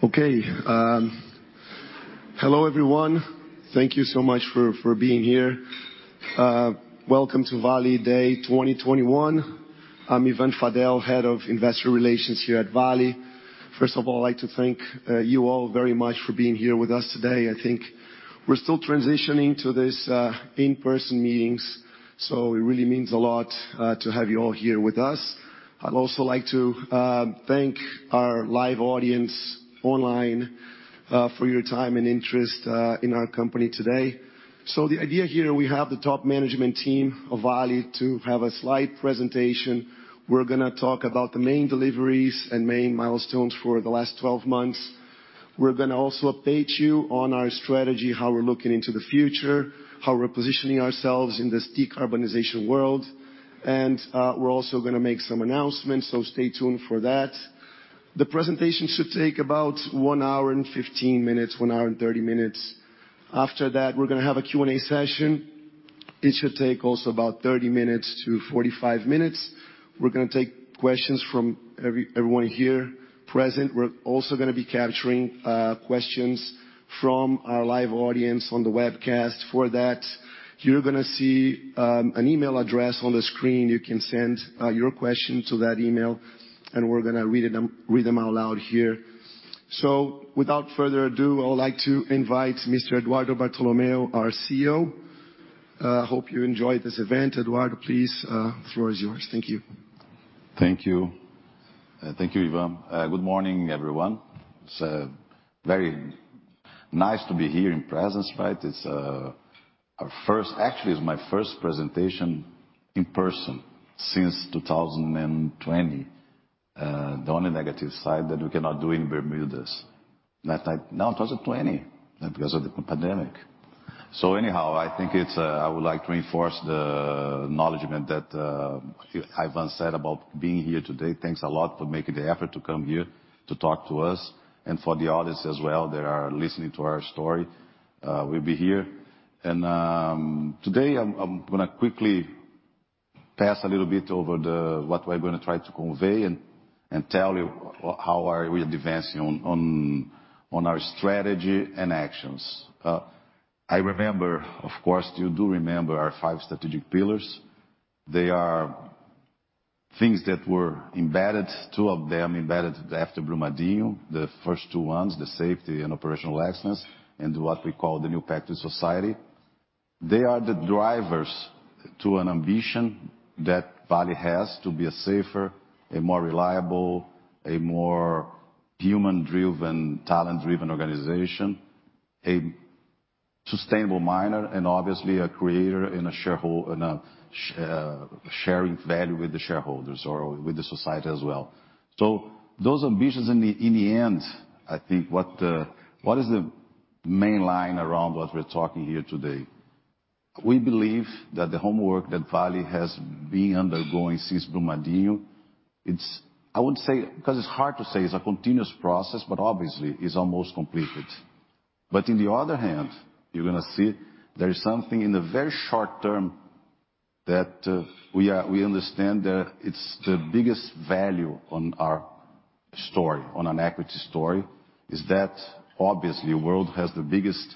Okay. Hello, everyone. Thank you so much for being here. Welcome to Vale Day 2021. I'm Ivan Fadel, Head of Investor Relations here at Vale. First of all, I'd like to thank you all very much for being here with us today. I think we're still transitioning to this in-person meetings, so it really means a lot to have you all here with us. I'd also like to thank our live audience online for your time and interest in our company today. The idea here, we have the top management team of Vale to have a slide presentation. We're gonna talk about the main deliveries and main milestones for the last 12 months. We're gonna also update you on our strategy, how we're looking into the future, how we're positioning ourselves in this decarbonization world, and we're also gonna make some announcements, so stay tuned for that. The presentation should take about 1 hour and 15 minutes, 1 hour and 30 minutes. After that, we're gonna have a Q&A session. It should take also about 30 minutes to 45 minutes. We're gonna take questions from everyone here present. We're also gonna be capturing questions from our live audience on the webcast. For that, you're gonna see an email address on the screen. You can send your question to that email, and we're gonna read them out loud here. Without further ado, I would like to invite Mr. Eduardo Bartolomeo, our CEO. Hope you enjoy this event. Eduardo, please, the floor is yours. Thank you. Thank you. Thank you, Ivan. Good morning, everyone. It's very nice to be here in person, right? Actually, it's my first presentation in person since 2020. The only negative side that we cannot do in Bermudas. That is now 2020 because of the pandemic. Anyhow, I think I would like to reinforce the acknowledgement that Ivan said about being here today. Thanks a lot for making the effort to come here to talk to us and for the audience as well that are listening to our story will be here. Today I'm gonna quickly pass a little bit over what we're gonna try to convey and tell you how we are advancing on our strategy and actions. I remember. Of course, you do remember our five strategic pillars. They are things that were embedded, two of them embedded after Brumadinho. The first two ones, the safety and operational excellence, and what we call the new pact to society. They are the drivers to an ambition that Vale has to be a safer, a more reliable, a more human-driven, talent-driven organization, a sustainable miner, and obviously a creator and a sharing value with the shareholders or with the society as well. Those ambitions in the, in the end, I think what is the main line around what we're talking here today. We believe that the homework that Vale has been undergoing since Brumadinho, it's I would say, because it's hard to say it's a continuous process, but obviously it's almost completed. In the other hand, you're gonna see there is something in the very short term that we understand that it's the biggest value on our story, on an equity story, is that obviously world has the biggest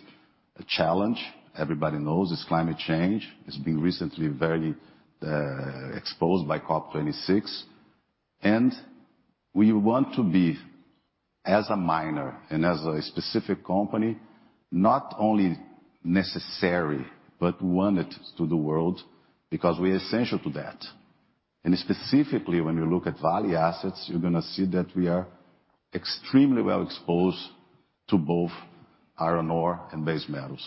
challenge. Everybody knows it's climate change. It's been recently very exposed by COP26. We want to be as a miner and as a specific company, not only necessary, but wanted to the world because we're essential to that. Specifically, when you look at Vale assets, you're gonna see that we are extremely well exposed to both iron ore and base metals.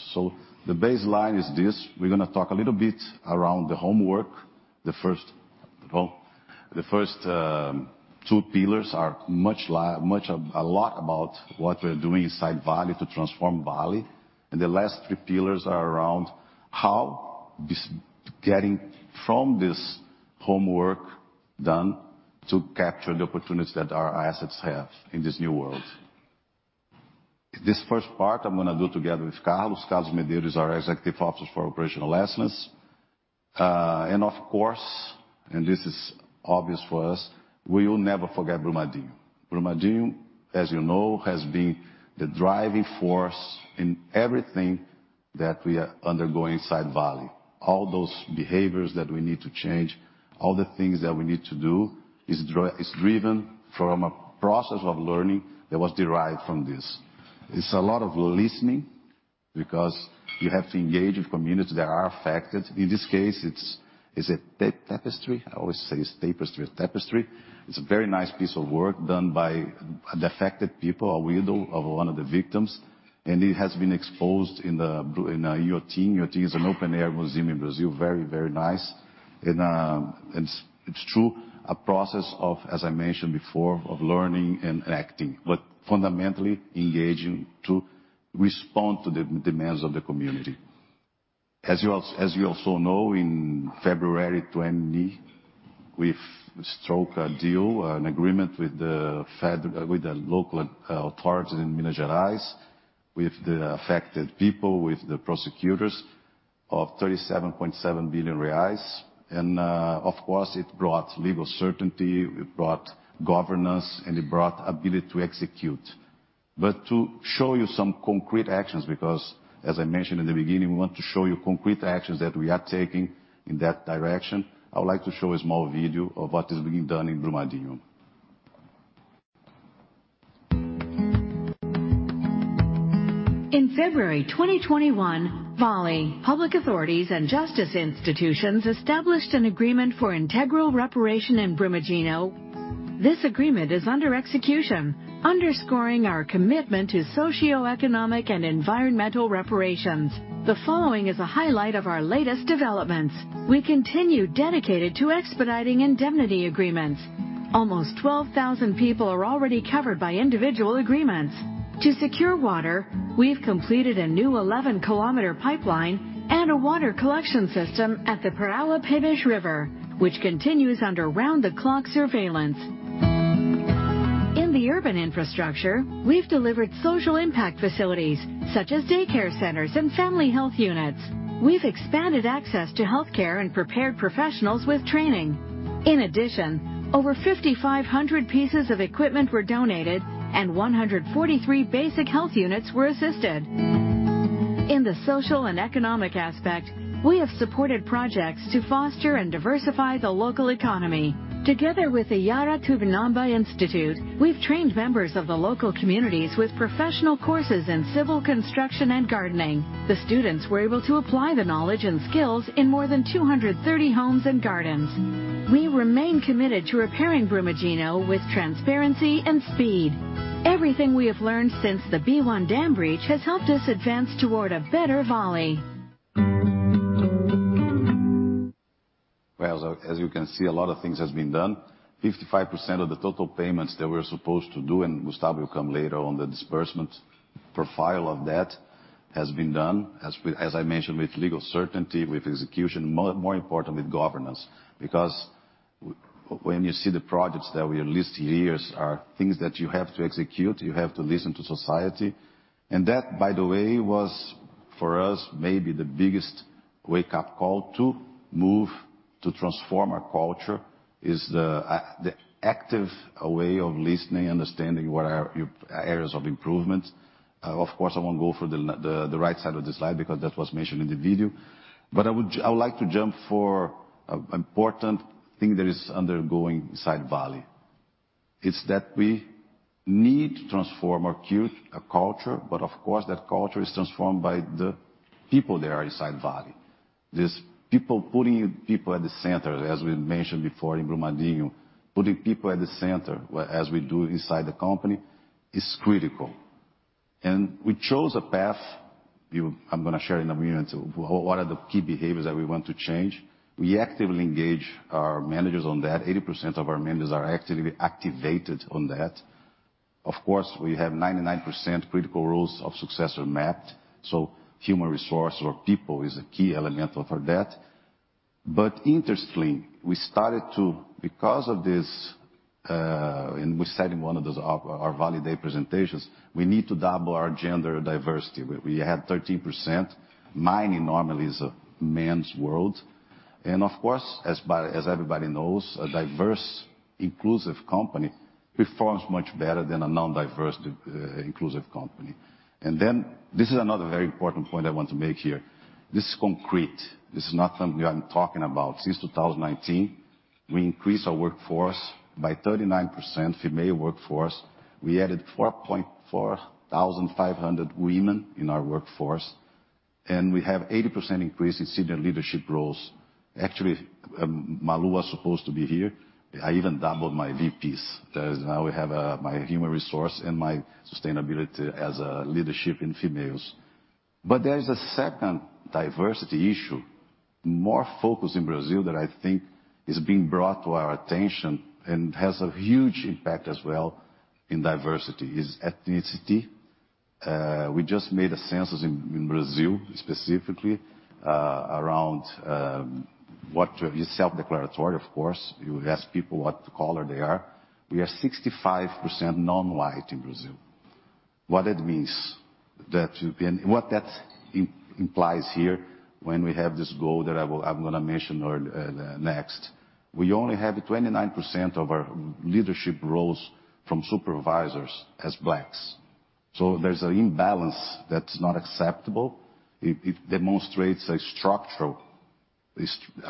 The baseline is this. We're gonna talk a little bit around the homework. The first two pillars are a lot about what we're doing inside Vale to transform Vale. The last three pillars are around how this getting from this homework done to capture the opportunities that our assets have in this new world. This first part I'm gonna do together with Carlos. Carlos Medeiros is our Executive Officer for Operational Excellence. Of course, and this is obvious for us, we will never forget Brumadinho. Brumadinho, as you know, has been the driving force in everything that we are undergoing inside Vale. All those behaviors that we need to change, all the things that we need to do is driven from a process of learning that was derived from this. It's a lot of listening because you have to engage with communities that are affected. In this case, it's a tapestry. I always say it's tapestry. It's tapestry. It's a very nice piece of work done by the affected people, a widow of one of the victims, and it has been exposed in Inhotim. Inhotim is an open-air museum in Brazil. Very, very nice. It's true, a process of, as I mentioned before, of learning and acting, but fundamentally engaging to respond to the demands of the community. As you also know, in February 2020, we've struck a deal, an agreement with the local authorities in Minas Gerais, with the affected people, with the prosecutors of 37.7 billion reais. Of course it brought legal certainty, it brought governance, and it brought ability to execute. To show you some concrete actions, because as I mentioned in the beginning, we want to show you concrete actions that we are taking in that direction. I would like to show a small video of what is being done in Brumadinho. In February 2021, Vale, public authorities, and justice institutions established an agreement for integral reparation in Brumadinho. This agreement is under execution, underscoring our commitment to socioeconomic and environmental reparations. The following is a highlight of our latest developments. We continue dedicated to expediting indemnity agreements. Almost 12,000 people are already covered by individual agreements. To secure water, we've completed a new 11 km pipeline and a water collection system at the Paraopeba River, which continues under round-the-clock surveillance. In the urban infrastructure, we've delivered social impact facilities, such as daycare centers and family health units. We've expanded access to healthcare and prepared professionals with training. In addition, over 5,500 pieces of equipment were donated, and 143 basic health units were assisted. In the social and economic aspect, we have supported projects to foster and diversify the local economy. Together with the Yara Tupinambá Institute, we've trained members of the local communities with professional courses in civil construction and gardening. The students were able to apply the knowledge and skills in more than 230 homes and gardens. We remain committed to repairing Brumadinho with transparency and speed. Everything we have learned since the B1 dam breach has helped us advance toward a better Vale. As you can see, a lot of things has been done. 55% of the total payments that we're supposed to do, and Gustavo will come later on the disbursement profile of that, has been done. As I mentioned, with legal certainty, with execution, more important, with governance. Because when you see the projects that we are listing here are things that you have to execute, you have to listen to society. That, by the way, was for us maybe the biggest wake-up call to move to transform our culture, is the active way of listening, understanding what are your areas of improvement. Of course, I won't go through the right side of the slide because that was mentioned in the video. I would like to jump to an important thing that is undergoing inside Vale. It's that we need to transform our culture, but of course, that culture is transformed by the people that are inside Vale. These people putting people at the center, as we mentioned before in Brumadinho, putting people at the center as we do inside the company, is critical. We chose a path. I'm gonna share in a minute what are the key behaviors that we want to change. We actively engage our managers on that. 80% of our managers are actively activated on that. Of course, we have 99% critical rules of success are mapped, so human resource or people is a key element for that. Interestingly, we started to, because of this, and we said in one of those our Vale Day presentations, we need to double our gender diversity. We had 13%. Mining normally is a man's world. Of course, as everybody knows, a diverse, inclusive company performs much better than a non-diverse, inclusive company. This is another very important point I want to make here. This is concrete. This is not something I'm talking about. Since 2019, we increased our workforce by 39% female workforce. We added 4,450 women in our workforce, and we have 80% increase in senior leadership roles. Actually, Malu was supposed to be here. I even doubled my VPs. We now have my human resource and my sustainability as leadership in females. There is a second diversity issue, more focused in Brazil that I think is being brought to our attention and has a huge impact as well in diversity, is ethnicity. We just made a census in Brazil specifically, around what is self-declaratory, of course. You ask people what color they are. We are 65% non-white in Brazil. What that implies here when we have this goal that I'm gonna mention next. We only have 29% of our leadership roles from supervisors as Blacks. There's an imbalance that's not acceptable. It demonstrates a structural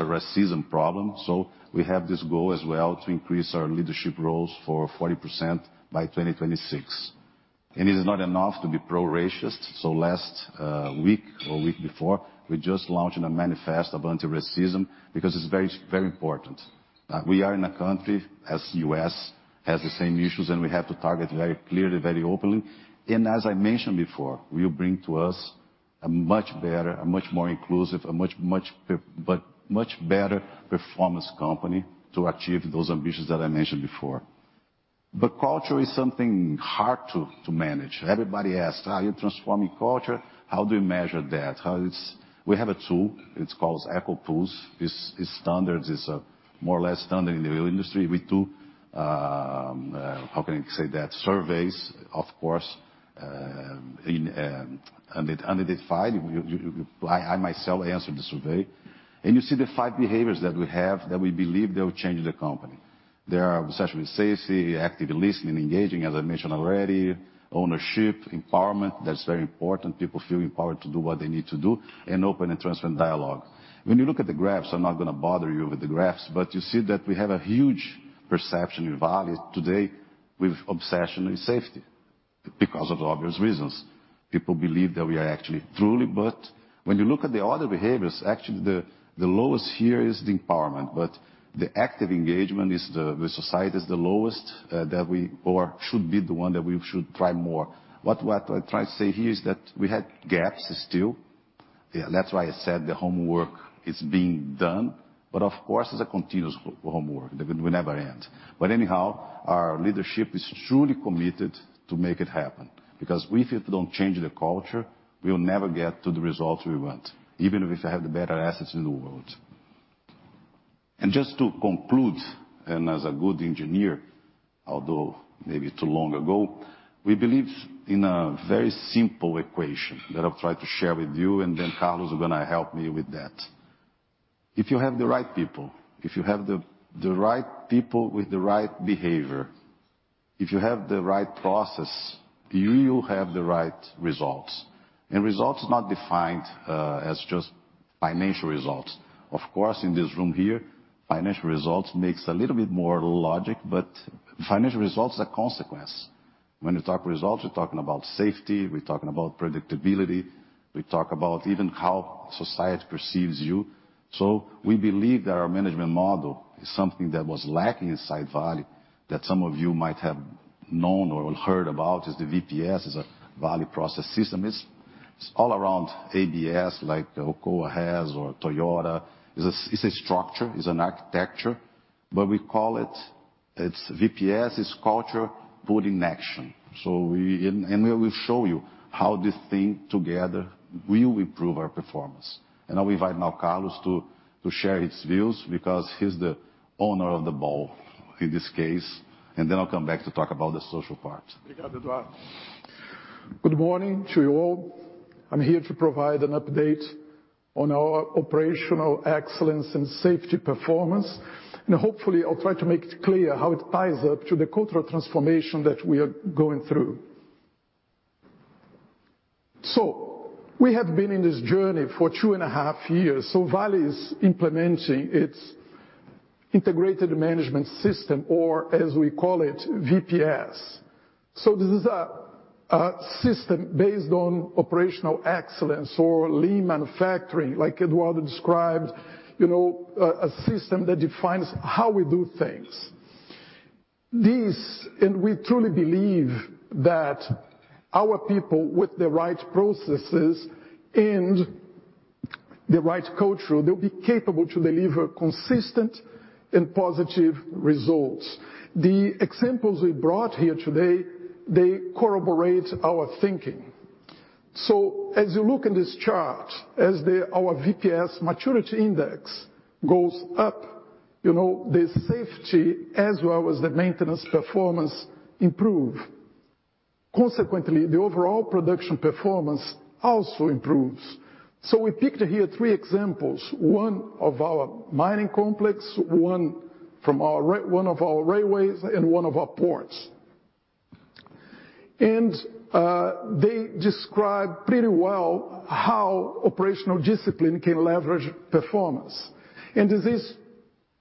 racism problem. We have this goal as well to increase our leadership roles for 40% by 2026. It is not enough to be not racist. Last week or week before, we just launched a manifesto of anti-racism because it's very, very important. We are in a country, as the U.S. has the same issues, and we have to target very clearly, very openly. As I mentioned before, will bring to us a much better, a much more inclusive, a much better performance company to achieve those ambitions that I mentioned before. Culture is something hard to manage. Everybody asks, "Are you transforming culture? How do you measure that? How it's." We have a tool, it's called EchoPulse. It's standards. It's a more or less standard in the oil industry. We do surveys, of course. Under the five, I myself answered the survey. You see the five behaviors that we have that we believe that will change the company. There are obsession with safety, active listening and engaging, as I mentioned already, ownership, empowerment. That's very important. People feel empowered to do what they need to do, and open and transparent dialogue. When you look at the graphs, I'm not gonna bother you with the graphs, but you see that we have a huge perception in Vale today with obsession with safety, because of the obvious reasons. People believe that we are actually truly. When you look at the other behaviors, actually, the lowest here is the empowerment. The active engagement with society is the lowest, or should be the one that we should try more. What I'm trying to say here is that we have gaps still. Yeah, that's why I said the homework is being done. Of course, it's a continuous homework. It will never end. Anyhow, our leadership is truly committed to make it happen, because if we don't change the culture, we will never get to the results we want, even if we have the better assets in the world. Just to conclude, and as a good engineer, although maybe too long ago, we believe in a very simple equation that I'll try to share with you, and then Carlos is gonna help me with that. If you have the right people, if you have the right people with the right behavior, if you have the right process, you will have the right results. Results is not defined as just financial results. Of course, in this room here, financial results makes a little bit more logic. Financial results is a consequence. When we talk results, we're talking about safety, we're talking about predictability, we talk about even how society perceives you. We believe that our management model is something that was lacking inside Vale, that some of you might have known or heard about is the VPS, is a Vale Production System. It's all around ABS, like Aloa has or Toyota. It's a structure, it's an architecture, but we call it VPS. It's culture put in action. We will show you how this thing together will improve our performance. I'll invite now Carlos to share his views because he's the owner of the ball in this case, and then I'll come back to talk about the social part. Good morning to you all. I'm here to provide an update on our operational excellence and safety performance. Hopefully, I'll try to make it clear how it ties up to the cultural transformation that we are going through. We have been in this journey for 2.5 years. Vale is implementing its integrated management system, or as we call it, VPS. This is a system based on operational excellence or lean manufacturing, like Eduardo described. You know, a system that defines how we do things. We truly believe that our people, with the right processes and the right culture, they'll be capable to deliver consistent and positive results. The examples we brought here today, they corroborate our thinking. As you look in this chart, our VPS maturity index goes up, you know, the safety as well as the maintenance performance improve. Consequently, the overall production performance also improves. We picked here three examples. One of our mining complex, one from our railways, and one of our ports. They describe pretty well how operational discipline can leverage performance. This is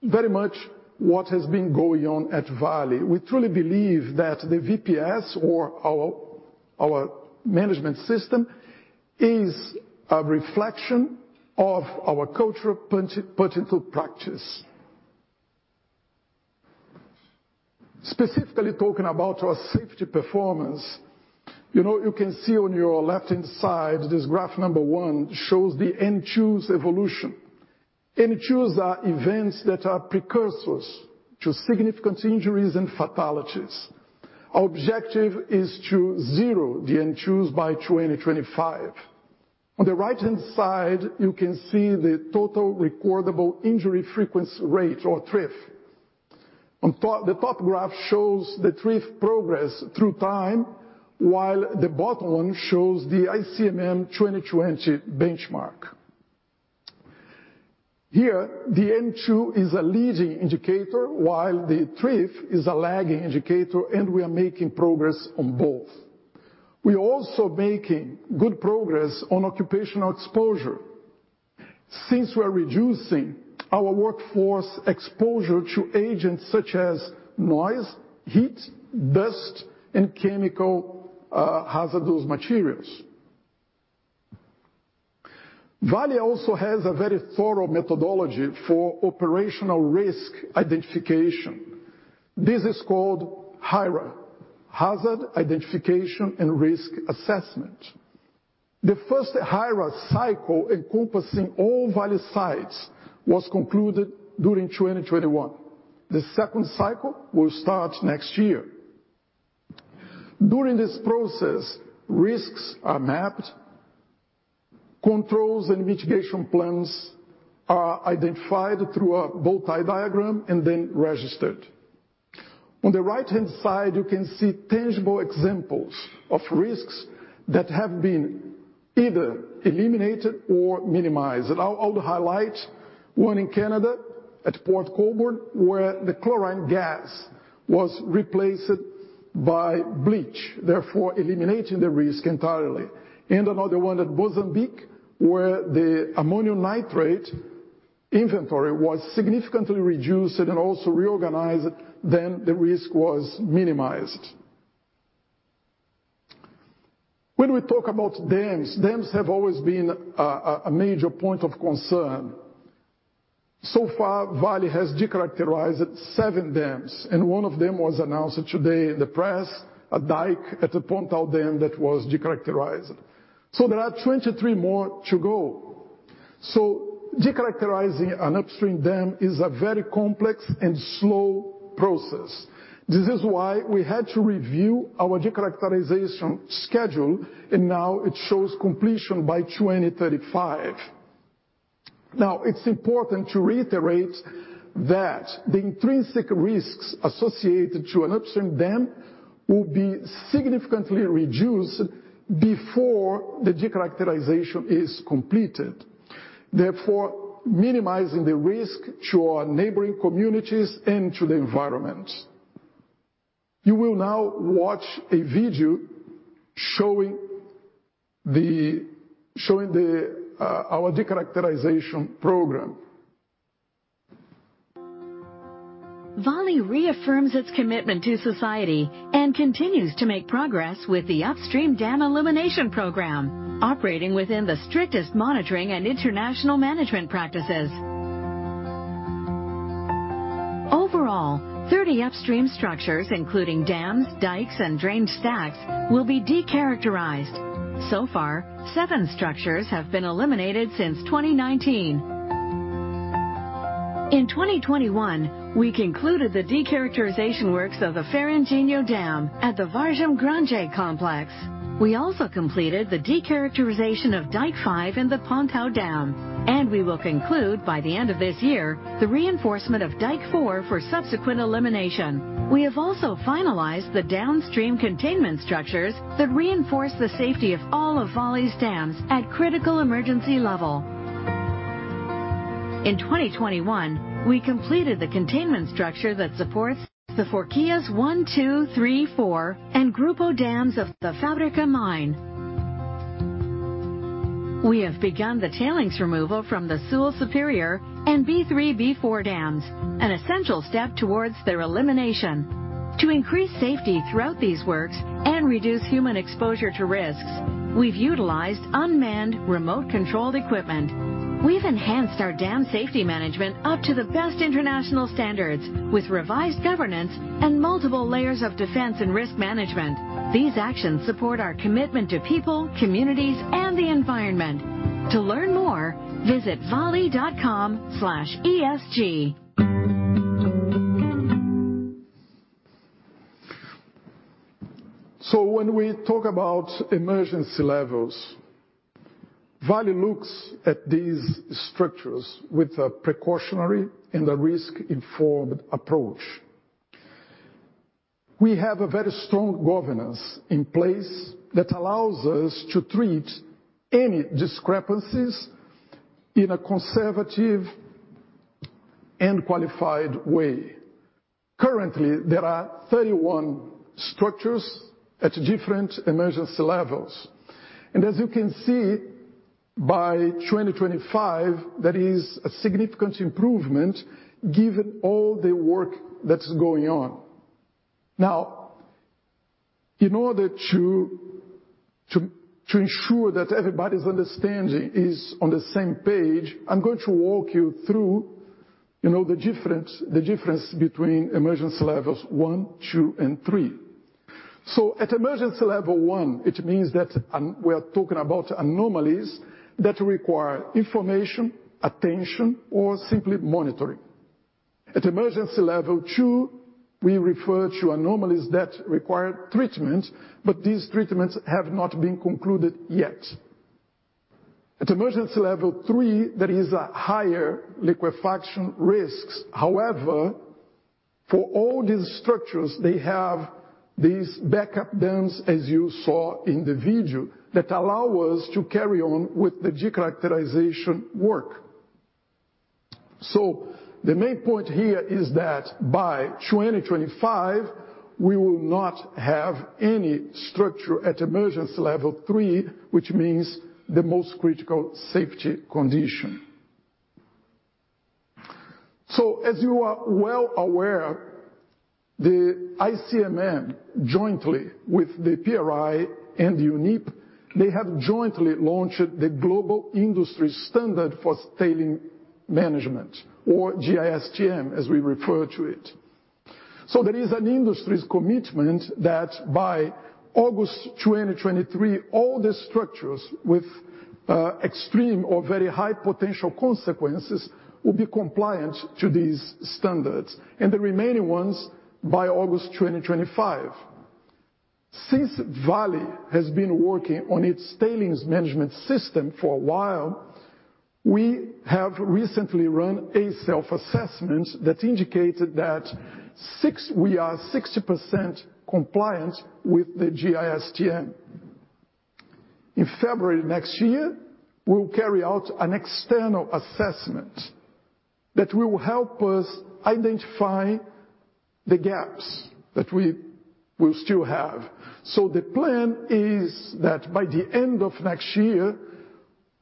very much what has been going on at Vale. We truly believe that the VPS or our management system is a reflection of our culture put into practice. Specifically talking about our safety performance, you know, you can see on your left-hand side, this graph number one shows the N2s evolution. N2s are events that are precursors to significant injuries and fatalities. Our objective is to zero the N2s by 2025. On the right-hand side, you can see the total recordable injury frequency rate or TRIF. The top graph shows the TRIF progress through time, while the bottom one shows the ICMM 2020 benchmark. Here, the N2 is a leading indicator, while the TRIF is a lagging indicator, and we are making progress on both. We're also making good progress on occupational exposure. Since we're reducing our workforce exposure to agents such as noise, heat, dust, and chemical, hazardous materials. Vale also has a very thorough methodology for operational risk identification. This is called HIRA, Hazard Identification and Risk Assessment. The first HIRA cycle encompassing all Vale sites was concluded during 2021. The second cycle will start next year. During this process, risks are mapped. Controls and mitigation plans are identified through a bow-tie diagram and then registered. On the right-hand side, you can see tangible examples of risks that have been either eliminated or minimized. I'll highlight one in Canada at Port Colborne, where the chlorine gas was replaced by bleach, therefore eliminating the risk entirely. Another one at Mozambique, where the ammonium nitrate inventory was significantly reduced and then also reorganized, then the risk was minimized. When we talk about dams have always been a major point of concern. So far, Vale has decharacterized seven dams, and one of them was announced today in the press, a dike at the Pontão Dam that was decharacterized. There are 23 more to go. Decharacterizing an upstream dam is a very complex and slow process. This is why we had to review our decharacterization schedule, and now it shows completion by 2035. It's important to reiterate that the intrinsic risks associated to an upstream dam will be significantly reduced before the decharacterization is completed, therefore minimizing the risk to our neighboring communities and to the environment. You will now watch a video showing our Decharacterization Program. Vale reaffirms its commitment to society and continues to make progress with the Upstream Dam Decharacterization Program, operating within the strictest monitoring and international management practices. Overall, 30 upstream structures, including dams, dikes, and drain stacks, will be decharacterized. Seven structures have been eliminated since 2019. In 2021, we concluded the decharacterization works of the Fernandinho Dam at the Vargem Grande Complex. We also completed the decharacterization of Dike 5 in the Pontão Dam, and we will conclude by the end of this year the reinforcement of Dike 4 for subsequent elimination. We have also finalized the downstream containment structures that reinforce the safety of all of Vale's dams at critical emergency level. In 2021, we completed the containment structure that supports the Forquilhas 1, 2, 3, 4 and Grupo dams of the Fábrica mine. We have begun the tailings removal from the Sul Superior and B3, B4 dams, an essential step towards their elimination. To increase safety throughout these works and reduce human exposure to risks, we've utilized unmanned remote controlled equipment. We've enhanced our dam safety management up to the best international standards with revised governance and multiple layers of defense and risk management. These actions support our commitment to people, communities, and the environment. To learn more, visit vale.com/esg. When we talk about emergency levels, Vale looks at these structures with a precautionary and a risk-informed approach. We have a very strong governance in place that allows us to treat any discrepancies in a conservative and qualified way. Currently, there are 31 structures at different emergency levels. As you can see, by 2025, that is a significant improvement given all the work that's going on. Now, in order to ensure that everybody's understanding is on the same page, I'm going to walk you through, you know, the difference between emergency levels 1, 2, and 3. At emergency level 1, it means that we are talking about anomalies that require information, attention, or simply monitoring. At emergency level 2, we refer to anomalies that require treatment, but these treatments have not been concluded yet. At emergency level 3, there is a higher liquefaction risks. However, for all these structures, they have these backup dams, as you saw in the video, that allow us to carry on with the decharacterization work. The main point here is that by 2025, we will not have any structure at emergency level 3, which means the most critical safety condition. As you are well aware, the ICMM jointly with the PRI and the UNEP, they have jointly launched the Global Industry Standard on Tailings Management or GISTM, as we refer to it. There is an industry's commitment that by August 2023, all the structures with extreme or very high potential consequences will be compliant to these standards and the remaining ones by August 2025. Since Vale has been working on its tailings management system for a while, we have recently run a self-assessment that indicated that we are 60% compliant with the GISTM. In February next year, we'll carry out an external assessment that will help us identify the gaps that we will still have. The plan is that by the end of next year,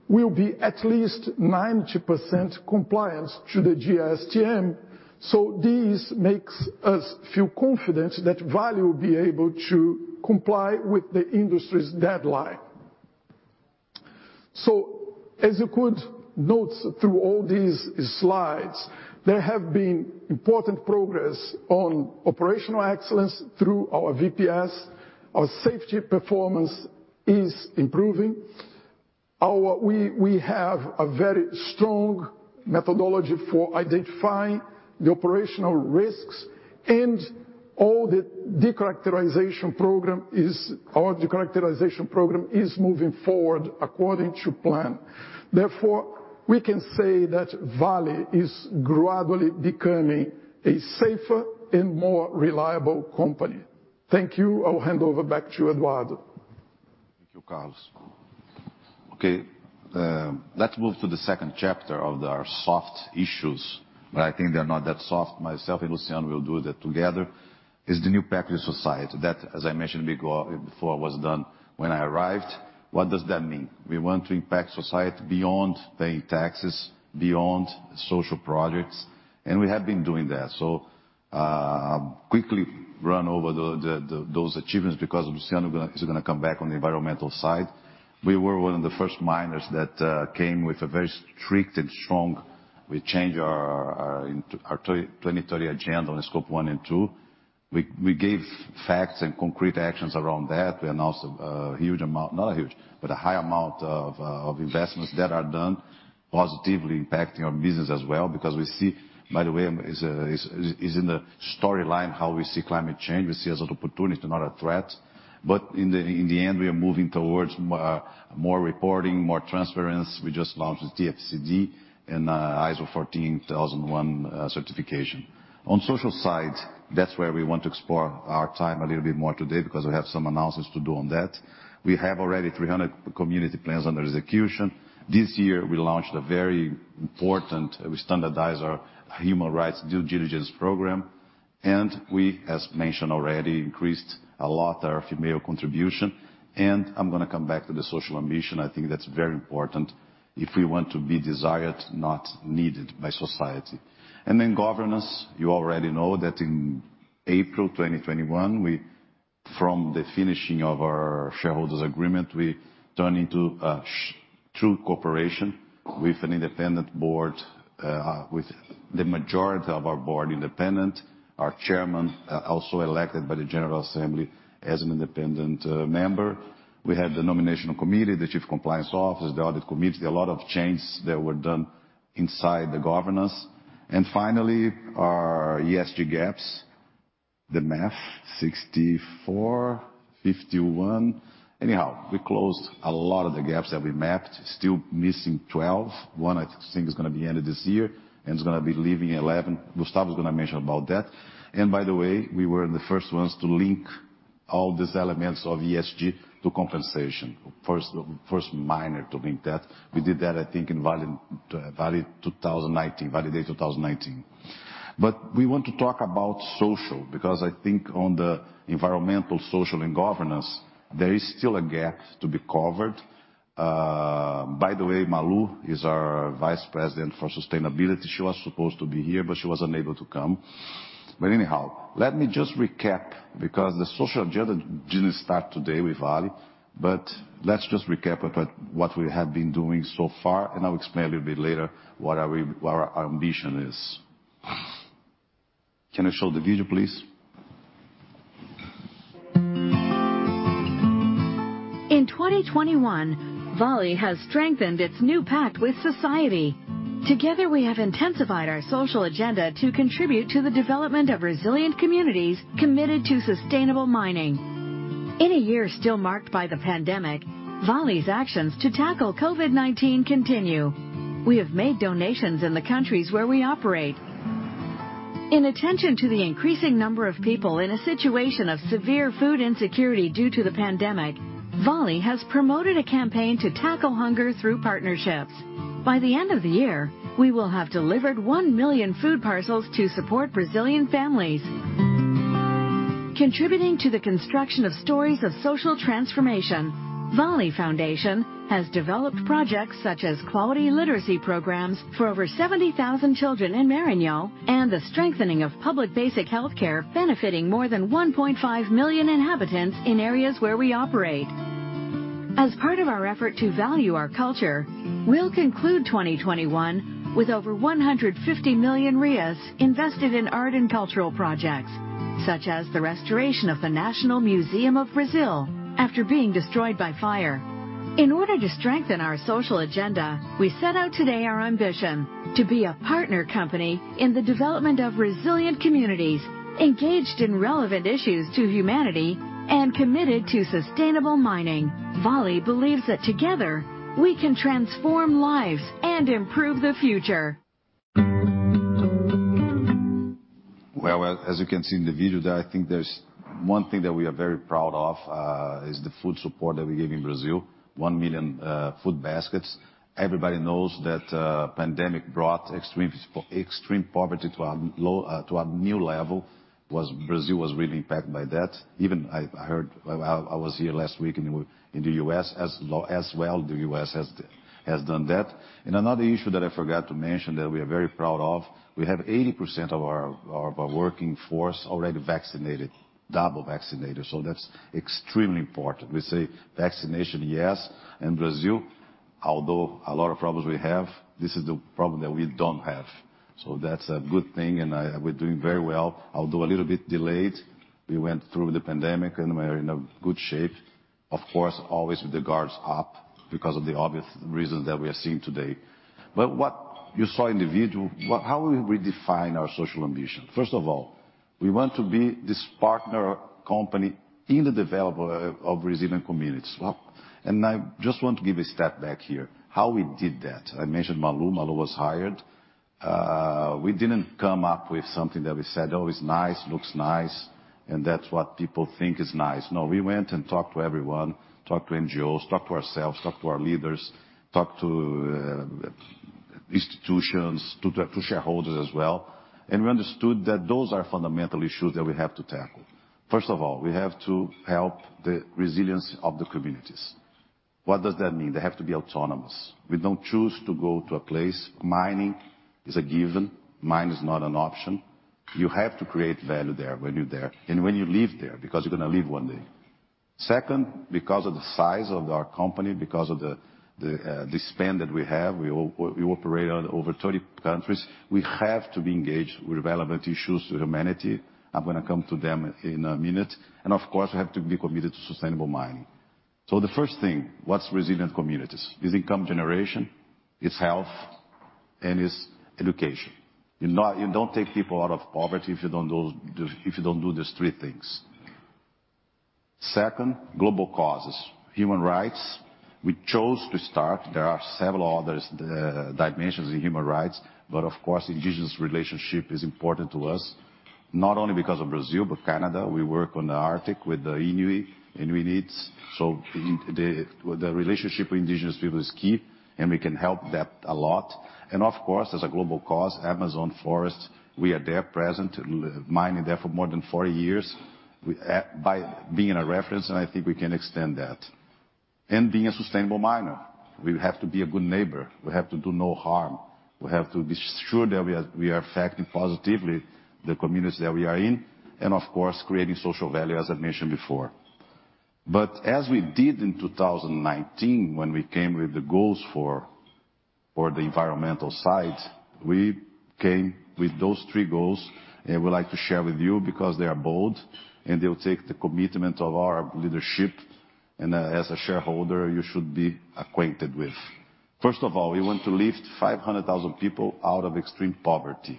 we'll be at least 90% compliant to the GISTM. This makes us feel confident that Vale will be able to comply with the industry's deadline. As you could note through all these slides, there have been important progress on operational excellence through our VPS. Our safety performance is improving. We have a very strong methodology for identifying the operational risks and our decharacterization program is moving forward according to plan. Therefore, we can say that Vale is gradually becoming a safer and more reliable company. Thank you. I'll hand over back to you, Eduardo. Thank you, Carlos. Okay, let's move to the second chapter of our soft issues, but I think they're not that soft. Myself and Luciano will do that together. It's the new pact with society that, as I mentioned before, was done when I arrived. What does that mean? We want to impact society beyond paying taxes, beyond social projects, and we have been doing that. I'll quickly run over those achievements because Luciano's gonna come back on the environmental side. We were one of the first miners that came with a very strict and strong. We changed our 2030 agenda on Scope 1 and Scope 2. We gave facts and concrete actions around that. We announced a high amount of investments that are done positively impacting our business as well. We see, by the way, it is in the storyline how we see climate change. We see it as an opportunity, not a threat. In the end, we are moving towards more reporting, more transparency. We just launched the TCFD and ISO 14001 certification. On the social side, that is where we want to spend a little bit more time today because we have some announcements to do on that. We have already 300 community plans under execution. This year we launched a very important human rights due diligence program. We standardized our human rights due diligence program, and we, as mentioned already, increased a lot our female contribution. I'm gonna come back to the social ambition. I think that's very important if we want to be desired, not needed by society. Then governance. You already know that in April 2021, from the finishing of our shareholders' agreement, we turn into a true corporation with an independent board, with the majority of our board independent. Our chairman also elected by the General Assembly as an independent member. We have the Nomination Committee, the Chief Compliance Officer, the Audit Committee. There are a lot of changes that were done inside the governance. Finally, our ESG gaps. The math 64, 51. Anyhow, we closed a lot of the gaps that we mapped. Still missing 12. One I think is gonna be end of this year, and it's gonna be leaving 11. Gustavo is gonna mention about that. By the way, we were the first ones to link all these elements of ESG to compensation. First miner to link that. We did that, I think, in Vale Day 2019. We want to talk about social because I think on the environmental, social and governance, there is still a gap to be covered. By the way, Malu is our Vice President for sustainability. She was supposed to be here, but she was unable to come. Anyhow, let me just recap because the social agenda didn't start today with Vale. Let's just recap about what we have been doing so far, and I'll explain a little bit later what our ambition is. Can I show the video, please? In 2021, Vale has strengthened its new pact with society. Together, we have intensified our social agenda to contribute to the development of resilient communities committed to sustainable mining. In a year still marked by the pandemic, Vale's actions to tackle COVID-19 continue. We have made donations in the countries where we operate. In attention to the increasing number of people in a situation of severe food insecurity due to the pandemic, Vale has promoted a campaign to tackle hunger through partnerships. By the end of the year, we will have delivered 1 million food parcels to support Brazilian families. Contributing to the construction of stories of social transformation, Vale Foundation has developed projects such as quality literacy programs for over 70,000 children in Maranhão, and the strengthening of public basic healthcare benefiting more than 1.5 million inhabitants in areas where we operate. As part of our effort to value our culture, we'll conclude 2021, with over 150 million invested in art and cultural projects, such as the restoration of the National Museum of Brazil after being destroyed by fire. In order to strengthen our social agenda, we set out today our ambition to be a partner company in the development of resilient communities, engaged in relevant issues to humanity, and committed to sustainable mining. Vale believes that together we can transform lives and improve the future. Well, as you can see in the video there, I think there's one thing that we are very proud of is the food support that we gave in Brazil, 1 million food baskets. Everybody knows that pandemic brought extreme poverty to a new level. Brazil was really impacted by that. Even I've heard I was here last week in the U.S. as well, the U.S. has done that. Another issue that I forgot to mention that we are very proud of, we have 80% of our working force already vaccinated, double vaccinated, so that's extremely important. We say vaccination, yes, in Brazil, although a lot of problems we have, this is the problem that we don't have. That's a good thing, and we're doing very well. Although a little bit delayed, we went through the pandemic, and we're in a good shape. Of course, always with the guards up because of the obvious reasons that we are seeing today. What you saw in the video, how we redefine our social ambition? First of all, we want to be this partner company in the develop of resilient communities. Well, I just want to give a step back here how we did that. I mentioned Malu. Malu was hired. We didn't come up with something that we said, "Oh, it's nice, looks nice, and that's what people think is nice." No, we went and talked to everyone, talked to NGOs, talked to ourselves, talked to our leaders, talked to institutions, to shareholders as well, and we understood that those are fundamental issues that we have to tackle. First of all, we have to help the resilience of the communities. What does that mean? They have to be autonomous. We don't choose to go to a place. Mining is a given. Mining is not an option. You have to create value there when you're there, and when you leave there, because you're gonna leave one day. Second, because of the size of our company, because of the span that we have, we operate in over 30 countries, we have to be engaged with relevant issues to humanity. I'm gonna come to them in a minute. Of course, we have to be committed to sustainable mining. The first thing, what's resilient communities? It's income generation, it's health, and it's education. You don't take people out of poverty if you don't do these three things. Second, global causes. Human rights, we chose to start. There are several others, dimensions in human rights, but of course, indigenous relationship is important to us, not only because of Brazil, but Canada. We work on the Arctic with the Inuit needs. The relationship with indigenous people is key, and we can help that a lot. Of course, as a global cause, Amazon forest, we are there present, mining there for more than four years. We, by being a reference, and I think we can extend that. Being a sustainable miner, we have to be a good neighbor. We have to do no harm. We have to be sure that we are affecting positively the communities that we are in, and of course, creating social value, as I mentioned before. As we did in 2019 when we came with the goals for the environmental side, we came with those three goals, and we'd like to share with you because they are bold, and they'll take the commitment of our leadership, and as a shareholder, you should be acquainted with. First of all, we want to lift 500,000 people out of extreme poverty.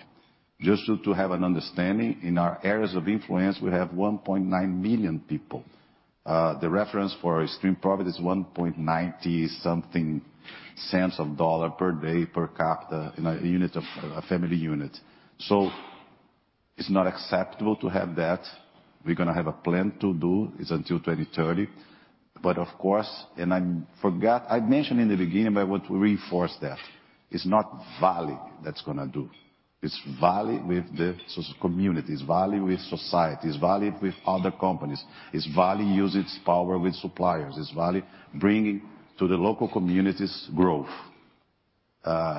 Just to have an understanding, in our areas of influence, we have 1.9 million people. The reference for extreme poverty is $1.90 something cents per day per capita in a unit of a family unit. So it's not acceptable to have that. We're gonna have a plan to do. It's until 2030. Of course, and I forgot I mentioned in the beginning, but I want to reinforce that. It's not Vale that's gonna do. It's Vale with the communities, Vale with societies, Vale with other companies. It's Vale use its power with suppliers. It's Vale bringing to the local communities growth.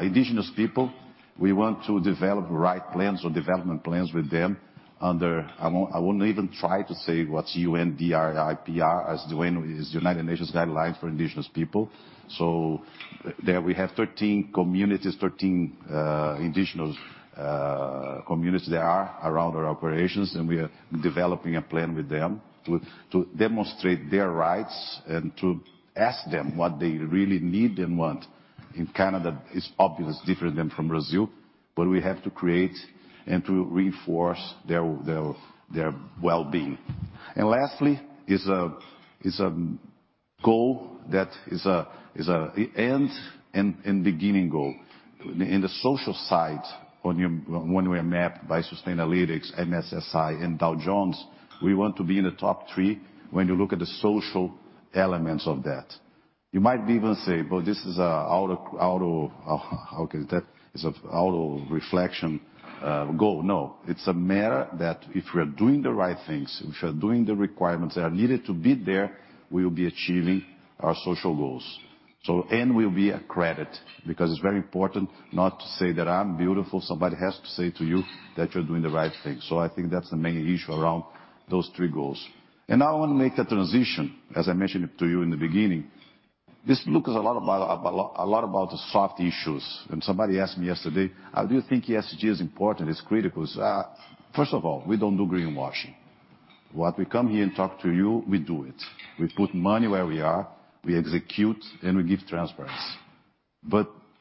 Indigenous people, we want to develop right plans or development plans with them under UNDRIP, which is United Nations Declaration on the Rights of Indigenous Peoples. There we have 13 communities, 13 indigenous communities there are around our operations, and we are developing a plan with them to demonstrate their rights and to ask them what they really need and want. In Canada, it's obvious it's different than from Brazil, but we have to create and to reinforce their well-being. Lastly is a goal that is an end and beginning goal. On the social side, when we are mapped by Sustainalytics, MSSI, and Dow Jones, we want to be in the top three when you look at the social elements of that. You might even say, "Well, this is an auto..." How can you say that? "It's an auto-reflection goal." No, it's a matter that if we're doing the right things, if we're doing the requirements that are needed to be there, we will be achieving our social goals. We'll be accredited because it's very important not to say that I'm beautiful. Somebody has to say to you that you're doing the right thing. I think that's the main issue around those three goals. Now I wanna make a transition, as I mentioned it to you in the beginning. This looks a lot about the soft issues. Somebody asked me yesterday, "Do you think ESG is important? It's critical." First of all, we don't do greenwashing. What we come here and talk to you, we do it. We put money where we are, we execute, and we give transparency.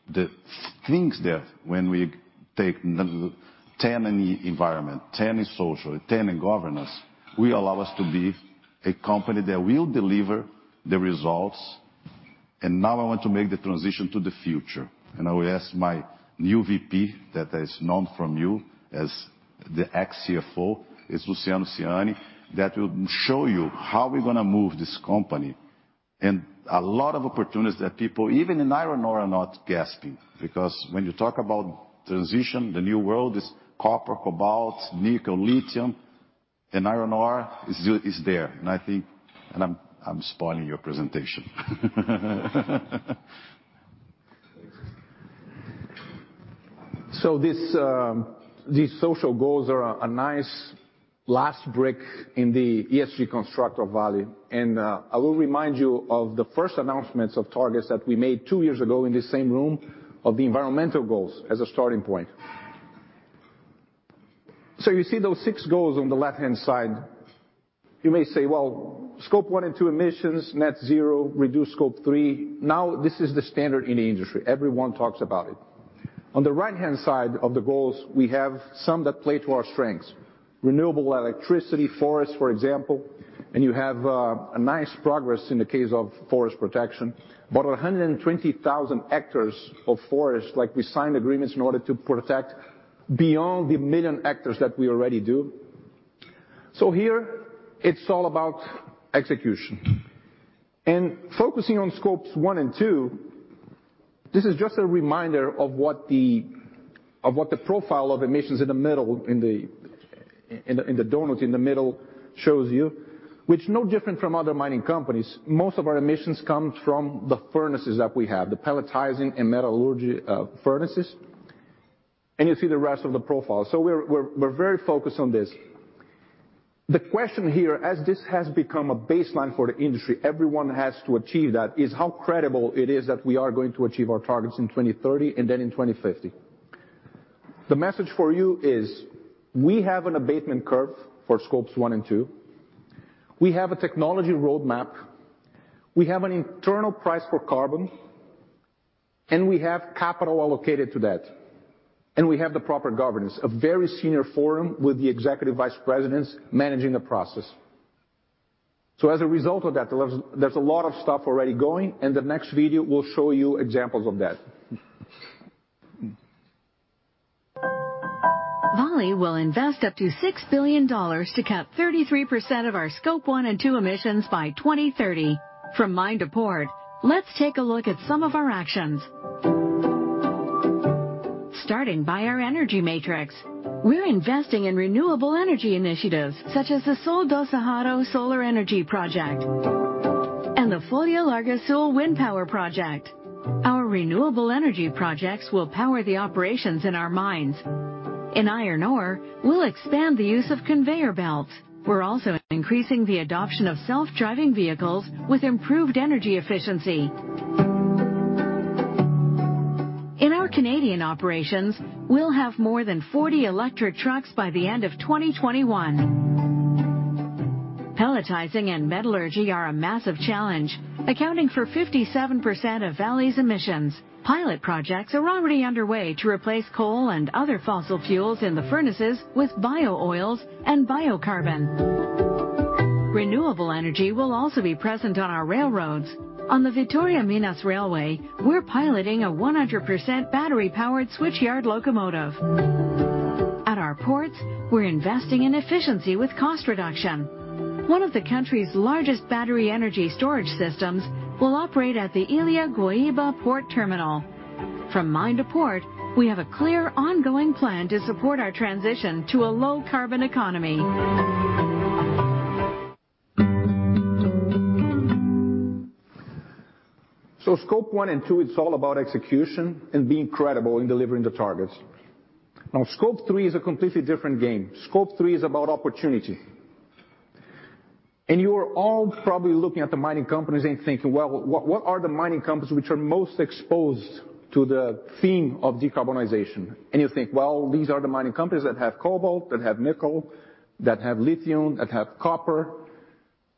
The things that when we take 10 in environment, ten in social, 10 in governance, will allow us to be a company that will deliver the results. Now I want to make the transition to the future, and I will ask my new VP that is known from you as the ex-CFO, it's Luciano Siani, that will show you how we're gonna move this company. A lot of opportunities that people even in iron ore are not grasping because when you talk about transition, the new world is copper, cobalt, nickel, lithium and iron ore is there. I'm spoiling your presentation. These social goals are a nice last brick in the ESG construct of Vale. I will remind you of the first announcements of targets that we made two years ago in this same room of the environmental goals as a starting point. You see those six goals on the left-hand side. You may say, well, Scope 1 and 2 emissions, net zero, reduce Scope 3. This is the standard in the industry. Everyone talks about it. On the right-hand side of the goals, we have some that play to our strengths. Renewable electricity, forests, for example. You have a nice progress in the case of forest protection. About 120,000 hectares of forest, like we signed agreements in order to protect beyond the 1 million hectares that we already do. Here it's all about execution. Focusing on Scope 1 and 2, this is just a reminder of what the profile of emissions in the middle, in the donut in the middle, shows you, which is no different from other mining companies. Most of our emissions come from the furnaces that we have, the pelletizing and metallurgy furnaces. You see the rest of the profile. We're very focused on this. The question here, as this has become a baseline for the industry, everyone has to achieve that is how credible it is that we are going to achieve our targets in 2030 and then in 2050. The message for you is we have an abatement curve for Scope 1 and 2. We have a technology roadmap. We have an internal price for carbon, and we have capital allocated to that. We have the proper governance, a very senior forum with the Executive Vice Presidents managing the process. As a result of that, there's a lot of stuff already going and the next video will show you examples of that. Vale will invest up to $6 billion to cut 33% of our Scope 1 and 2 emissions by 2030. From mine to port, let's take a look at some of our actions. Starting by our energy matrix. We're investing in renewable energy initiatives such as the Sol do Cerrado solar energy project and the Folha Larga Sul wind power project. Our renewable energy projects will power the operations in our mines. In iron ore, we'll expand the use of conveyor belts. We're also increasing the adoption of self-driving vehicles with improved energy efficiency. In our Canadian operations, we'll have more than 40 electric trucks by the end of 2021. Pelletizing and metallurgy are a massive challenge, accounting for 57% of Vale's emissions. Pilot projects are already underway to replace coal and other fossil fuels in the furnaces with bio-oils and biocarbon. Renewable energy will also be present on our railroads. On the Vitória Minas railway, we're piloting a 100% battery-powered switch yard locomotive. At our ports, we're investing in efficiency with cost reduction. One of the country's largest battery energy storage systems will operate at the Ilha Guaíba port terminal. From mine to port, we have a clear ongoing plan to support our transition to a low carbon economy. Scope 1 and 2, it's all about execution and being credible in delivering the targets. Now Scope 3 is a completely different game. Scope 3 is about opportunity. You are all probably looking at the mining companies and thinking, well, what are the mining companies which are most exposed to the theme of decarbonization? You think, well, these are the mining companies that have cobalt, that have nickel, that have lithium, that have copper.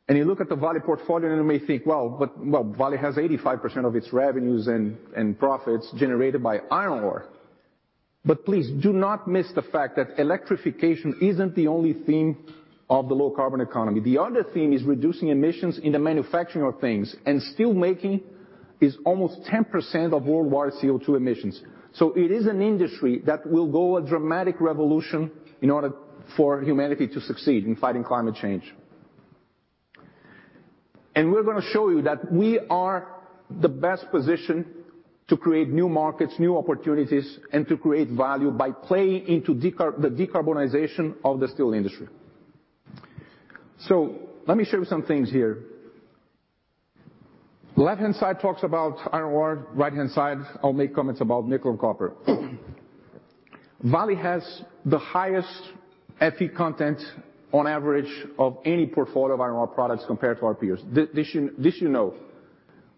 You look at the Vale portfolio, and you may think, well, Vale has 85% of its revenues and profits generated by iron ore. Please do not miss the fact that electrification isn't the only theme of the low carbon economy. The other theme is reducing emissions in the manufacturing of things. Steel making is almost 10% of worldwide CO₂ emissions. It is an industry that will go through a dramatic revolution in order for humanity to succeed in fighting climate change. We're gonna show you that we are the best positioned to create new markets, new opportunities, and to create value by playing into the decarbonization of the steel industry. Let me show you some things here. Left-hand side talks about iron ore. Right-hand side, I'll make comments about nickel and copper. Vale has the highest Fe content on average of any portfolio of iron ore products compared to our peers. This, you know.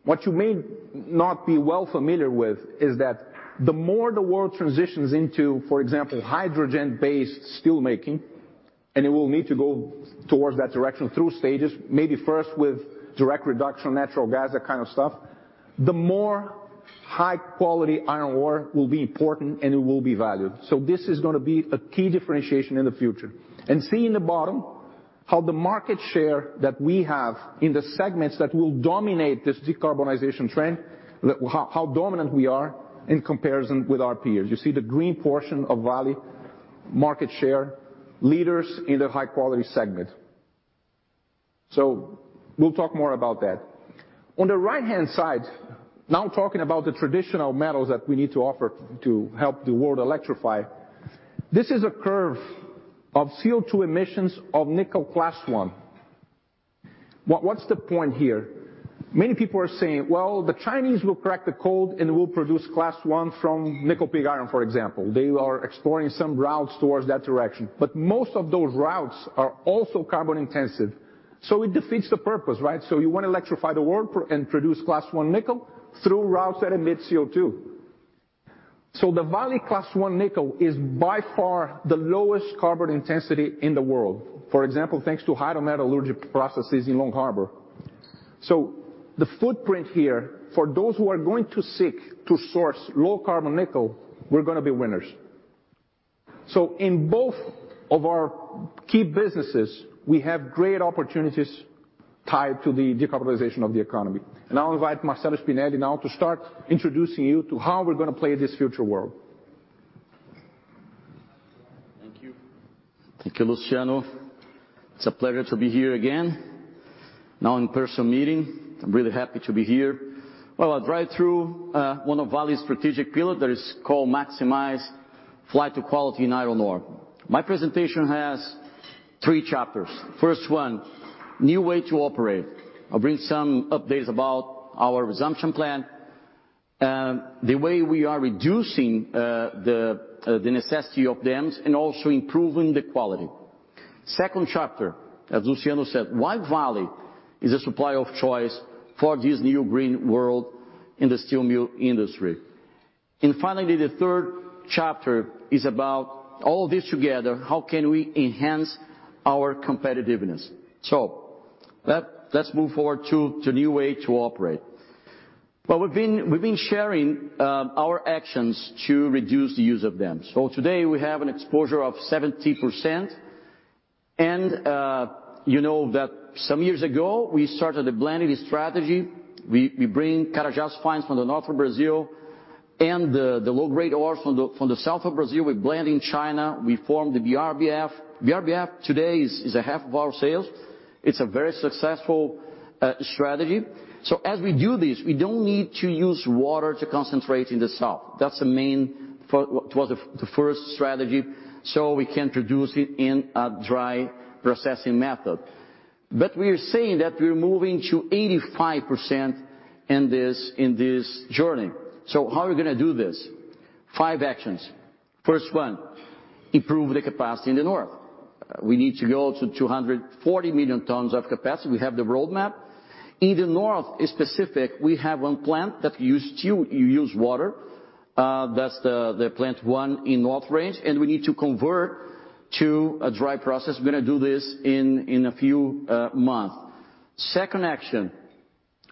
What you may not be well familiar with is that the more the world transitions into, for example, hydrogen-based steelmaking, and it will need to go towards that direction through stages, maybe first with direct reduction, natural gas, that kind of stuff, the more high quality iron ore will be important and it will be valued. This is gonna be a key differentiation in the future. See in the bottom how the market share that we have in the segments that will dominate this decarbonization trend, how dominant we are in comparison with our peers. You see the green portion of Vale market share, leaders in the high quality segment. We'll talk more about that. On the right-hand side, now talking about the traditional metals that we need to offer to help the world electrify, this is a curve of CO₂ emissions of Class 1 nickel. What's the point here? Many people are saying, "Well, the Chinese will crack the code and will produce Class 1 from nickel pig iron, for example." They are exploring some routes towards that direction. Most of those routes are also carbon intensive, so it defeats the purpose, right? You wanna electrify the world and produce Class 1 nickel through routes that emit CO₂. The Vale Class 1 nickel is by far the lowest carbon intensity in the world. For example, thanks to hydrometallurgy processes in Long Harbour. The footprint here for those who are going to seek to source low-carbon nickel, we're gonna be winners. In both of our key businesses, we have great opportunities tied to the decarbonization of the economy. I'll invite Marcello Spinelli now to start introducing you to how we're gonna play this future world. Thank you. Thank you, Luciano. It's a pleasure to be here again, now in person meeting. I'm really happy to be here. Well, I'll drive through one of Vale's strategic pillar that is called maximize flight to quality in iron ore. My presentation has three chapters. First one, new way to operate. I'll bring some updates about our resumption plan, the way we are reducing the necessity of dams, and also improving the quality. Second chapter, as Luciano said, why Vale is a supplier of choice for this new green world in the steel mill industry. Finally, the third chapter is about all this together, how can we enhance our competitiveness? Let's move forward to new way to operate. Well, we've been sharing our actions to reduce the use of dams. Today we have an exposure of 70% and, you know that some years ago we started a blending strategy. We bring Carajás fines from the north of Brazil and the low grade ores from the south of Brazil. We blend in China. We form the BRBF. BRBF today is a half of our sales. It's a very successful strategy. As we do this, we don't need to use water to concentrate in the south. That was the first strategy. We can produce it in a dry processing method. We are saying that we are moving to 85% in this journey. How are we gonna do this? Five actions. First one, improve the capacity in the north. We need to go to 240 million tons of capacity. We have the roadmap. In the north, it's specific. We have one plant that use water. That's the plant one in North Range, and we need to convert to a dry process. We're gonna do this in a few month. Second action,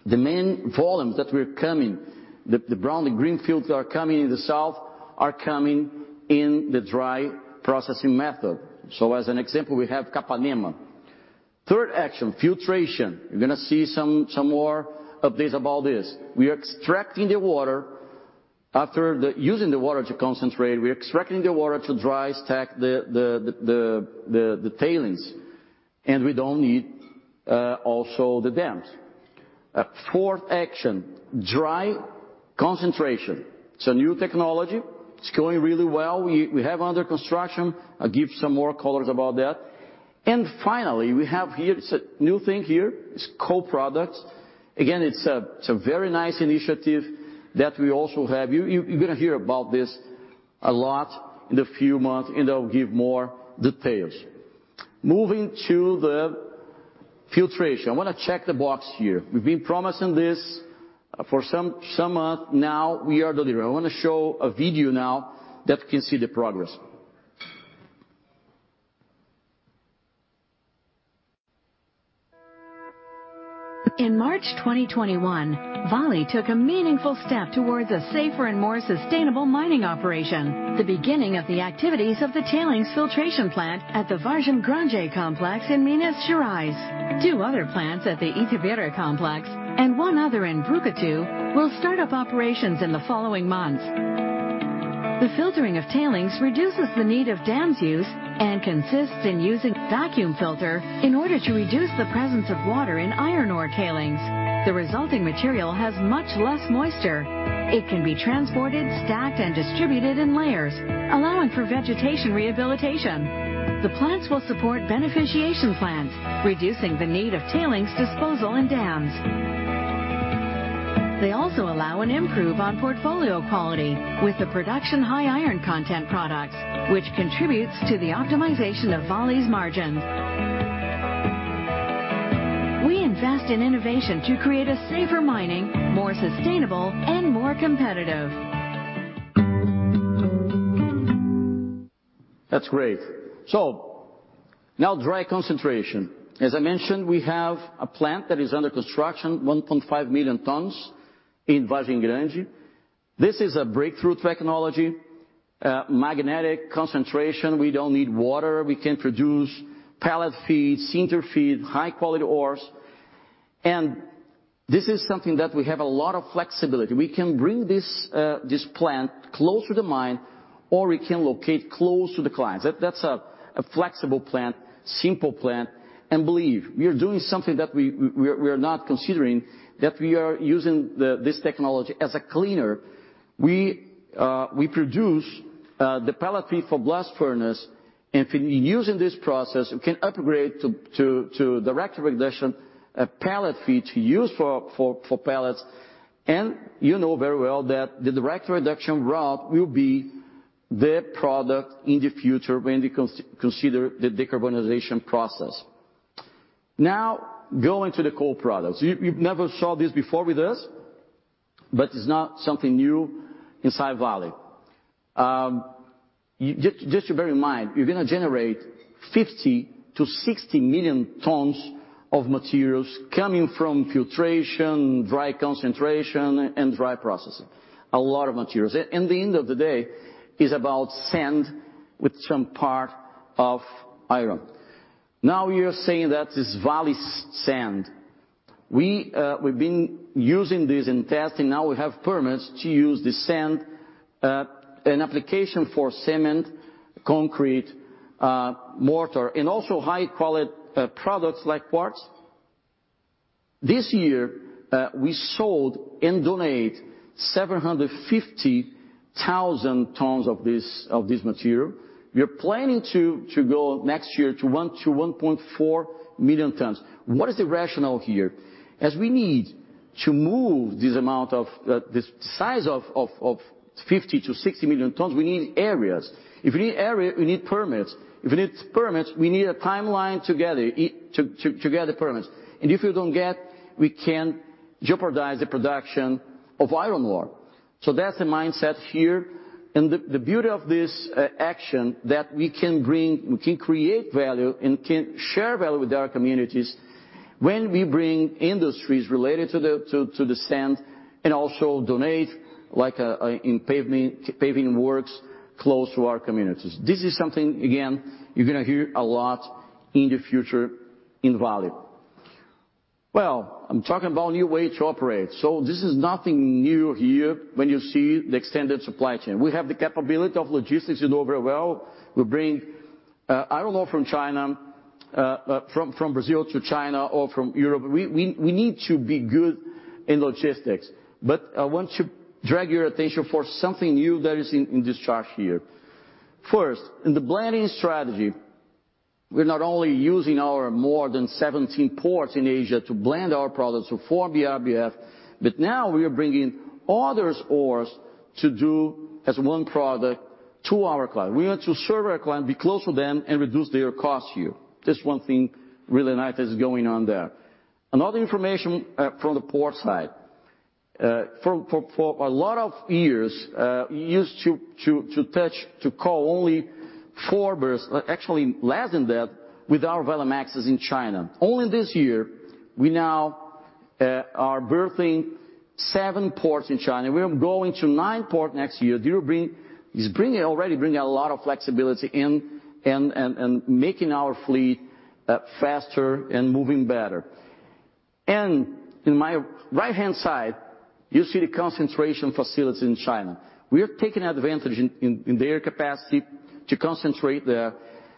the main volumes that are coming from the brownfields, the greenfields that are coming in the south are coming in the dry processing method. As an example, we have Capanema. Third action, filtration. You're gonna see some more updates about this. Using the water to concentrate, we're extracting the water to dry stack the tailings and we don't need also the dams. Fourth action, dry concentration. It's a new technology. It's going really well. We have under construction. I'll give some more colors about that. Finally, we have here, it's a new thing here. It's co-products. Again, it's a very nice initiative that we also have. You're gonna hear about this a lot in the few months, and I'll give more details. Moving to the filtration. I wanna check the box here. We've been promising this for some month now. We are delivering. I wanna show a video now that can see the progress. In March 2021, Vale took a meaningful step towards a safer and more sustainable mining operation, the beginning of the activities of the tailings filtration plant at the Vargem Grande complex in Minas Gerais. Two other plants at the Itabira complex and one other in Brucutu will start up operations in the following months. The filtering of tailings reduces the need of dams use and consists in using vacuum filter in order to reduce the presence of water in iron ore tailings. The resulting material has much less moisture. It can be transported, stacked, and distributed in layers, allowing for vegetation rehabilitation. The plants will support beneficiation plants, reducing the need of tailings disposal and dams. They also allow and improve on portfolio quality with the production of high iron content products, which contributes to the optimization of Vale's margins. We invest in innovation to create a safer mining, more sustainable, and more competitive. That's great. Now dry concentration. As I mentioned, we have a plant that is under construction, 1.5 million tons in Vargem Grande. This is a breakthrough technology, magnetic concentration. We don't need water. We can produce pellet feed, sinter feed, high quality ores. This is something that we have a lot of flexibility. We can bring this plant close to the mine, or we can locate close to the clients. That's a flexible plant, simple plant. Believe, we are doing something that we are not considering, that we are using this technology as a cleaner. We produce the pellet feed for blast furnace. If we using this process, we can upgrade to direct reduction a pellet feed to use for pellets. You know very well that the direct reduction route will be the product in the future when we consider the decarbonization process. Now going to the co-products. You've never saw this before with us, but it's not something new inside Vale. Just to bear in mind, we're gonna generate 50 million-60 million tons of materials coming from filtration, dry concentration, and dry processing. A lot of materials. At the end of the day is about sand with some part of iron. Now we are saying that is Vale sand. We've been using this in testing. Now we have permits to use this sand in applications for cement, concrete, mortar, and also high quality products like quartz. This year, we sold and donate 750,000 tons of this material. We are planning to go next year to 1 million-1.4 million tons. What is the rationale here? As we need to move this amount of this size of 50 million-60 million tons, we need areas. If we need area, we need permits. If we need permits, we need a timeline together to get the permits. If we don't get, we can jeopardize the production of iron ore. That's the mindset here. The beauty of this action that we can bring, we can create value and can share value with our communities when we bring industries related to the sand and also donate like in pavement, paving works close to our communities. This is something, again, you're gonna hear a lot in the future in Vale. Well, I'm talking about new way to operate. This is nothing new here when you see the extended supply chain. We have the capability of logistics you know very well. We bring iron ore from Brazil to China or from Europe. We need to be good in logistics. I want to draw your attention for something new that is in this chart here. First, in the blending strategy, we're not only using our more than 17 ports in Asia to blend our products for BRBF, but now we are bringing other ores to do as one product to our client. We want to serve our client, be close with them, and reduce their costs here. This one thing really nice is going on there. Another information from the port side. For a lot of years, we used to call only four berths, actually less than that with our Valemaxes in China. Only this year, we are berthing seven ports in China. We are going to nine ports next year. It's already bringing a lot of flexibility and making our fleet faster and moving better. In my right-hand side, you see the concentration facility in China. We are taking advantage in their capacity to concentrate there.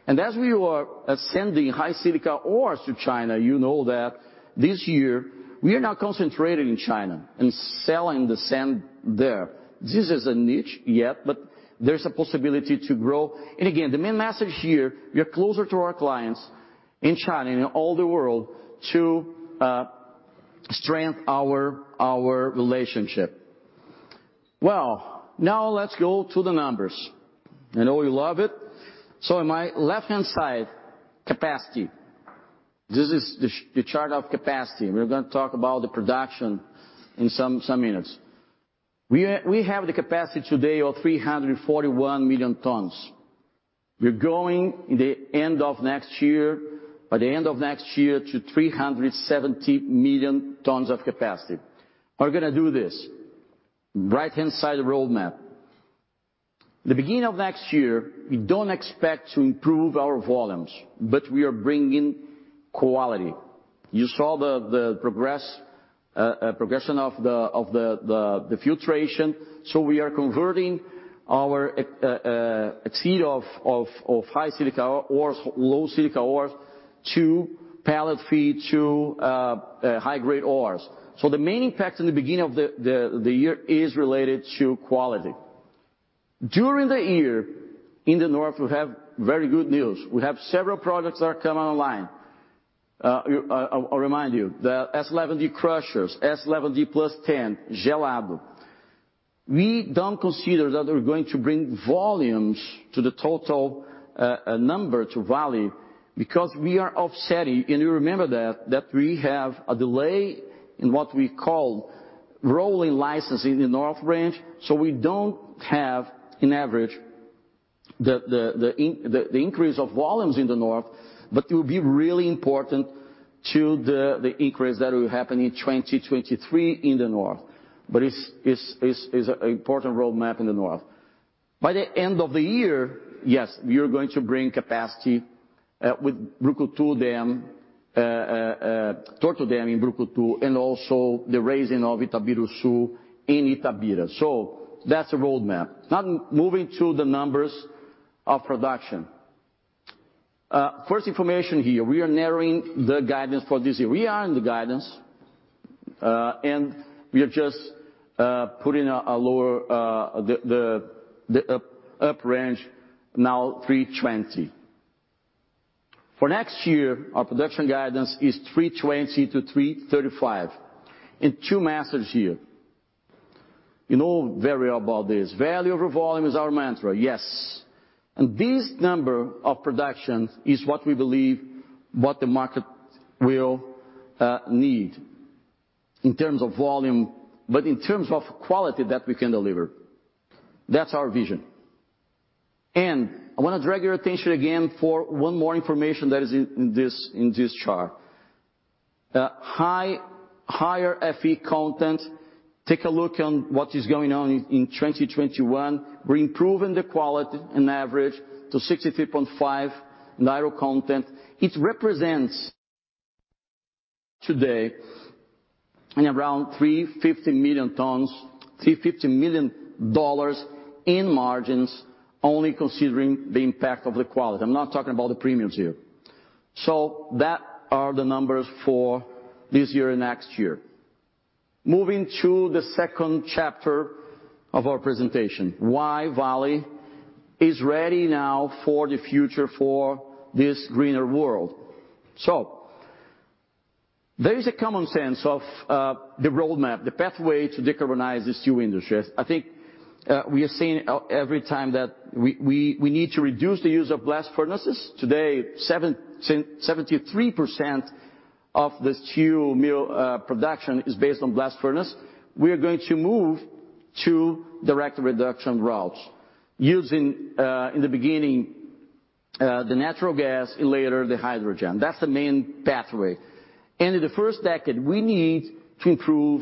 As we are sending high silica ores to China, you know that this year we are concentrating in China and selling the sand there. This is a niche, yeah, but there's a possibility to grow. Again, the main message here, we are closer to our clients in China and around the world to strengthen our relationship. Well, now let's go to the numbers. I know you love it. In my left-hand side, capacity. This is the chart of capacity. We're gonna talk about the production in some minutes. We have the capacity today of 341 million tons. We're going in the end of next year, by the end of next year to 370 million tons of capacity. How we're gonna do this? Right-hand side roadmap. The beginning of next year, we don't expect to improve our volumes, but we are bringing quality. You saw the progression of the filtration. We are converting our a tier of high silica ores, low silica ores to pellet feed, to high grade ores. The main impact in the beginning of the year is related to quality. During the year in the North, we have very good news. We have several products that are coming online. I'll remind you, the S11D crushers, S11D+10, Gelado. We don't consider that we're going to bring volumes to the total number to Vale because we are offsetting, and you remember that we have a delay in what we call rolling license in the North range, so we don't have, on average, the increase of volumes in the North, but it will be really important to the increase that will happen in 2023 in the North. It's an important roadmap in the North. By the end of the year, yes, we are going to bring capacity with Brucutu dam, Torto dam in Brucutu, and also the raising of Itabiruçu in Itabira. That's a roadmap. Now moving to the numbers of production. First information here, we are narrowing the guidance for this year. We are in the guidance, and we are just putting a lower the upper range now 320. For next year, our production guidance is 320-335. Two messages here. You know very about this. Value over volume is our mantra, yes. This number of production is what we believe the market will need in terms of volume, but in terms of quality that we can deliver. That's our vision. I want to draw your attention again for one more information that is in this chart. Higher Fe content, take a look at what is going on in 2021. We're improving the quality on average to 63.5% iron content. It represents today in around 350 million tons, $350 million in margins only considering the impact of the quality. I'm not talking about the premiums here. Those are the numbers for this year and next year. Moving to the second chapter of our presentation, why Vale is ready now for the future for this greener world. There is a consensus on the roadmap, the pathway to decarbonize the steel industry. I think we are seeing everywhere that we need to reduce the use of blast furnaces. Today, 73% of the steel mill production is based on blast furnace. We are going to move to direct reduction routes using, in the beginning, the natural gas and later the hydrogen. That's the main pathway. In the first decade, we need to improve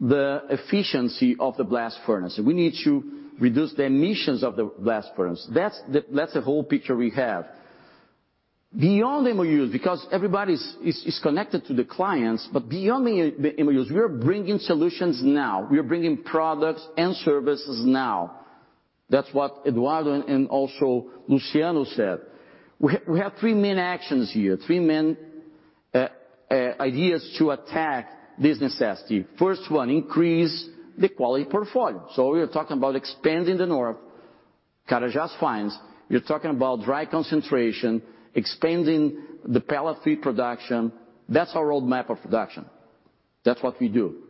the efficiency of the blast furnace. We need to reduce the emissions of the blast furnace. That's the whole picture we have. Beyond MUs, because everybody is connected to the clients, but beyond the MUs, we are bringing solutions now. We are bringing products and services now. That's what Eduardo and also Luciano said. We have three main actions here, three main ideas to attack this necessity. First one, increase the quality portfolio. We are talking about expanding the North Carajás mines. We're talking about dry concentration, expanding the pellet feed production. That's our roadmap of production. That's what we do.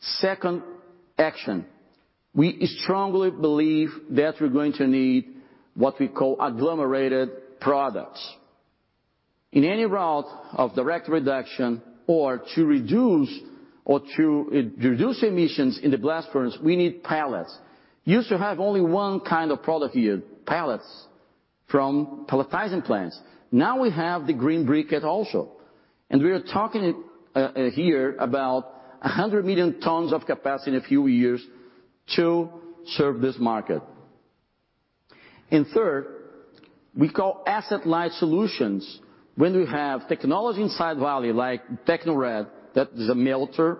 Second action. We strongly believe that we're going to need what we call agglomerated products. In any route of direct reduction or to reduce emissions in the blast furnace, we need pellets. Used to have only one kind of product here, pellets from pelletizing plants. Now we have the green briquette also. We are talking here about 100 million tons of capacity in a few years to serve this market. Third, we call asset-light solutions when we have technology inside Vale, like Tecnored, that is a melter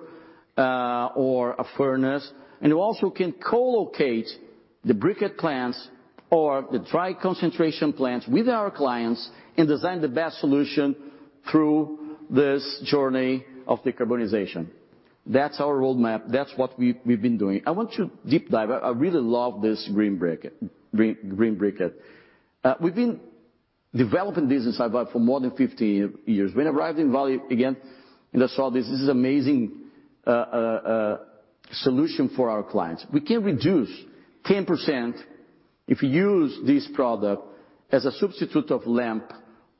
or a furnace, and you also can co-locate the briquette plants or the dry concentration plants with our clients and design the best solution through this journey of decarbonization. That's our roadmap. That's what we've been doing. I want to deep dive. I really love this green briquette. We've been developing this inside Vale for more than 50 years. When I arrived in Vale again, and I saw this is amazing solution for our clients. We can reduce 10% if you use this product as a substitute of lump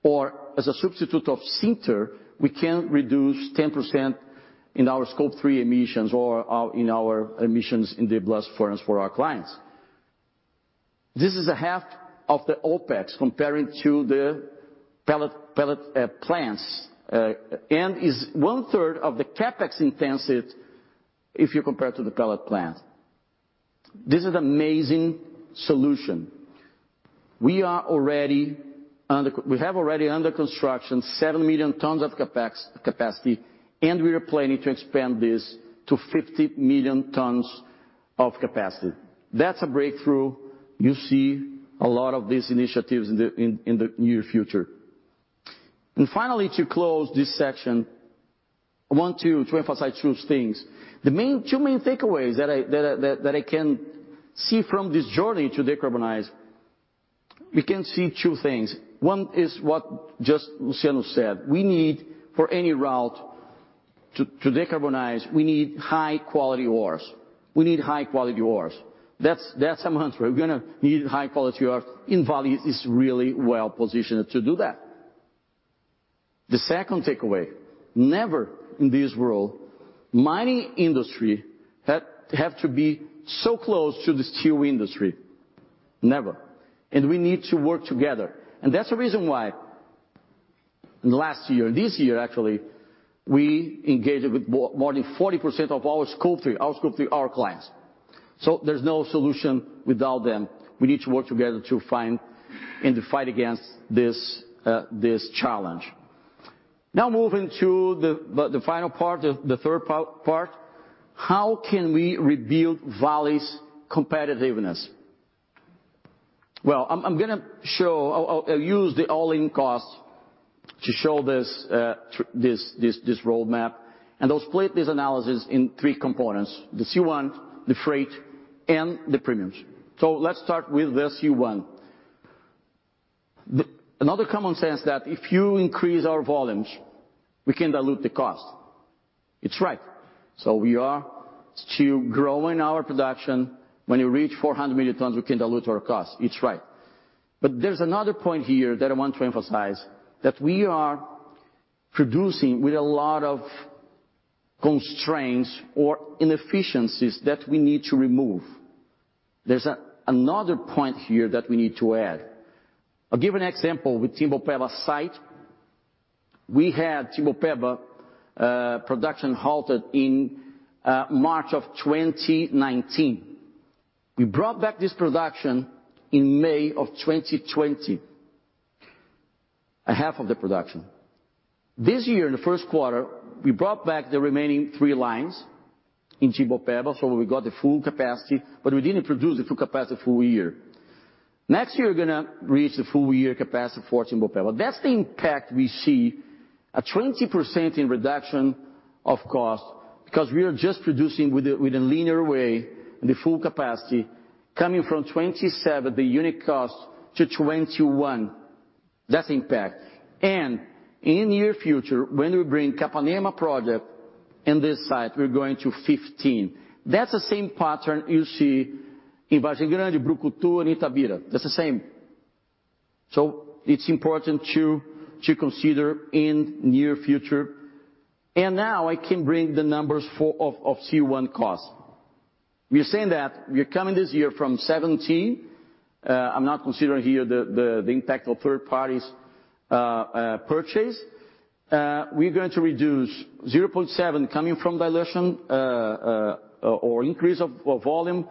or as a substitute of sinter, we can reduce 10% in our Scope 3 emissions or in our emissions in the blast furnace for our clients. This is half of the OpEx comparing to the pellet plants. And is one-third of the CapEx intensity if you compare to the pellet plant. This is amazing solution. We have already under construction 7 million tons of capacity, and we are planning to expand this to 50 million tons of capacity. That's a breakthrough. You'll see a lot of these initiatives in the near future. Finally, to close this section, I want to emphasize two things. Two main takeaways that I can see from this journey to decarbonize. We can see two things. One is what just Luciano said. We need for any route to decarbonize, we need high quality ores. We need high quality ores. That's an answer. We're gonna need high quality ores. And Vale is really well positioned to do that. The second takeaway, never in this world mining industry has had to be so close to the steel industry. Never. We need to work together. That's the reason why last year, this year actually, we engaged with more than 40% of our Scope 3. Our Scope 3 are clients. There's no solution without them. We need to work together to find and to fight against this challenge. Now moving to the final part, the third part. How can we rebuild Vale's competitiveness? Well, I'm gonna show. I'll use the all-in costs to show this roadmap, and I'll split this analysis in three components. The C1, the freight, and the premiums. Let's start with the C1. Another common sense that if you increase our volumes, we can dilute the cost. It's right. We are still growing our production. When you reach 400 million tons, we can dilute our costs. It's right. There's another point here that I want to emphasize, that we are producing with a lot of constraints or inefficiencies that we need to remove. There's another point here that we need to add. I'll give an example with Timbopeba site. We had Timbopeba production halted in March 2019. We brought back this production in May 2020. A half of the production. This year in the first quarter, we brought back the remaining three lines in Timbopeba, so we got the full capacity, but we didn't produce the full capacity full year. Next year, we're gonna reach the full year capacity for Timbopeba. That's the impact we see, a 20% reduction in cost because we are just producing with a leaner way the full capacity coming from $27, the unit cost, to $21. That's impact. In near future, when we bring Capanema project in this site, we're going to 15. That's the same pattern you see in Vargem Grande, Brucutu, and Itabira. That's the same. It's important to consider in near future. Now I can bring the numbers for C1 cost. We're saying that we're coming this year from 17. I'm not considering here the impact of third parties purchase. We're going to reduce 0.7 coming from dilution or increase of volume.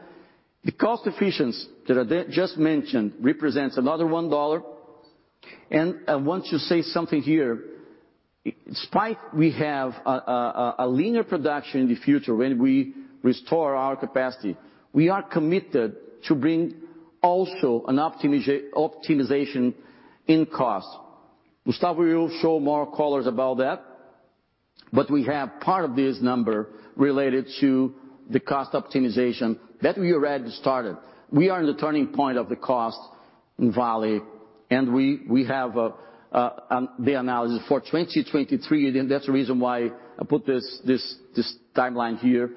The cost efficiency that I just mentioned represents another $1. I want to say something here. In spite we have a leaner production in the future when we restore our capacity, we are committed to bring also an optimization in cost. Gustavo will show more colors about that, but we have part of this number related to the cost optimization that we already started. We are in the turning point of the cost in Vale, and we have the analysis for 2023, and that's the reason why I put this timeline here,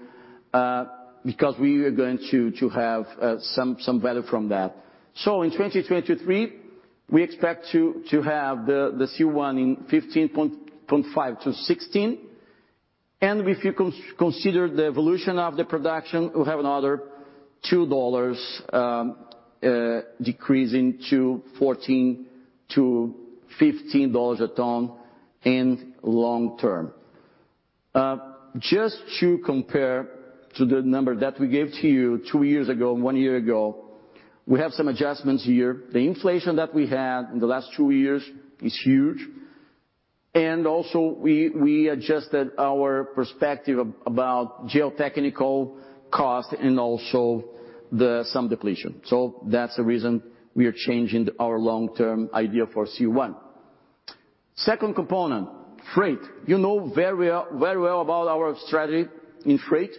because we are going to have some value from that. In 2023, we expect to have the C1 in 15.5-16. And if you consider the evolution of the production, we'll have another $2 decreasing to $14-$15 a ton in long term. Just to compare to the number that we gave to you two years ago and one year ago, we have some adjustments here. The inflation that we had in the last two years is huge, and also we adjusted our perspective about geotechnical cost and also some depletion. That's the reason we are changing our long-term idea for C1. Second component, freight. You know very well about our strategy in freight.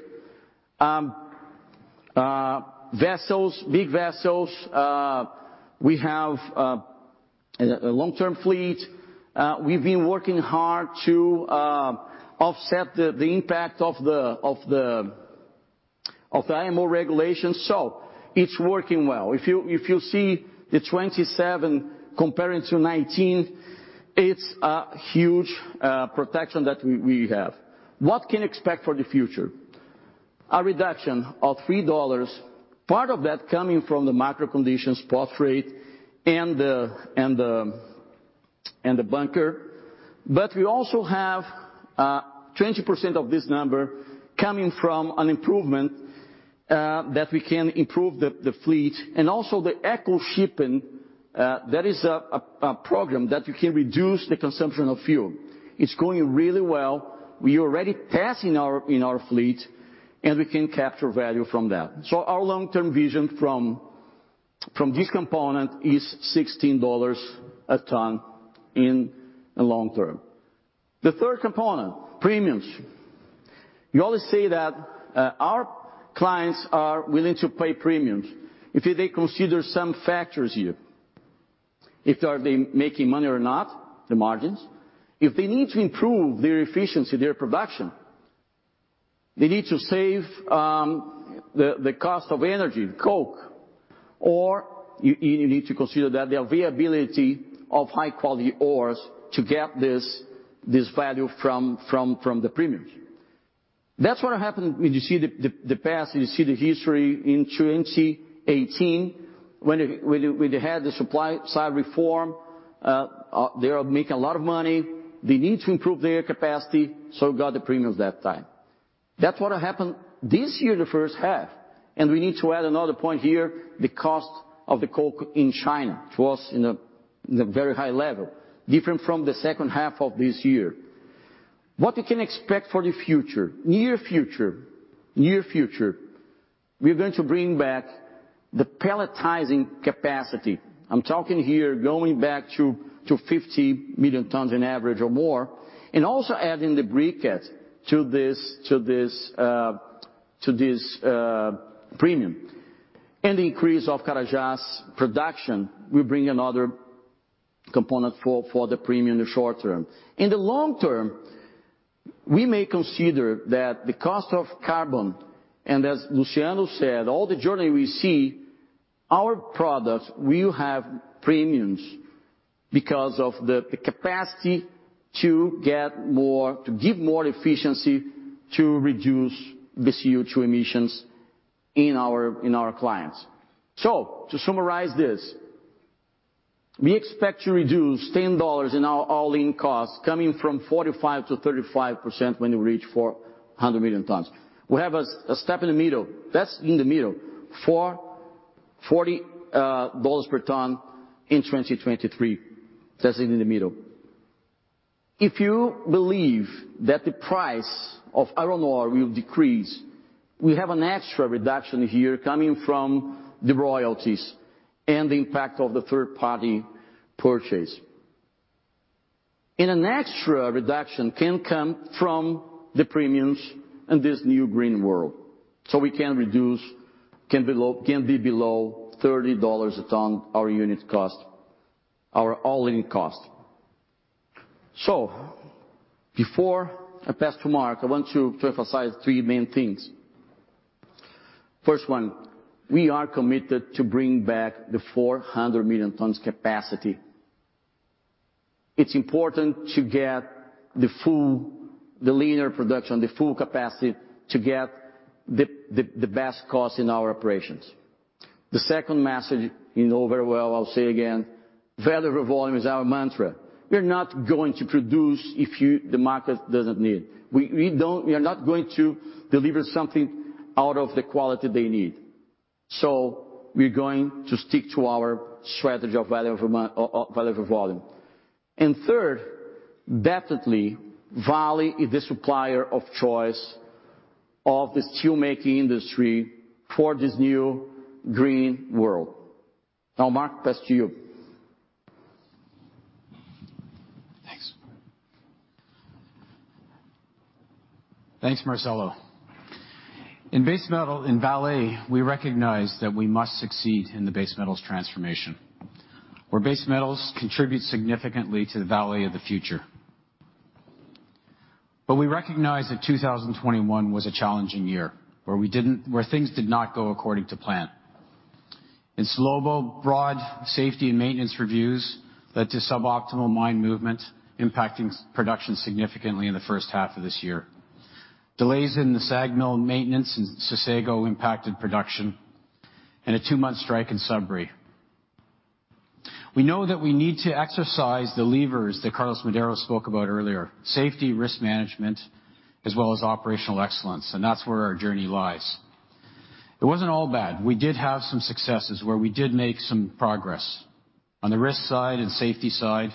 Big vessels, we have a long-term fleet. We've been working hard to offset the impact of the IMO regulations. It's working well. If you see the 27 comparing to 19, it's a huge protection that we have. What can we expect for the future? A reduction of $3, part of that coming from the macro conditions, spot rate, and the bunker. We also have 20% of this number coming from an improvement that we can improve the fleet and also Ecoshipping. That is a program that you can reduce the consumption of fuel. It's going really well. We are already passing ours in our fleet, and we can capture value from that. Our long-term vision from this component is $16 a ton in the long term. The third component, premiums. You always say that our clients are willing to pay premiums if they consider some factors here. If they are making money or not, the margins. If they need to improve their efficiency, their production. They need to save the cost of energy, coke. You need to consider that the availability of high quality ores to get this value from the premiums. That's what happened when you see the past and you see the history in 2018 when they had the supply side reform. They are making a lot of money. They need to improve their capacity, so got the premiums that time. That's what happened this year in the first half. We need to add another point here, the cost of the coke in China for us in a very high level, different from the second half of this year. What we can expect for the future, near future, we are going to bring back the pelletizing capacity. I'm talking here going back to 50 million tons in average or more, and also adding the briquette to this premium. The increase of Carajás production will bring another component for the premium in the short term. In the long term, we may consider that the cost of carbon, and as Luciano said, all the journey we see our products will have premiums because of the capacity to give more efficiency to reduce the CO₂ emissions in our clients. To summarize this, we expect to reduce $10 in our all-in costs, coming from $45-$35 when you reach 400 million tons. We have a step in the middle, $40 per ton in 2023. If you believe that the price of iron ore will decrease, we have an extra reduction here coming from the royalties and the impact of the third party purchase. An extra reduction can come from the premiums in this new green world. We can be below $30 a ton our unit cost, our all-in cost. Before I pass to Mark, I want to emphasize three main things. First one, we are committed to bring back the 400 million tons capacity. It's important to get the leaner production, the full capacity to get the best cost in our operations. The second message you know very well, I'll say again, value per volume is our mantra. We're not going to produce if the market doesn't need. We are not going to deliver something out of the quality they need. We're going to stick to our strategy of value over volume. Third, definitely Vale is the supplier of choice of the steelmaking industry for this new green world. Now, Mark, back to you. Thanks. Thanks, Marcello. In base metals, in Vale, we recognize that we must succeed in the base metals transformation, where base metals contribute significantly to the Vale of the future. We recognize that 2021 was a challenging year, where things did not go according to plan. In Salobo, broad safety and maintenance reviews led to suboptimal mine movement, impacting production significantly in the first half of this year. Delays in the SAG mill maintenance in Sossego impacted production and a two month strike in Sudbury. We know that we need to exercise the levers that Carlos Medeiros spoke about earlier, safety, risk management, as well as operational excellence, and that's where our journey lies. It wasn't all bad. We did have some successes where we did make some progress. On the risk side and safety side,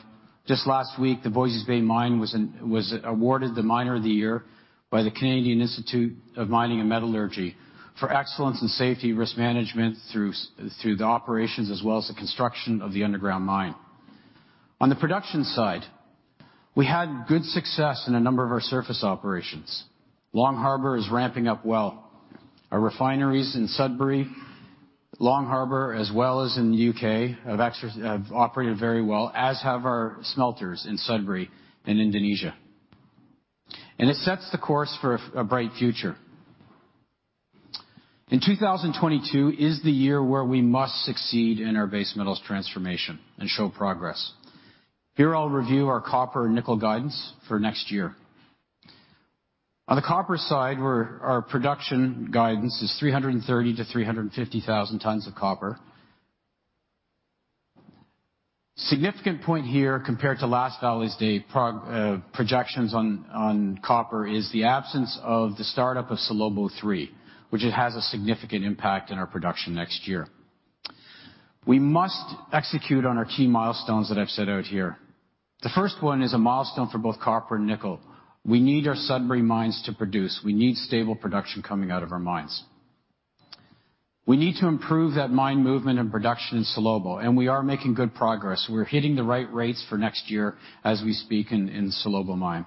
just last week, the Voisey's Bay mine was awarded the Miner of the Year by the Canadian Institute of Mining and Metallurgy for excellence in safety risk management through the operations as well as the construction of the underground mine. On the production side, we had good success in a number of our surface operations. Long Harbor is ramping up well. Our refineries in Sudbury, Long Harbor, as well as in the U.K., have operated very well, as have our smelters in Sudbury and Indonesia. It sets the course for a bright future. In 2022 is the year where we must succeed in our base metals transformation and show progress. Here, I'll review our copper and nickel guidance for next year. On the copper side, where our production guidance is 330,000 tons-350,000 tons of copper. Significant point here compared to last Vale Day projections on copper is the absence of the startup of Salobo III, which it has a significant impact in our production next year. We must execute on our key milestones that I've set out here. The first one is a milestone for both copper and nickel. We need our Sudbury mines to produce. We need stable production coming out of our mines. We need to improve that mine movement and production in Salobo, and we are making good progress. We're hitting the right rates for next year as we speak in Salobo mine.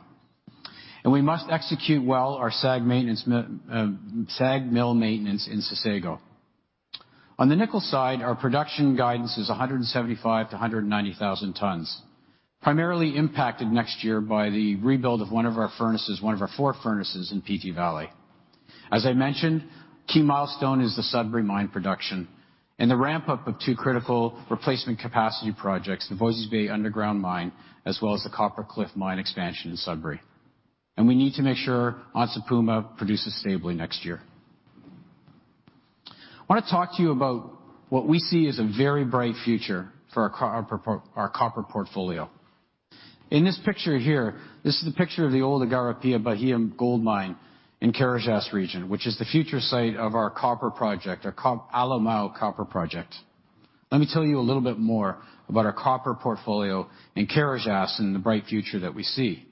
We must execute well our SAG mill maintenance in Sossego. On the nickel side, our production guidance is 175,000 tons-190,000 tons, primarily impacted next year by the rebuild of one of our furnaces, one of our four furnaces in PT Valley. As I mentioned, key milestone is the Sudbury mine production and the ramp-up of two critical replacement capacity projects, the Voisey's Bay underground mine, as well as the Copper Cliff mine expansion in Sudbury. We need to make sure Onça Puma produces stably next year. I want to talk to you about what we see as a very bright future for our copper portfolio. In this picture here, this is a picture of the old Igarapé Bahia gold mine in Carajás region, which is the future site of our copper project, our Alemão copper project. Let me tell you a little bit more about our copper portfolio in Carajás and the bright future that we see.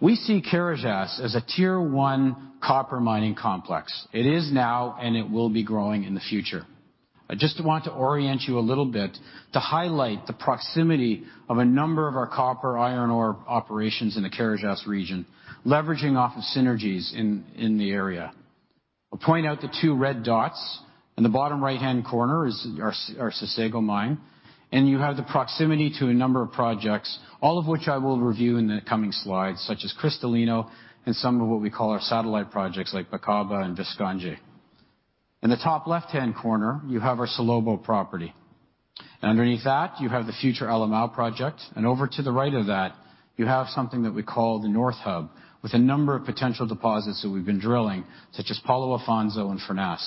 We see Carajás as a tier-one copper mining complex. It is now, and it will be growing in the future. I just want to orient you a little bit to highlight the proximity of a number of our copper iron ore operations in the Carajás region, leveraging off of synergies in the area. I'll point out the two red dots. In the bottom right-hand corner is our Sossego mine, and you have the proximity to a number of projects, all of which I will review in the coming slides, such as Cristalino and some of what we call our satellite projects, like Bacaba and Visconde. In the top left-hand corner, you have our Salobo property. Underneath that, you have the future Alemão project, and over to the right of that, you have something that we call the North Hub, with a number of potential deposits that we've been drilling, such as Paulo Afonso and Furnas.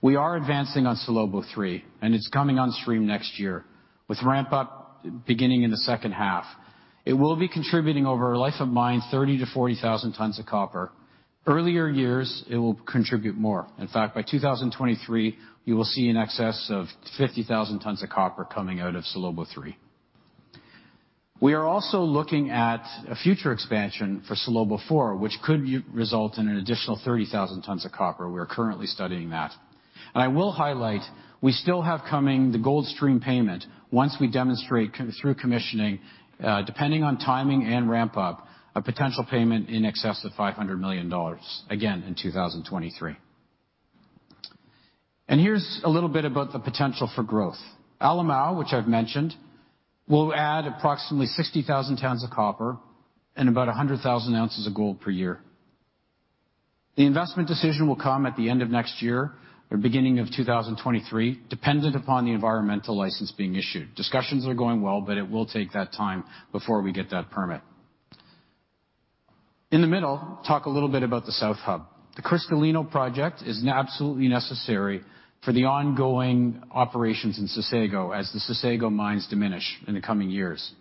We are advancing on Salobo III, and it's coming on stream next year, with ramp-up beginning in the second half. It will be contributing over a life of mine 30,000 tons-40,000 tons of copper. Earlier years, it will contribute more. In fact, by 2023, you will see in excess of 50,000 tons of copper coming out of Salobo III. We are also looking at a future expansion for Salobo IV, which could result in an additional 30,000 tons of copper. We are currently studying that. I will highlight, we still have coming the gold stream payment once we demonstrate through commissioning, depending on timing and ramp-up, a potential payment in excess of $500 million, again, in 2023. Here's a little bit about the potential for growth. Alemão, which I've mentioned, will add approximately 60,000 tons of copper and about 100,000 ounces of gold per year. The investment decision will come at the end of next year or beginning of 2023, dependent upon the environmental license being issued. Discussions are going well, but it will take that time before we get that permit. In the middle, talk a little bit about the South Hub. The Cristalino project is absolutely necessary for the ongoing operations in Sossego as the Sossego mines diminish in the coming years.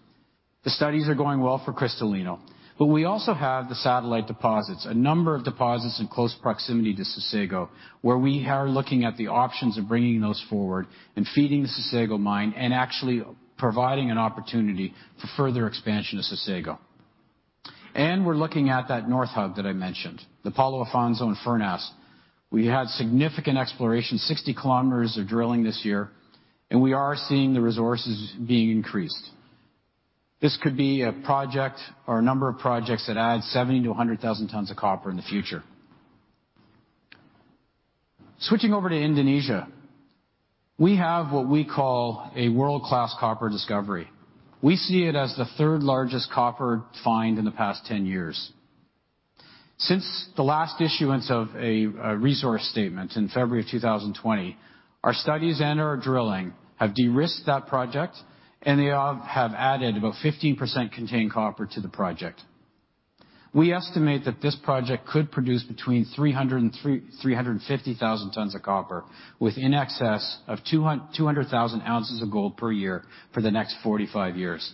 The studies are going well for Cristalino, but we also have the satellite deposits, a number of deposits in close proximity to Sossego, where we are looking at the options of bringing those forward and feeding the Sossego mine and actually providing an opportunity for further expansion of Sossego. We're looking at that North Hub that I mentioned, the Paulo Afonso and Furnas. We had significant exploration, 60 km of drilling this year, and we are seeing the resources being increased. This could be a project or a number of projects that add 70 tons-100,000 tons of copper in the future. Switching over to Indonesia, we have what we call a world-class copper discovery. We see it as the third largest copper find in the past 10 years. Since the last issuance of a resource statement in February 2020, our studies and our drilling have de-risked that project, and they all have added about 15% contained copper to the project. We estimate that this project could produce between 300,000 tons-350,000 tons of copper with in excess of 200,000 ounces of gold per year for the next 45 years.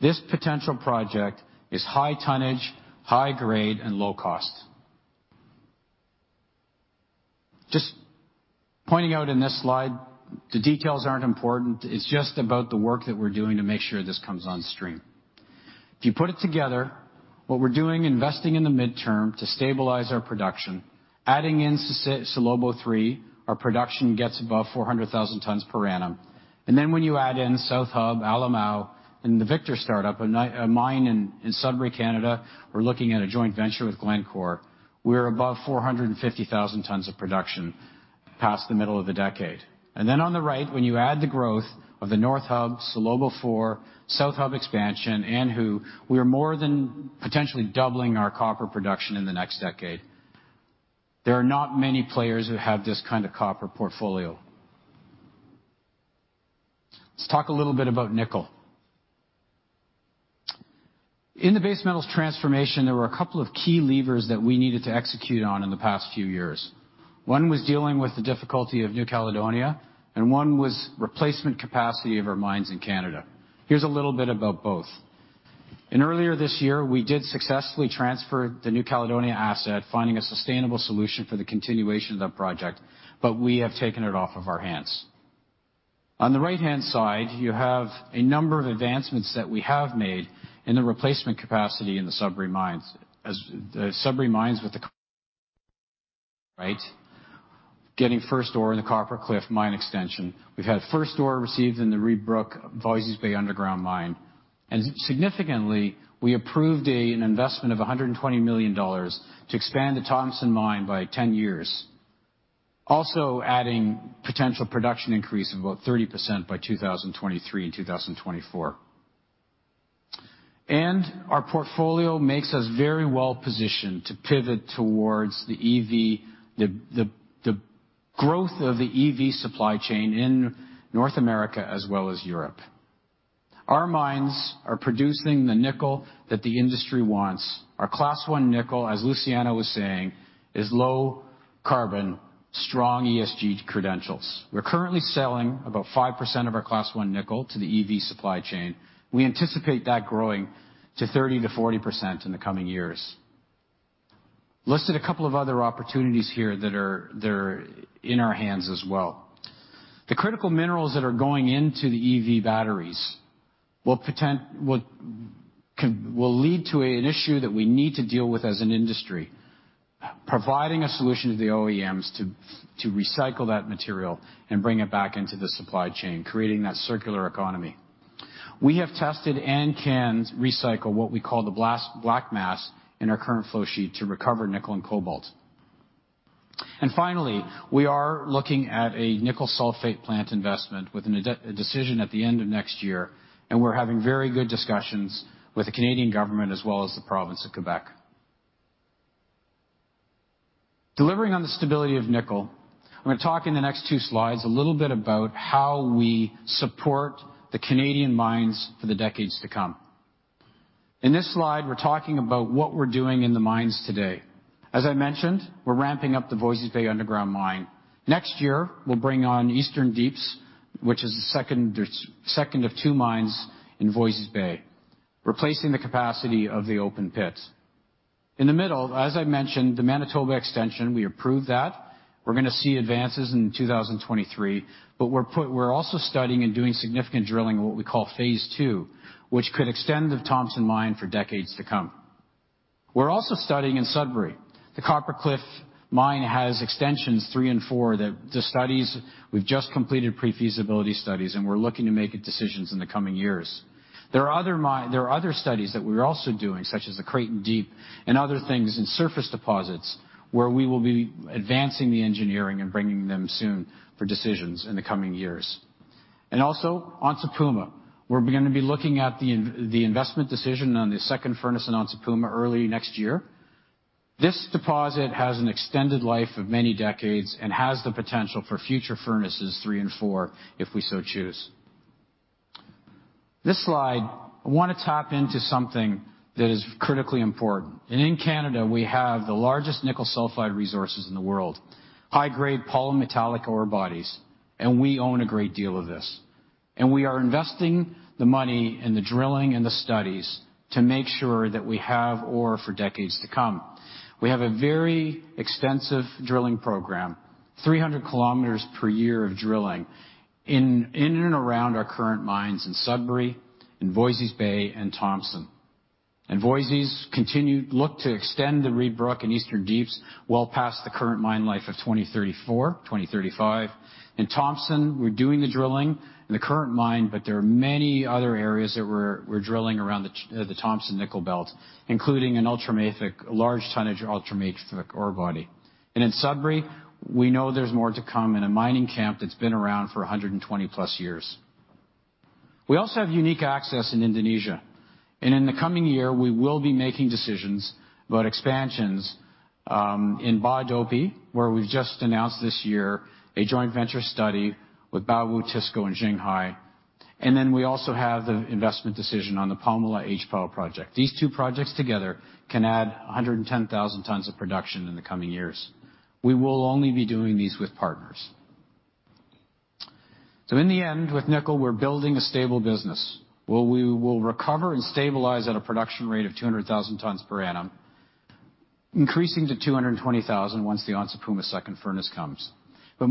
This potential project is high tonnage, high grade, and low cost. Just pointing out in this slide, the details aren't important. It's just about the work that we're doing to make sure this comes on stream. If you put it together, what we're doing, investing in the midterm to stabilize our production, adding in Salobo III, our production gets above 400,000 tons per annum. When you add in South Hub, Alemão, and the Victor startup, a mine in Sudbury, Canada, we're looking at a joint venture with Glencore. We're above 450,000 tons of production past the middle of the decade. On the right, when you add the growth of the North Hub, Salobo III, South Hub expansion, Alemão, we are more than potentially doubling our copper production in the next decade. There are not many players who have this kind of copper portfolio. Let's talk a little bit about nickel. In the base metals transformation, there were a couple of key levers that we needed to execute on in the past few years. One was dealing with the difficulty of New Caledonia, and one was replacement capacity of our mines in Canada. Here's a little bit about both. Earlier this year, we did successfully transfer the New Caledonia asset, finding a sustainable solution for the continuation of that project, but we have taken it off of our hands. On the right-hand side, you have a number of advancements that we have made in the replacement capacity in the Sudbury Mines, getting first ore in the Copper Cliff mine extension. We've had first ore received in the Reid Brook Voisey's Bay underground mine. Significantly, we approved an investment of $120 million to expand the Thompson Mine by 10 years. Also adding potential production increase of about 30% by 2023 and 2024. Our portfolio makes us very well positioned to pivot towards the growth of the EV supply chain in North America as well as Europe. Our mines are producing the nickel that the industry wants. Our Class 1 nickel, as Luciano was saying, is low carbon, strong ESG credentials. We're currently selling about 5% of our Class 1 nickel to the EV supply chain. We anticipate that growing to 30%-40% in the coming years. Listed a couple of other opportunities here that are in our hands as well. The critical minerals that are going into the EV batteries will lead to an issue that we need to deal with as an industry, providing a solution to the OEMs to recycle that material and bring it back into the supply chain, creating that circular economy. We have tested and can recycle what we call the black mass in our current flow sheet to recover nickel and cobalt. Finally, we are looking at a nickel sulfate plant investment with a decision at the end of next year, and we're having very good discussions with the Canadian government as well as the province of Quebec. Delivering on the stability of nickel, I'm gonna talk in the next two slides a little bit about how we support the Canadian mines for the decades to come. In this slide, we're talking about what we're doing in the mines today. As I mentioned, we're ramping up the Voisey's Bay underground mine. Next year, we'll bring on Eastern Deeps, which is the second of two mines in Voisey's Bay, replacing the capacity of the open pits. In the middle, as I mentioned, the Manitoba extension, we approved that. We're gonna see advances in 2023, but we're also studying and doing significant drilling in what we call phase two, which could extend the Thompson Mine for decades to come. We're also studying in Sudbury. The Copper Cliff Mine has extensions three and four. The studies, we've just completed pre-feasibility studies, and we're looking to make decisions in the coming years. There are other studies that we're also doing, such as the Creighton Deep and other things in surface deposits, where we will be advancing the engineering and bringing them soon for decisions in the coming years. Also Onça Puma. We're gonna be looking at the investment decision on the second furnace in Onça Puma early next year. This deposit has an extended life of many decades and has the potential for future furnaces three and four if we so choose. This slide, I wanna tap into something that is critically important. In Canada, we have the largest nickel sulfide resources in the world, high-grade polymetallic ore bodies, and we own a great deal of this. We are investing the money in the drilling and the studies to make sure that we have ore for decades to come. We have a very extensive drilling program, 300 km per year of drilling in and around our current mines in Sudbury, in Voisey's Bay, and Thompson. Voisey's look to extend the Reid Brook and Eastern Deeps well past the current mine life of 2034, 2035. In Thompson, we're doing the drilling in the current mine, but there are many other areas that we're drilling around the Thompson Nickel Belt, including an ultramafic, a large tonnage ultramafic ore body. In Sudbury, we know there's more to come in a mining camp that's been around for 120+ years. We also have unique access in Indonesia. In the coming year, we will be making decisions about expansions in Bahodopi, where we've just announced this year a joint venture study with Baowu, TISCO, and Shanghai. We also have the investment decision on the Pomalaa HPAL project. These two projects together can add 110,000 tons of production in the coming years. We will only be doing these with partners. In the end, with nickel, we're building a stable business, where we will recover and stabilize at a production rate of 200,000 tons per annum, increasing to 220,000 once Onça Puma’s second furnace comes online.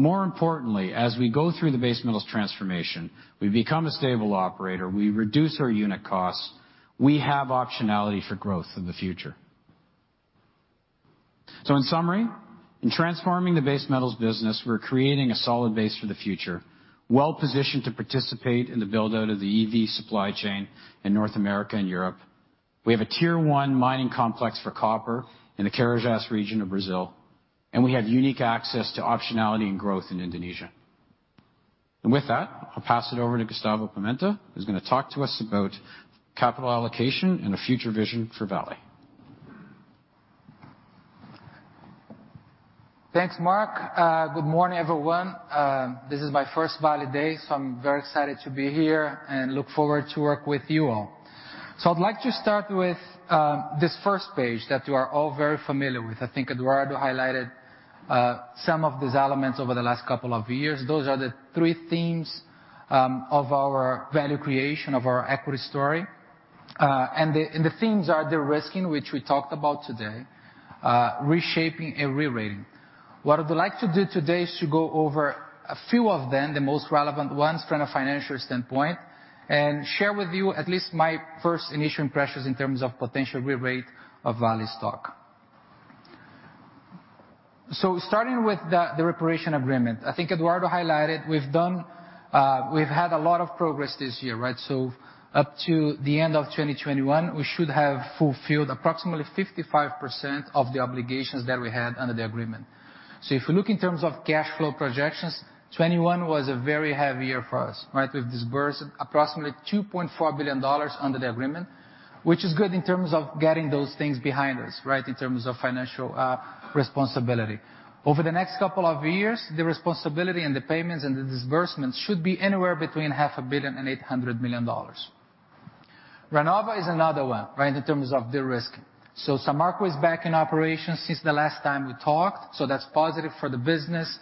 More importantly, as we go through the base metals transformation, we become a stable operator. We reduce our unit costs. We have optionality for growth in the future. In summary, in transforming the base metals business, we're creating a solid base for the future, well-positioned to participate in the build-out of the EV supply chain in North America and Europe. We have a tier-one mining complex for copper in the Carajás region of Brazil, and we have unique access to optionality and growth in Indonesia. With that, I'll pass it over to Gustavo Pimenta, who's gonna talk to us about capital allocation and a future vision for Vale. Thanks, Mark. Good morning, everyone. This is my first Vale Day, so I'm very excited to be here and look forward to work with you all. I'd like to start with this first page that you are all very familiar with. I think Eduardo highlighted some of these elements over the last couple of years. Those are the three themes of our value creation, of our equity story. The themes are the risk in which we talked about today, reshaping and rerating. What I would like to do today is to go over a few of them, the most relevant ones from a financial standpoint, and share with you at least my first initial impressions in terms of potential rerate of Vale's stock. Starting with the reparation agreement. I think Eduardo highlighted, we've had a lot of progress this year, right? Up to the end of 2021, we should have fulfilled approximately 55% of the obligations that we had under the agreement. If you look in terms of cash flow projections, 2021 was a very heavy year for us, right? We've disbursed approximately $2.4 billion under the agreement, which is good in terms of getting those things behind us, right, in terms of financial responsibility. Over the next couple of years, the responsibility and the payments and the disbursements should be anywhere between $500 million and $800 million. Renova is another one, right, in terms of the risk. Samarco is back in operation since the last time we talked, so that's positive for the business.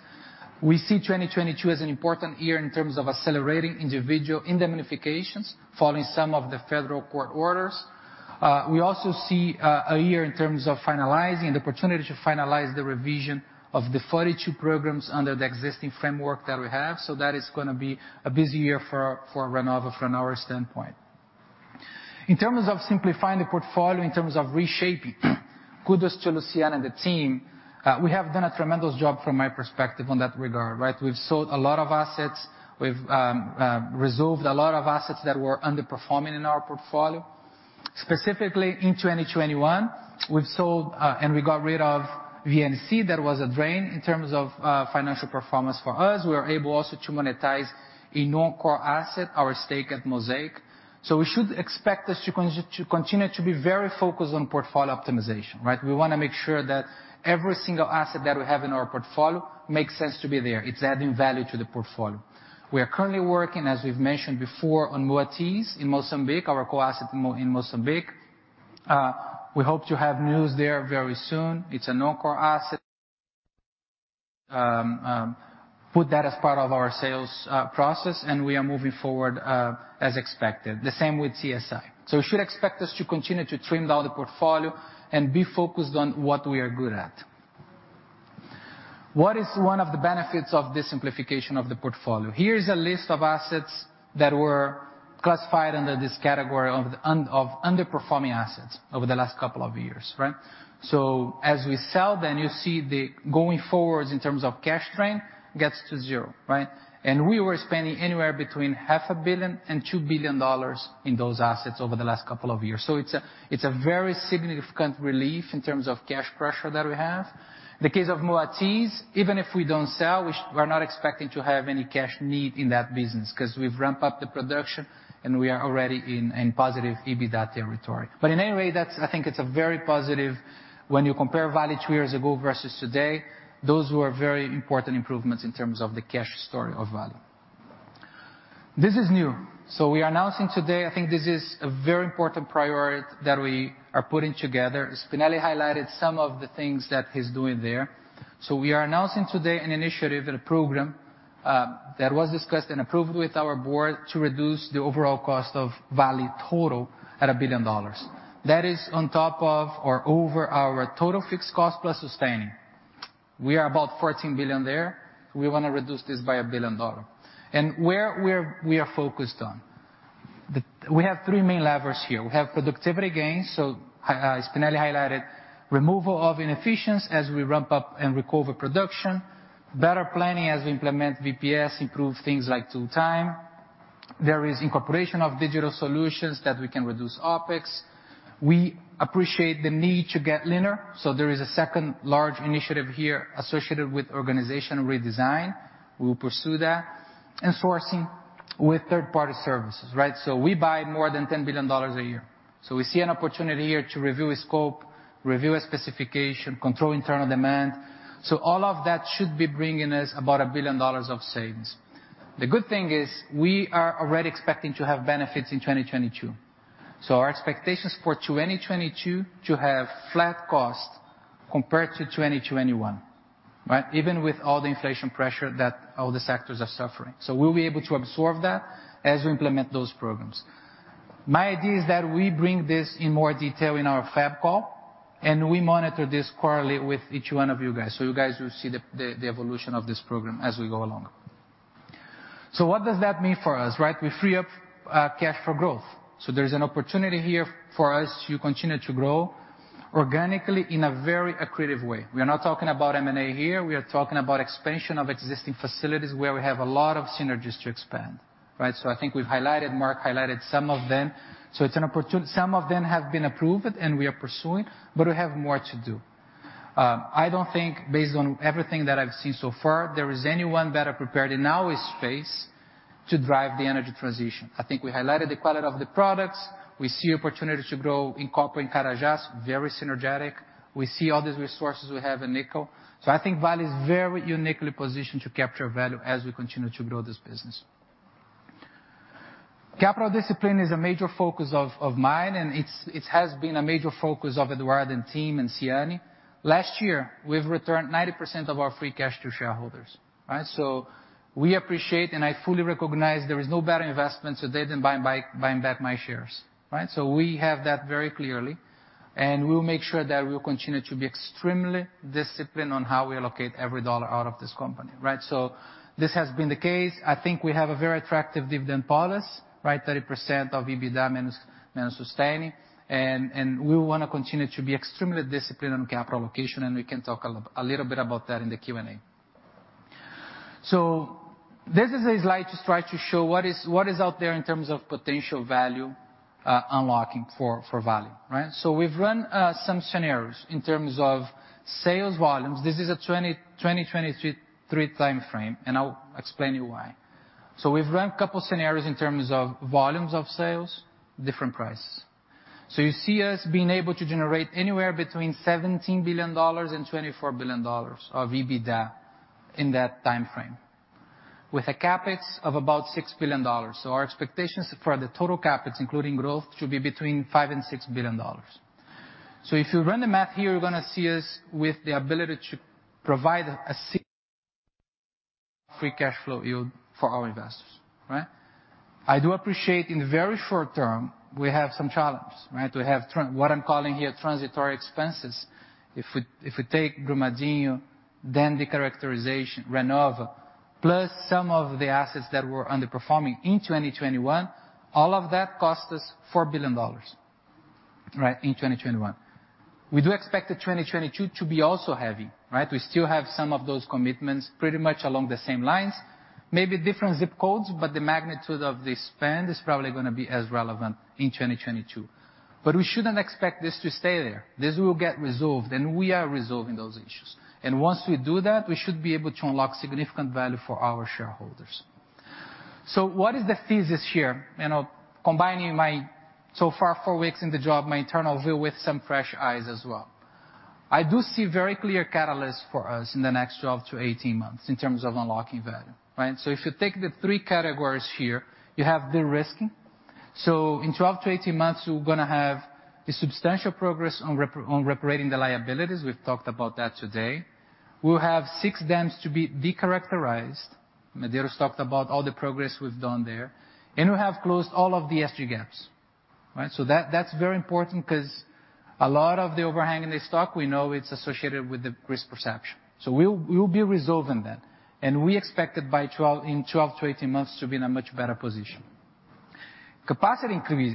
We see 2022 as an important year in terms of accelerating individual indemnifications following some of the federal court orders. We also see a year in terms of finalizing and the opportunity to finalize the revision of the 42 programs under the existing framework that we have. That is gonna be a busy year for Renova from our standpoint. In terms of simplifying the portfolio, in terms of reshaping, kudos to Luciano and the team. We have done a tremendous job from my perspective on that regard, right? We've sold a lot of assets. We've resolved a lot of assets that were underperforming in our portfolio. Specifically in 2021, we've sold and we got rid of VNC. That was a drain in terms of financial performance for us. We were able also to monetize a non-core asset, our stake in Mosaic. We should expect this to continue to be very focused on portfolio optimization, right? We wanna make sure that every single asset that we have in our portfolio makes sense to be there. It's adding value to the portfolio. We are currently working, as we've mentioned before, on Moatize in Mozambique, our coal asset in Mozambique. We hope to have news there very soon. It's a non-core asset. Put that as part of our sales process, and we are moving forward as expected. The same with TSI. You should expect us to continue to trim down the portfolio and be focused on what we are good at. What is one of the benefits of this simplification of the portfolio? Here's a list of assets that were classified under this category of underperforming assets over the last couple of years, right? As we sell, then you see the going forward in terms of cash drain gets to zero, right? We were spending anywhere between $500 million and $2 billion in those assets over the last couple of years. It's a very significant relief in terms of cash pressure that we have. In the case of Moatize, even if we don't sell, we're not expecting to have any cash need in that business because we've ramped up the production, and we are already in a positive EBITDA territory. In any way, that's I think it's a very positive when you compare Vale two years ago versus today, those were very important improvements in terms of the cash story of Vale. This is new. We are announcing today, I think this is a very important priority that we are putting together. Spinelli highlighted some of the things that he's doing there. We are announcing today an initiative and a program that was discussed and approved with our board to reduce the overall cost of Vale total at $1 billion. That is on top of or over our total fixed cost plus sustaining. We are about $14 billion there. We wanna reduce this by $1 billion. Where we are focused on. We have three main levers here. We have productivity gains. Spinelli highlighted removal of inefficiencies as we ramp up and recover production. Better planning as we implement VPS, improve things like tool time. There is incorporation of digital solutions that we can reduce OpEx. We appreciate the need to get leaner. There is a second large initiative here associated with organizational redesign. We will pursue that. Sourcing with third-party services, right? We buy more than $10 billion a year. We see an opportunity here to review a scope, review a specification, control internal demand. All of that should be bringing us about $1 billion of savings. The good thing is we are already expecting to have benefits in 2022. Our expectations for 2022 to have flat cost compared to 2021, right? Even with all the inflation pressure that all the sectors are suffering. We'll be able to absorb that as we implement those programs. My idea is that we bring this in more detail in our February call, and we monitor this quarterly with each one of you guys. You guys will see the evolution of this program as we go along. What does that mean for us, right? We free up cash for growth. There's an opportunity here for us to continue to grow organically in a very accretive way. We are not talking about M&A here. We are talking about expansion of existing facilities where we have a lot of synergies to expand, right? I think we've highlighted, Mark highlighted some of them. Some of them have been approved and we are pursuing, but we have more to do. I don't think based on everything that I've seen so far, there is anyone better prepared in our space to drive the energy transition. I think we highlighted the quality of the products. We see opportunity to grow in copper in Carajás, very synergistic. We see all these resources we have in nickel. I think Vale is very uniquely positioned to capture value as we continue to grow this business. Capital discipline is a major focus of mine, and it has been a major focus of Eduardo and team and Siani. Last year, we've returned 90% of our free cash to shareholders, right? We appreciate, and I fully recognize there is no better investment today than buying back my shares, right? We have that very clearly, and we'll make sure that we'll continue to be extremely disciplined on how we allocate every dollar out of this company, right? This has been the case. I think we have a very attractive dividend policy, right? 30% of EBITDA minus sustaining. We wanna continue to be extremely disciplined on capital allocation, and we can talk a little bit about that in the Q&A. This is a slide to try to show what is out there in terms of potential value unlocking for Vale, right? We've run some scenarios in terms of sales volumes. This is a 2023 timeframe, and I'll explain to you why. We've run a couple scenarios in terms of volumes of sales, different prices. You see us being able to generate anywhere between $17 billion and $24 billion of EBITDA in that timeframe with a CapEx of about $6 billion. Our expectations for the total CapEx, including growth, should be between $5 billion and $6 billion. If you run the math here, you're gonna see us with the ability to provide a free cash flow yield for our investors, right? I do appreciate in the very short term, we have some challenges, right? We have what I'm calling here transitory expenses. If we take Brumadinho, then the decharacterization, Renova, plus some of the assets that were underperforming in 2021, all of that cost us $4 billion, right, in 2021. We do expect the 2022 to be also heavy, right? We still have some of those commitments pretty much along the same lines, maybe different zip codes, but the magnitude of the spend is probably gonna be as relevant in 2022. We shouldn't expect this to stay there. This will get resolved, and we are resolving those issues. Once we do that, we should be able to unlock significant value for our shareholders. What is the thesis here? I'll, combining my, so far, four weeks in the job, my internal view with some fresh eyes as well. I do see very clear catalyst for us in the next 12-18 months in terms of unlocking value, right? If you take the three categories here, you have de-risking. In 12-18 months, we're gonna have a substantial progress on reparating the liabilities. We've talked about that today. We'll have six dams to be de-characterized. Medeiros talked about all the progress we've done there. We have closed all of the SG gaps, right? That's very important 'cause a lot of the overhang in the stock, we know it's associated with the risk perception. We'll be resolving that. We expect it in 12-18 months to be in a much better position. Capacity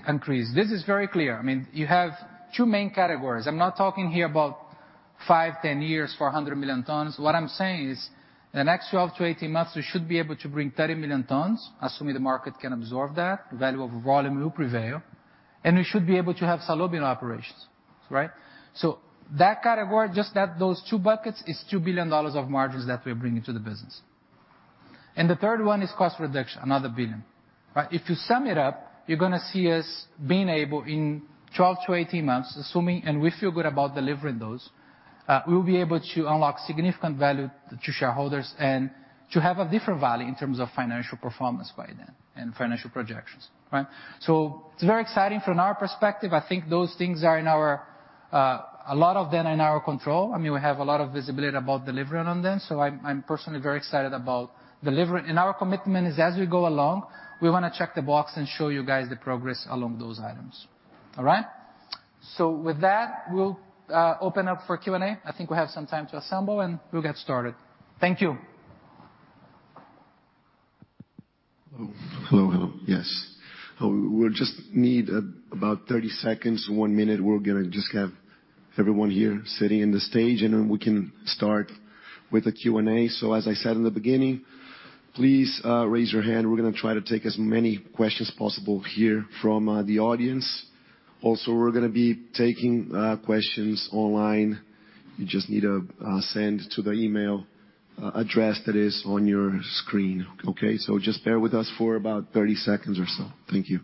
increase, this is very clear. I mean, you have two main categories. I'm not talking here about five, 10 years for 100 million tons. What I'm saying is the next 12-18 months, we should be able to bring 30 million tons, assuming the market can absorb that. The value of volume will prevail. We should be able to have Salobo operations, right? So that category, just that, those two buckets, is $2 billion of margins that we're bringing to the business. The third one is cost reduction, another $1 billion, right? If you sum it up, you're gonna see us being able in 12-18 months, assuming, and we feel good about delivering those, we'll be able to unlock significant value to shareholders and to have a different value in terms of financial performance by then and financial projections, right. It's very exciting from our perspective. I think those things are in our, a lot of them are in our control. I mean, we have a lot of visibility about delivering on them. I'm personally very excited about delivering. Our commitment is as we go along, we wanna check the box and show you guys the progress along those items. All right. With that, we'll open up for Q&A. I think we have some time to assemble, and we'll get started. Thank you. Hello. Yes. We'll just need about 30 seconds, one minute. We're gonna just have everyone here sitting on the stage, and then we can start with the Q&A. As I said in the beginning, please raise your hand. We're gonna try to take as many questions possible here from the audience. Also, we're gonna be taking questions online. You just need to send to the email address that is on your screen. Okay? Just bear with us for about 30 seconds or so. Thank you.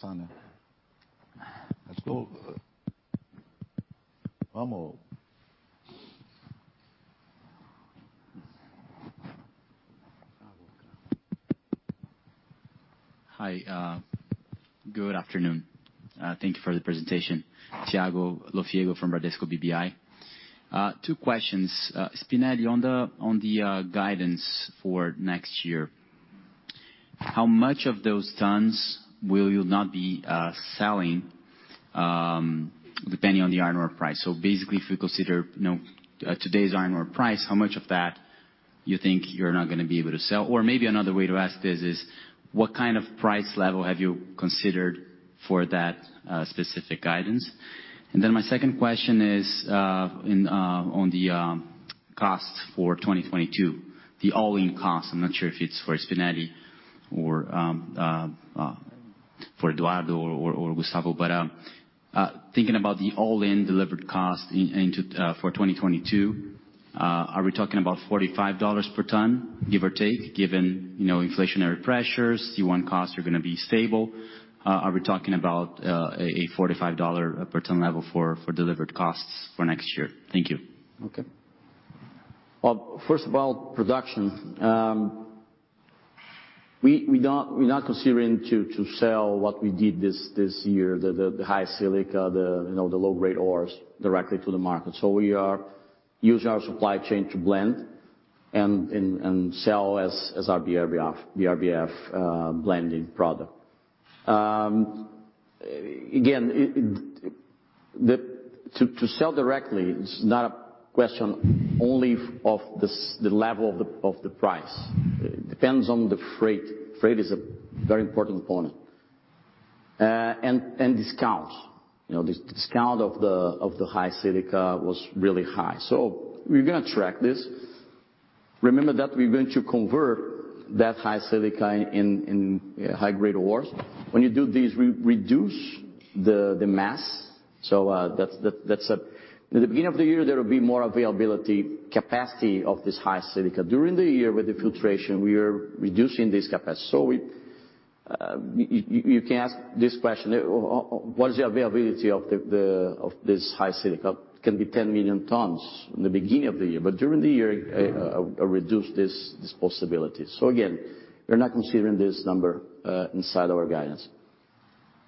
Hi, good afternoon. Thank you for the presentation. Thiago Lofiego from Bradesco BBI. Two questions. Spinelli, on the guidance for next year, how much of those tons will you not be selling depending on the iron ore price? So basically if you consider, you know, today's iron ore price, how much of that you think you're not gonna be able to sell? Or maybe another way to ask this is, what kind of price level have you considered for that specific guidance? My second question is, on the cost for 2022, the all-in cost, I'm not sure if it's for Spinelli or for Eduardo or Gustavo. Thinking about the all-in delivered cost into for 2022, are we talking about $45 per ton, give or take, given, you know, inflationary pressures, C1 costs are gonna be stable. Are we talking about a $45 per ton level for delivered costs for next year? Thank you. Okay. Well, first of all, production. We're not considering to sell what we did this year, the high silica, you know, the low-grade ores directly to the market. We are using our supply chain to blend and sell as our BRBF blending product. Again, to sell directly is not a question only of the level of the price. Depends on the freight. Freight is a very important point. And discount. You know, discount of the high silica was really high. We're gonna track this. Remember that we're going to convert that high silica in high-grade ores. When you do this, we reduce the mass. That's a In the beginning of the year, there will be more availability capacity of this high silica. During the year with the filtration, we are reducing this capacity. You can ask this question, what is the availability of this high silica? It can be 10 million tons in the beginning of the year, but during the year we reduce this possibility. Again, we're not considering this number inside our guidance.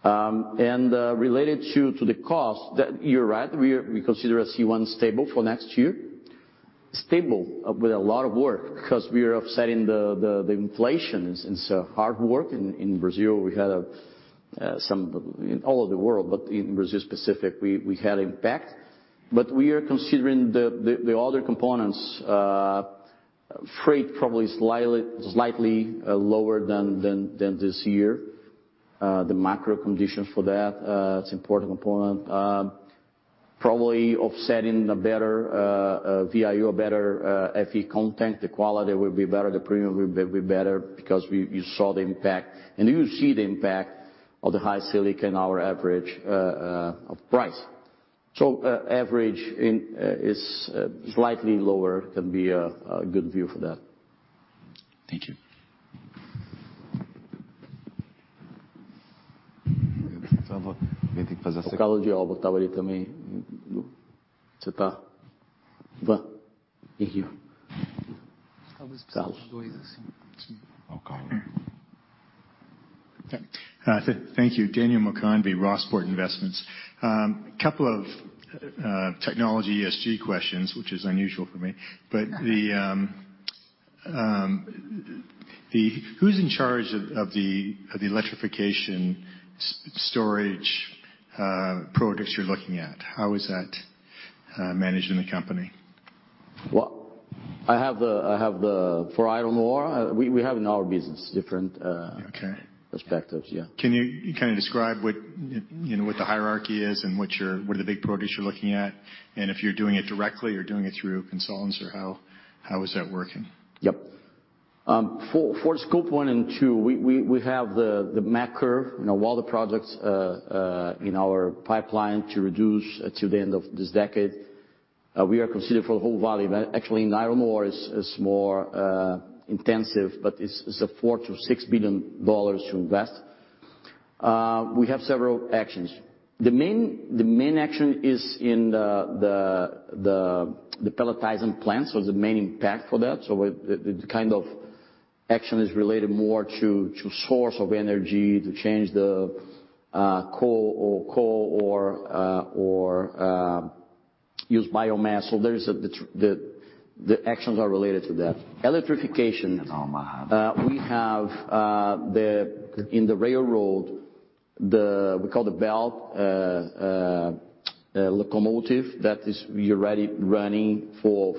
Related to the cost, you're right. We consider our C1 stable for next year. Stable with a lot of work because we are offsetting the inflation. It's hard work. In Brazil we had some impact in all of the world, but in Brazil specifically, we had impact. We are considering the other components, freight probably slightly lower than this year. The macro conditions for that, it's important component. Probably offsetting the better VIU, better Fe content, the quality will be better, the premium will be better because you saw the impact and you see the impact of the high silica in our average price. Averaging is slightly lower can be a good view for that. Thank you. Thank you. Daniel McConvey, Rossport Investments. Couple of technology ESG questions, which is unusual for me. Who's in charge of the electrification storage products you're looking at? How is that managed in the company? Well, for iron ore, we have in our business different. Okay perspectives, yeah. Can you kind of describe what, you know, the hierarchy is and what the big products you're looking at, and if you're doing it directly or doing it through consultants, or how is that working? Yep. For Scope 1 and Scope 2, we have the MAC curve, you know, all the products in our pipeline to reduce to the end of this decade. We are considering for the whole Vale. Actually, in iron ore is more intensive, but it's $4 billion-$6 billion to invest. We have several actions. The main action is in the pelletizing plants or the main impact for that. The kind of action is related more to source of energy, to change the coal or use biomass. The actions are related to that. Electrification, we have in the railroad the locomotive we call the belt that is already running for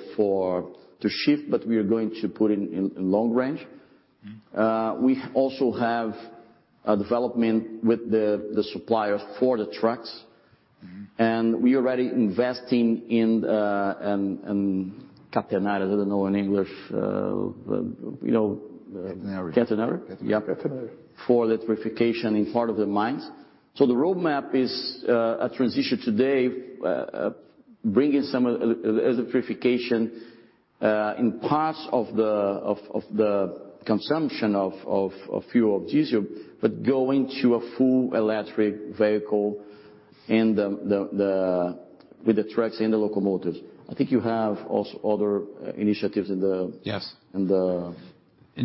shunting, but we are going to put it in long range. We also have a development with the supplier for the trucks. Mm-hmm. We are already investing in catenary. I don't know in English. You know Catenary. Catenary? Catenary. Yeah. Catenary. For electrification in part of the mines. The roadmap is a transition today, bringing some electrification in parts of the consumption of fuel, diesel, but going to full electric vehicles with the trucks and the locomotives. I think you have other initiatives in the- Yes. in the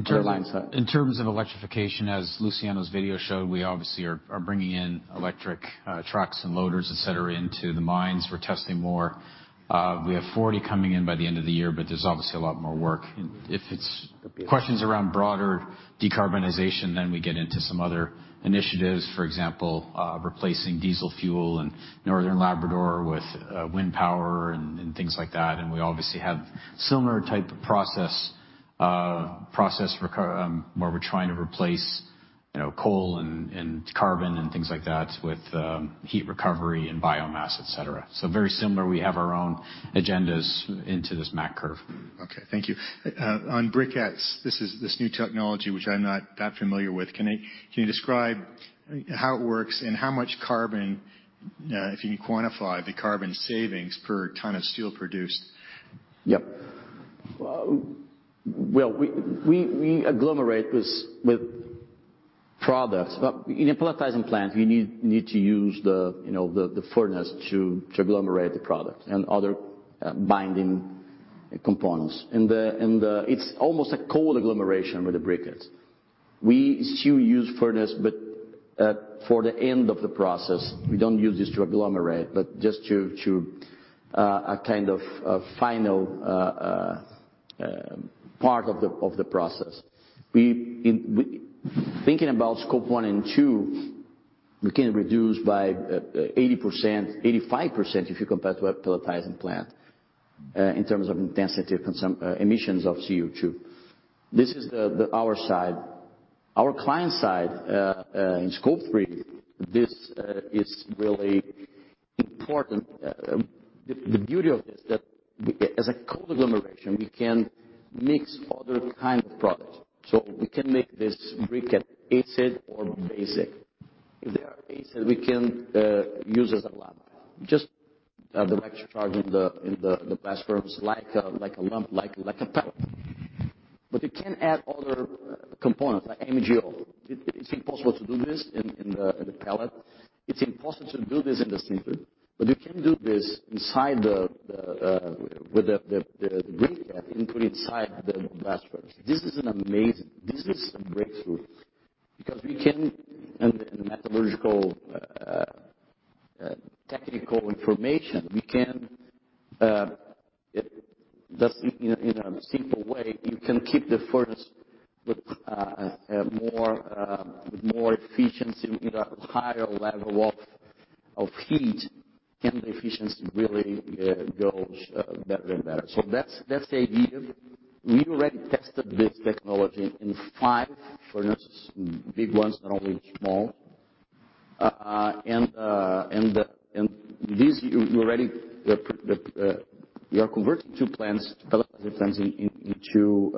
airline side. In terms of electrification, as Luciano's video showed, we obviously are bringing in electric trucks and loaders, et cetera, into the mines. We're testing more. We have 40 coming in by the end of the year, but there's obviously a lot more work. If it's questions around broader decarbonization, then we get into some other initiatives, for example, replacing diesel fuel in Northern Labrador with wind power and things like that. We obviously have similar type of process where we're trying to replace, you know, coal and carbon and things like that with heat recovery and biomass, et cetera. Very similar, we have our own agendas into this MAC curve. Okay, thank you. On briquettes, this new technology which I'm not that familiar with. Can you describe how it works and how much carbon, if you can quantify the carbon savings per ton of steel produced? Yep. Well, we agglomerate this with products. But in a pelletizing plant, you need to use the, you know, the furnace to agglomerate the product and other binding components. It's almost a cold agglomeration with the briquettes. We still use furnace, but for the end of the process. We don't use this to agglomerate, but just to a kind of a final part of the process. Thinking about Scope 1 and 2, we can reduce by 80%-85% if you compare to a pelletizing plant in terms of intensity of emissions of CO₂. This is our side. Our client side in Scope 3, this is really important. The beauty of this, as a cold agglomeration, we can mix other kind of products. We can make this briquette acid or basic. If they are acid, we can use as a lump. Just have the electric charge in the blast furnace like a lump, like a pellet. You can add other components, like MgO. It's impossible to do this in the pellet. It's impossible to do this in the sinter. You can do this inside the blast furnace with the briquette. This is amazing. This is a breakthrough because we can and the metallurgical technical information we can just in a simple way you can keep the furnace with more efficiency with a higher level of heat, and the efficiency really goes better and better. That's the idea. We already tested this technology in five furnaces, big ones, not only small. And this we already the we are converting two plants, pelletizing plants into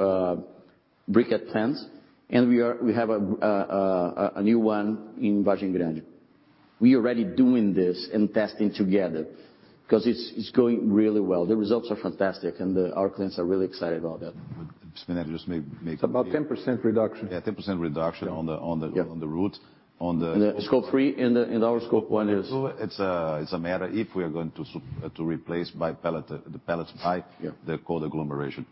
briquette plants. We have a new one in Vargem Grande. We're already doing this and testing together 'cause it's going really well. The results are fantastic, and our clients are really excited about that. Spinelli, just maybe. It's about 10% reduction. Yeah, 10% reduction on the. Yeah. -on the route. On the- Scope 3 and our Scope 1 is Scope 2, it's a matter if we are going to replace by pellet, the pellets by- Yeah. The cold agglomeration.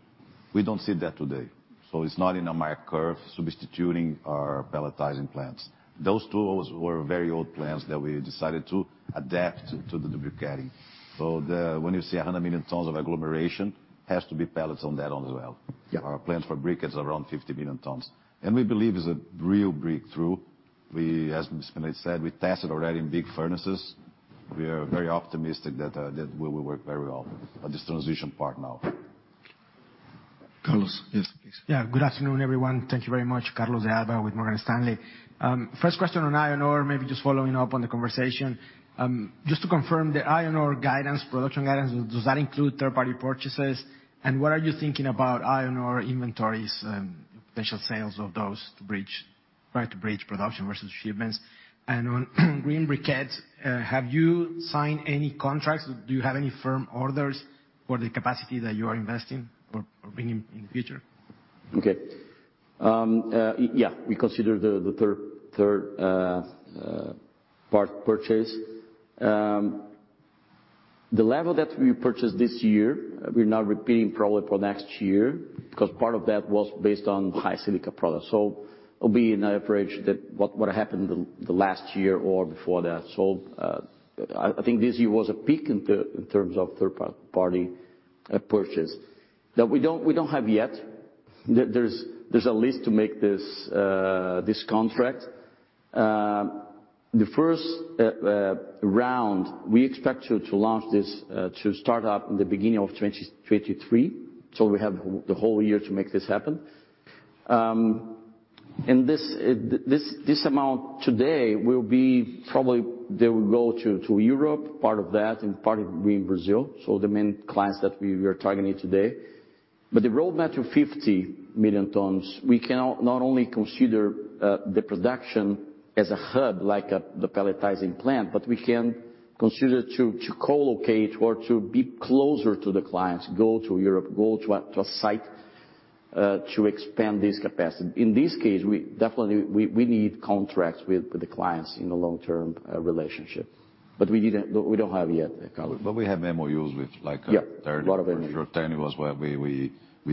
We don't see that today, so it's not in a MAC curve substituting our pelletizing plants. Those two also were very old plants that we decided to adapt to the briquetting. When you say 100 million tons of agglomeration, it has to be pellets on that as well. Yeah. Our plans for briquettes are around 50 million tons. We believe it's a real breakthrough. We, as Spinelli said, we tested already in big furnaces. We are very optimistic that that will work very well on this transition part now. Carlos, yes, please. Yeah, good afternoon, everyone. Thank you very much. Carlos de Alba with Morgan Stanley. First question on iron ore, maybe just following up on the conversation. Just to confirm, the iron ore guidance, production guidance, does that include third-party purchases? And what are you thinking about iron ore inventories and potential sales of those to bridge production versus shipments? And on green briquettes, have you signed any contracts? Do you have any firm orders for the capacity that you are investing or bringing in the future? Okay. We consider the third-party purchase. The level that we purchased this year, we're now repeating probably for next year because part of that was based on high silica products. It'll be an average that what happened the last year or before that. I think this year was a peak in terms of third-party purchase. Now we don't have yet. There's a list to make this contract. The first round, we expect to launch this to start up in the beginning of 2023. We have the whole year to make this happen. This amount today will be probably they will go to Europe, part of that and part will be in Brazil, so the main clients that we are targeting today. The roadmap to 50 million tons, we can not only consider the production as a hub like the pelletizing plant, but we can consider to co-locate or to be closer to the clients, go to Europe, go to a site. To expand this capacity. In this case, we need contracts with the clients in the long-term relationship. We don't have yet, Carlos. We have MOUs with like, Yeah. A lot of MOUs. 10 was where we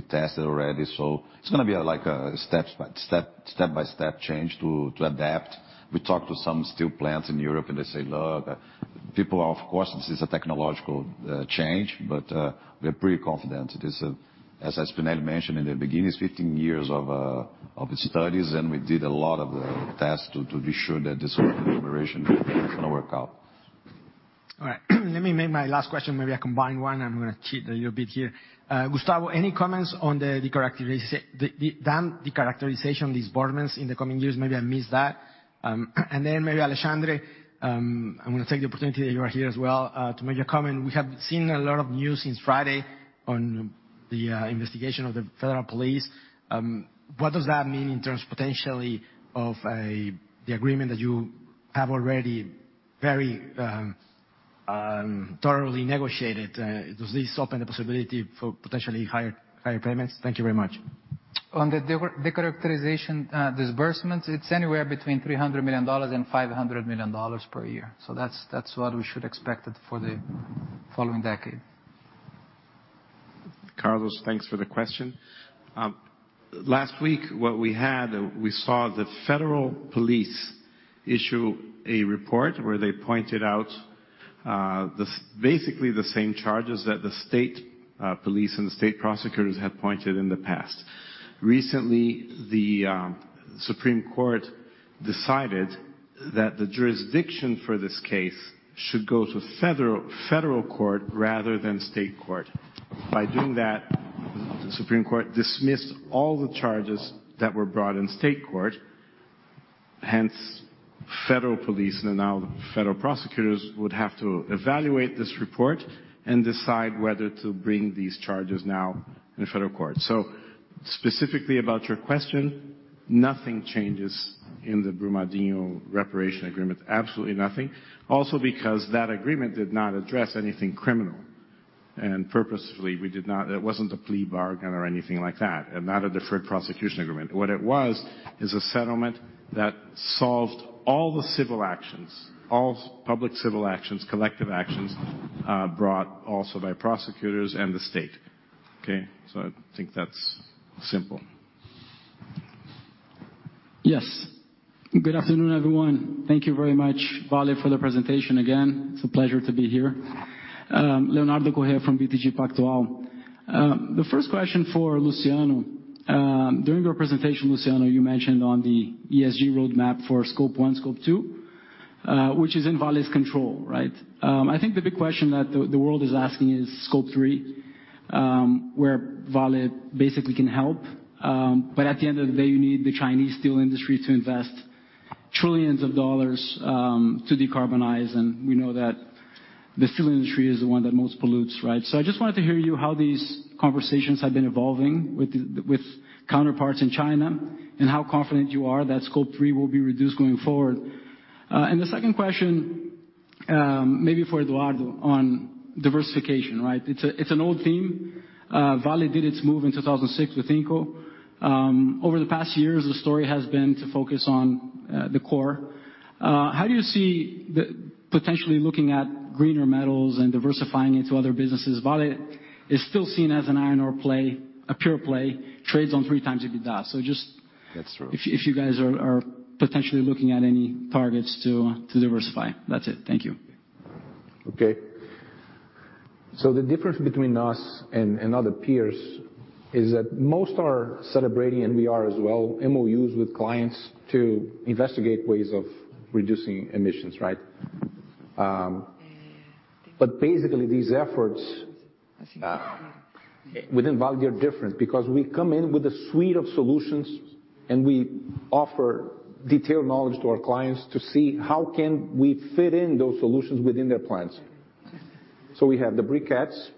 tested already. It's gonna be a step-by-step change to adapt. We talked to some steel plants in Europe, and they say, "Look, people are." Of course, this is a technological change, but we're pretty confident. As Spinelli mentioned in the beginning, it's 15 years of studies, and we did a lot of the tests to be sure that this whole agglomeration is gonna work out. All right. Let me make my last question maybe a combined one. I'm gonna cheat a little bit here. Gustavo, any comments on the Dam Decharacterization disbursements in the coming years? Maybe I missed that. Alexandre, I'm gonna take the opportunity that you are here as well, to make a comment. We have seen a lot of news since Friday on the investigation of the federal police. What does that mean in terms potentially of the agreement that you have already very thoroughly negotiated? Does this open the possibility for potentially higher payments? Thank you very much. On the De-Characterization, disbursements, it's anywhere between $300 million and $500 million per year. That's what we should expected for the following decade. Carlos, thanks for the question. Last week, we saw the federal police issue a report where they pointed out basically the same charges that the state police and the state prosecutors had pointed in the past. Recently, the Supreme Court decided that the jurisdiction for this case should go to federal court rather than state court. By doing that, the Supreme Court dismissed all the charges that were brought in state court. Hence, federal police and now the federal prosecutors would have to evaluate this report and decide whether to bring these charges now in federal court. Specifically about your question, nothing changes in the Brumadinho reparation agreement. Absolutely nothing. Also because that agreement did not address anything criminal. Purposefully, we did not. It wasn't a plea bargain or anything like that, and not a deferred prosecution agreement. What it was is a settlement that solved all the civil actions, all public civil actions, collective actions, brought also by prosecutors and the state. Okay? I think that's simple. Yes. Good afternoon, everyone. Thank you very much, Vale, for the presentation again. It's a pleasure to be here. Leonardo Correa from BTG Pactual. The first question for Luciano. During your presentation, Luciano, you mentioned on the ESG roadmap for Scope 1, Scope 2, which is in Vale's control, right? I think the big question that the world is asking is Scope 3, where Vale basically can help. But at the end of the day, you need the Chinese steel industry to invest trillions of dollars to decarbonize. We know that the steel industry is the one that most pollutes, right? I just wanted to hear you how these conversations have been evolving with counterparts in China, and how confident you are that Scope Three will be reduced going forward. The second question, maybe for Eduardo on diversification, right? It's an old theme. Vale did its move in 2006 with Inco. Over the past years, the story has been to focus on the core. How do you see potentially looking at greener metals and diversifying into other businesses? Vale is still seen as an iron ore play, a pure play, trades on 3x EBITDA. Just- That's true. If you guys are potentially looking at any targets to diversify. That's it. Thank you. Okay. The difference between us and other peers is that most are celebrating, and we are as well, MOUs with clients to investigate ways of reducing emissions, right? Basically these efforts within Vale they're different because we come in with a suite of solutions, and we offer detailed knowledge to our clients to see how can we fit in those solutions within their plants. We have the briquettes.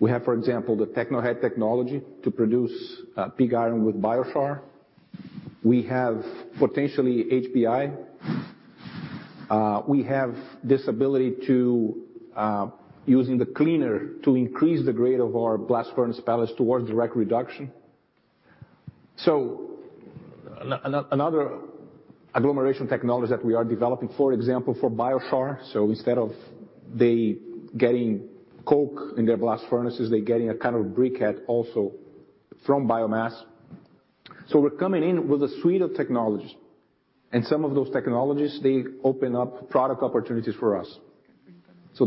We have, for example, the Tecnored technology to produce pig iron with biochar. We have potentially HBI. We have this ability to using the cleaner to increase the grade of our blast furnace pellets towards direct reduction. Another agglomeration technology that we are developing, for example, for biochar. Instead of they getting coke in their blast furnaces, they're getting a kind of briquette also from biomass. We're coming in with a suite of technologies, and some of those technologies, they open up product opportunities for us.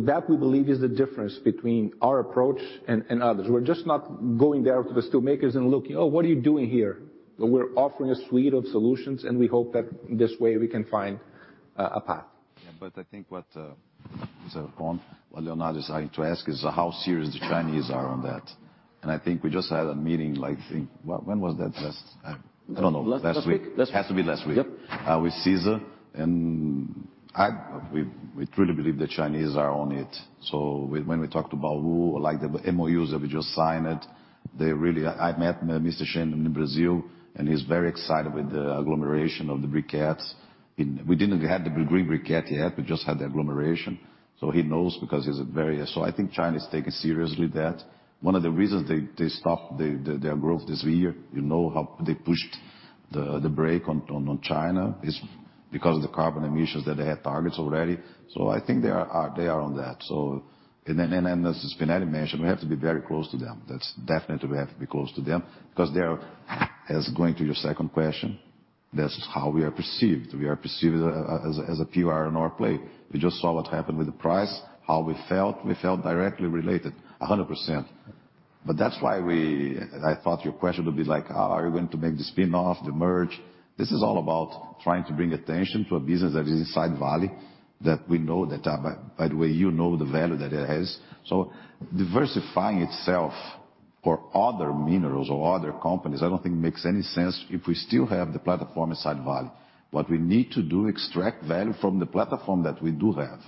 That we believe is the difference between our approach and others. We're just not going there to the steel makers and looking, "Oh, what are you doing here?" We're offering a suite of solutions, and we hope that this way we can find a path. Yeah. I think what sir on what Leonardo is trying to ask is how serious the Chinese are on that. I think we just had a meeting, like, I think. When was that last time? I don't know. Last week. Last week. Last week. Has to be last week. Yep. With CISA, we truly believe the Chinese are on it. When we talked to Baowu, like the MOUs that we just signed, they really I met Mr. Shen in Brazil, and he's very excited with the agglomeration of the briquettes in. We didn't have the green briquette yet, we just had the agglomeration. He knows because he's a very. I think China is taking seriously that. One of the reasons they stopped their growth this year, you know how they pushed the brake on China is. Because of the carbon emissions that they have targets already. I think they are on that. As Spinelli mentioned, we have to be very close to them. That's definitely we have to be close to them because they are. As going to your second question, that's how we are perceived. We are perceived as a pure iron ore play. We just saw what happened with the price, how we felt. We felt directly related 100%. That's why I thought your question would be like, are you going to make the spin-off, the merger? This is all about trying to bring attention to a business that is inside Vale, that we know, by the way, you know the value that it has. Diversifying itself for other minerals or other companies, I don't think makes any sense if we still have the platform inside Vale. What we need to do, extract value from the platform that we do have.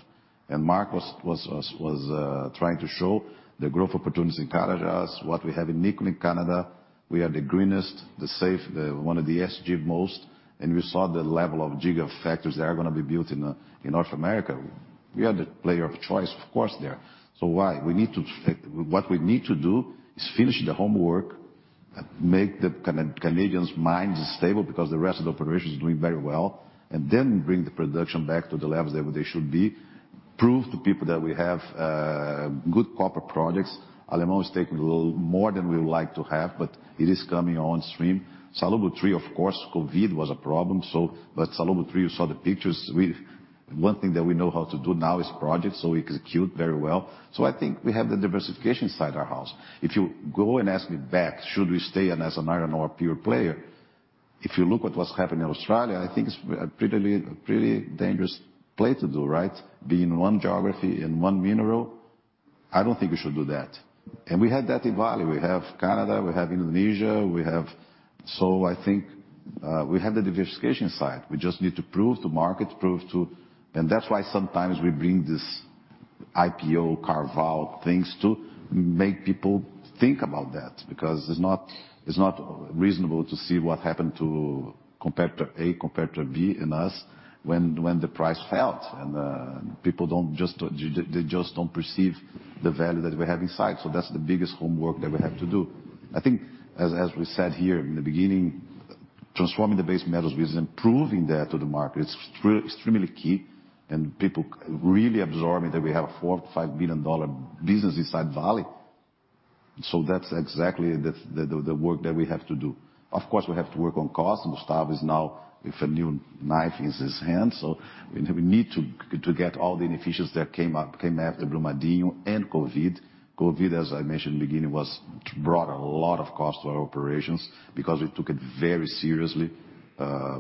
Mark was trying to show the growth opportunities in Carajás, what we have in nickel in Canada. We are the greenest, the safest, one of the most ESG, and we saw the level of gigafactories that are gonna be built in North America. We are the player of choice, of course, there. Why? What we need to do is finish the homework, make the Canadian mines stable because the rest of the operation is doing very well, and then bring the production back to the levels that they should be. Prove to people that we have good copper products. Alemão is taking a little more than we would like to have, but it is coming on stream. Salobo III, of course, COVID was a problem. Salobo III, you saw the pictures. One thing that we know how to do now is projects, so execute very well. I think we have the diversification inside our house. If you go and ask me back, should we stay and as an iron ore pure player, if you look at what's happened in Australia, I think it's a pretty dangerous play to do, right? Be in one geography, in one mineral. I don't think we should do that. We have that in Vale. We have Canada, we have Indonesia, we have. I think we have the diversification side. We just need to prove to market, prove to. That's why sometimes we bring this IPO carve out things to make people think about that. Because it's not, it's not reasonable to see what happened to competitor A, competitor B and us when the price fell. People just don't perceive the value that we have inside. That's the biggest homework that we have to do. I think as we said here in the beginning, transforming the base metals business and proving that to the market is extremely key. People really absorbing that we have a $4 billion-$5 billion business inside Vale. That's exactly the work that we have to do. Of course, we have to work on cost. Gustavo is now with a new knife in his hand. We need to get all the inefficiencies that came after Brumadinho and COVID. COVID, as I mentioned in the beginning, brought a lot of cost to our operations because we took it very seriously.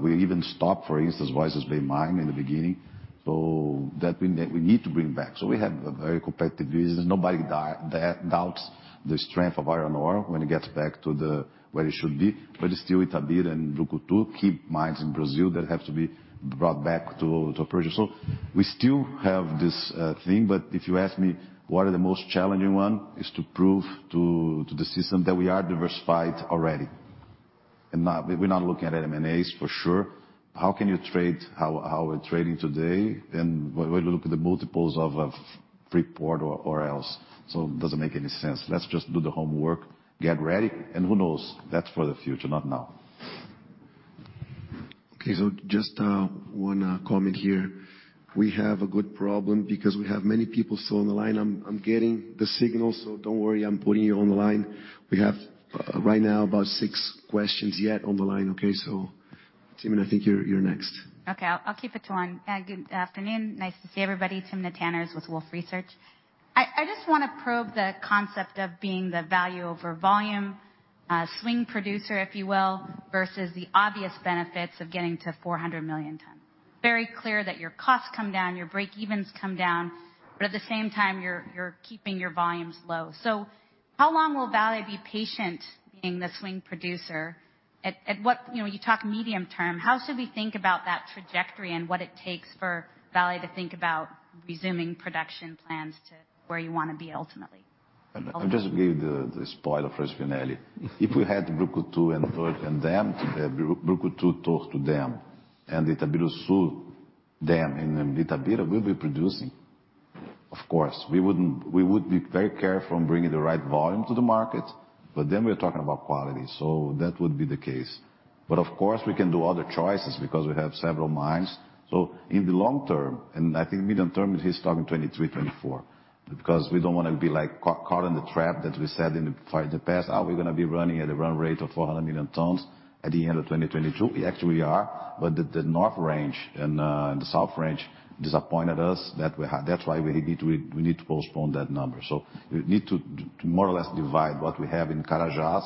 We even stopped, for instance, Voisey's Bay mine in the beginning. We need to bring back. We have a very competitive business. Nobody doubts the strength of iron ore when it gets back to where it should be. But still, Itabira and Brucutu key mines in Brazil that have to be brought back to production. We still have this thing. But if you ask me what are the most challenging one, is to prove to the system that we are diversified already. And we're not looking at M&As for sure. How can you trade how we're trading today and when you look at the multiples of Freeport-McMoRan or else, so it doesn't make any sense. Let's just do the homework, get ready, and who knows? That's for the future, not now. Okay. Just one comment here. We have a good problem because we have many people still on the line. I'm getting the signal, so don't worry. I'm putting you on the line. We have right now about six questions yet on the line. Okay. Timna, I think you're next. Okay. I'll keep it to one. Good afternoon. Nice to see everybody. Timna Tanners with Wolfe Research. I just wanna probe the concept of being the value over volume swing producer, if you will, versus the obvious benefits of getting to 400 million tons. Very clear that your costs come down, your break evens come down, but at the same time, you're keeping your volumes low. How long will Vale be patient being the swing producer? At what, you know, you talk medium term, how should we think about that trajectory and what it takes for Vale to think about resuming production plans to where you wanna be ultimately? I'll just give the spoiler for Spinelli. If we had Brucutu and Itabira's dam in Itabira, we'll be producing. Of course, we wouldn't, we would be very careful in bringing the right volume to the market, but then we're talking about quality. That would be the case. Of course, we can do other choices because we have several mines. In the long term, and I think medium term, he's talking 2023, 2024, because we don't wanna be like caught in the trap that we set in the far past. Are we gonna be running at a run rate of 400 million tons at the end of 2022? We actually are. The North Range and the South Range disappointed us that we had. That's why we need to postpone that number. We need to more or less divide what we have in Carajás,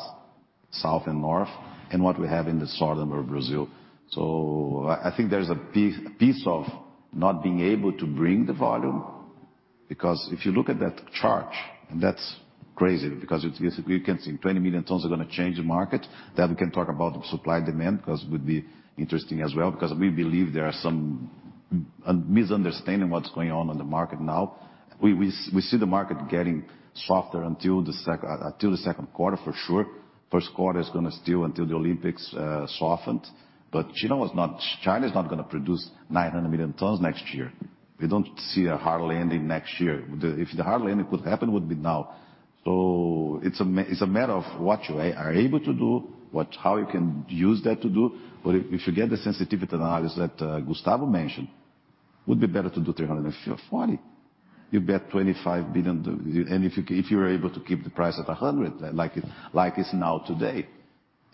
South and North, and what we have in the South of Brazil. I think there's a piece of not being able to bring the volume, because if you look at that chart, and that's crazy because you can see 20 million tons are gonna change the market. We can talk about supply, demand, because it would be interesting as well, because we believe there are some misunderstanding what's going on on the market now. We see the market getting softer until the second quarter for sure. First quarter is gonna still until the Olympics softened. China is not gonna produce 900 million tons next year. We don't see a hard landing next year. If the hard landing could happen, it would be now. It's a matter of what you are able to do, what how you can use that to do. If you get the sensitivity analysis that Gustavo mentioned, it would be better to do 340. You get $25 billion, and if you are able to keep the price at $100, like it's now today.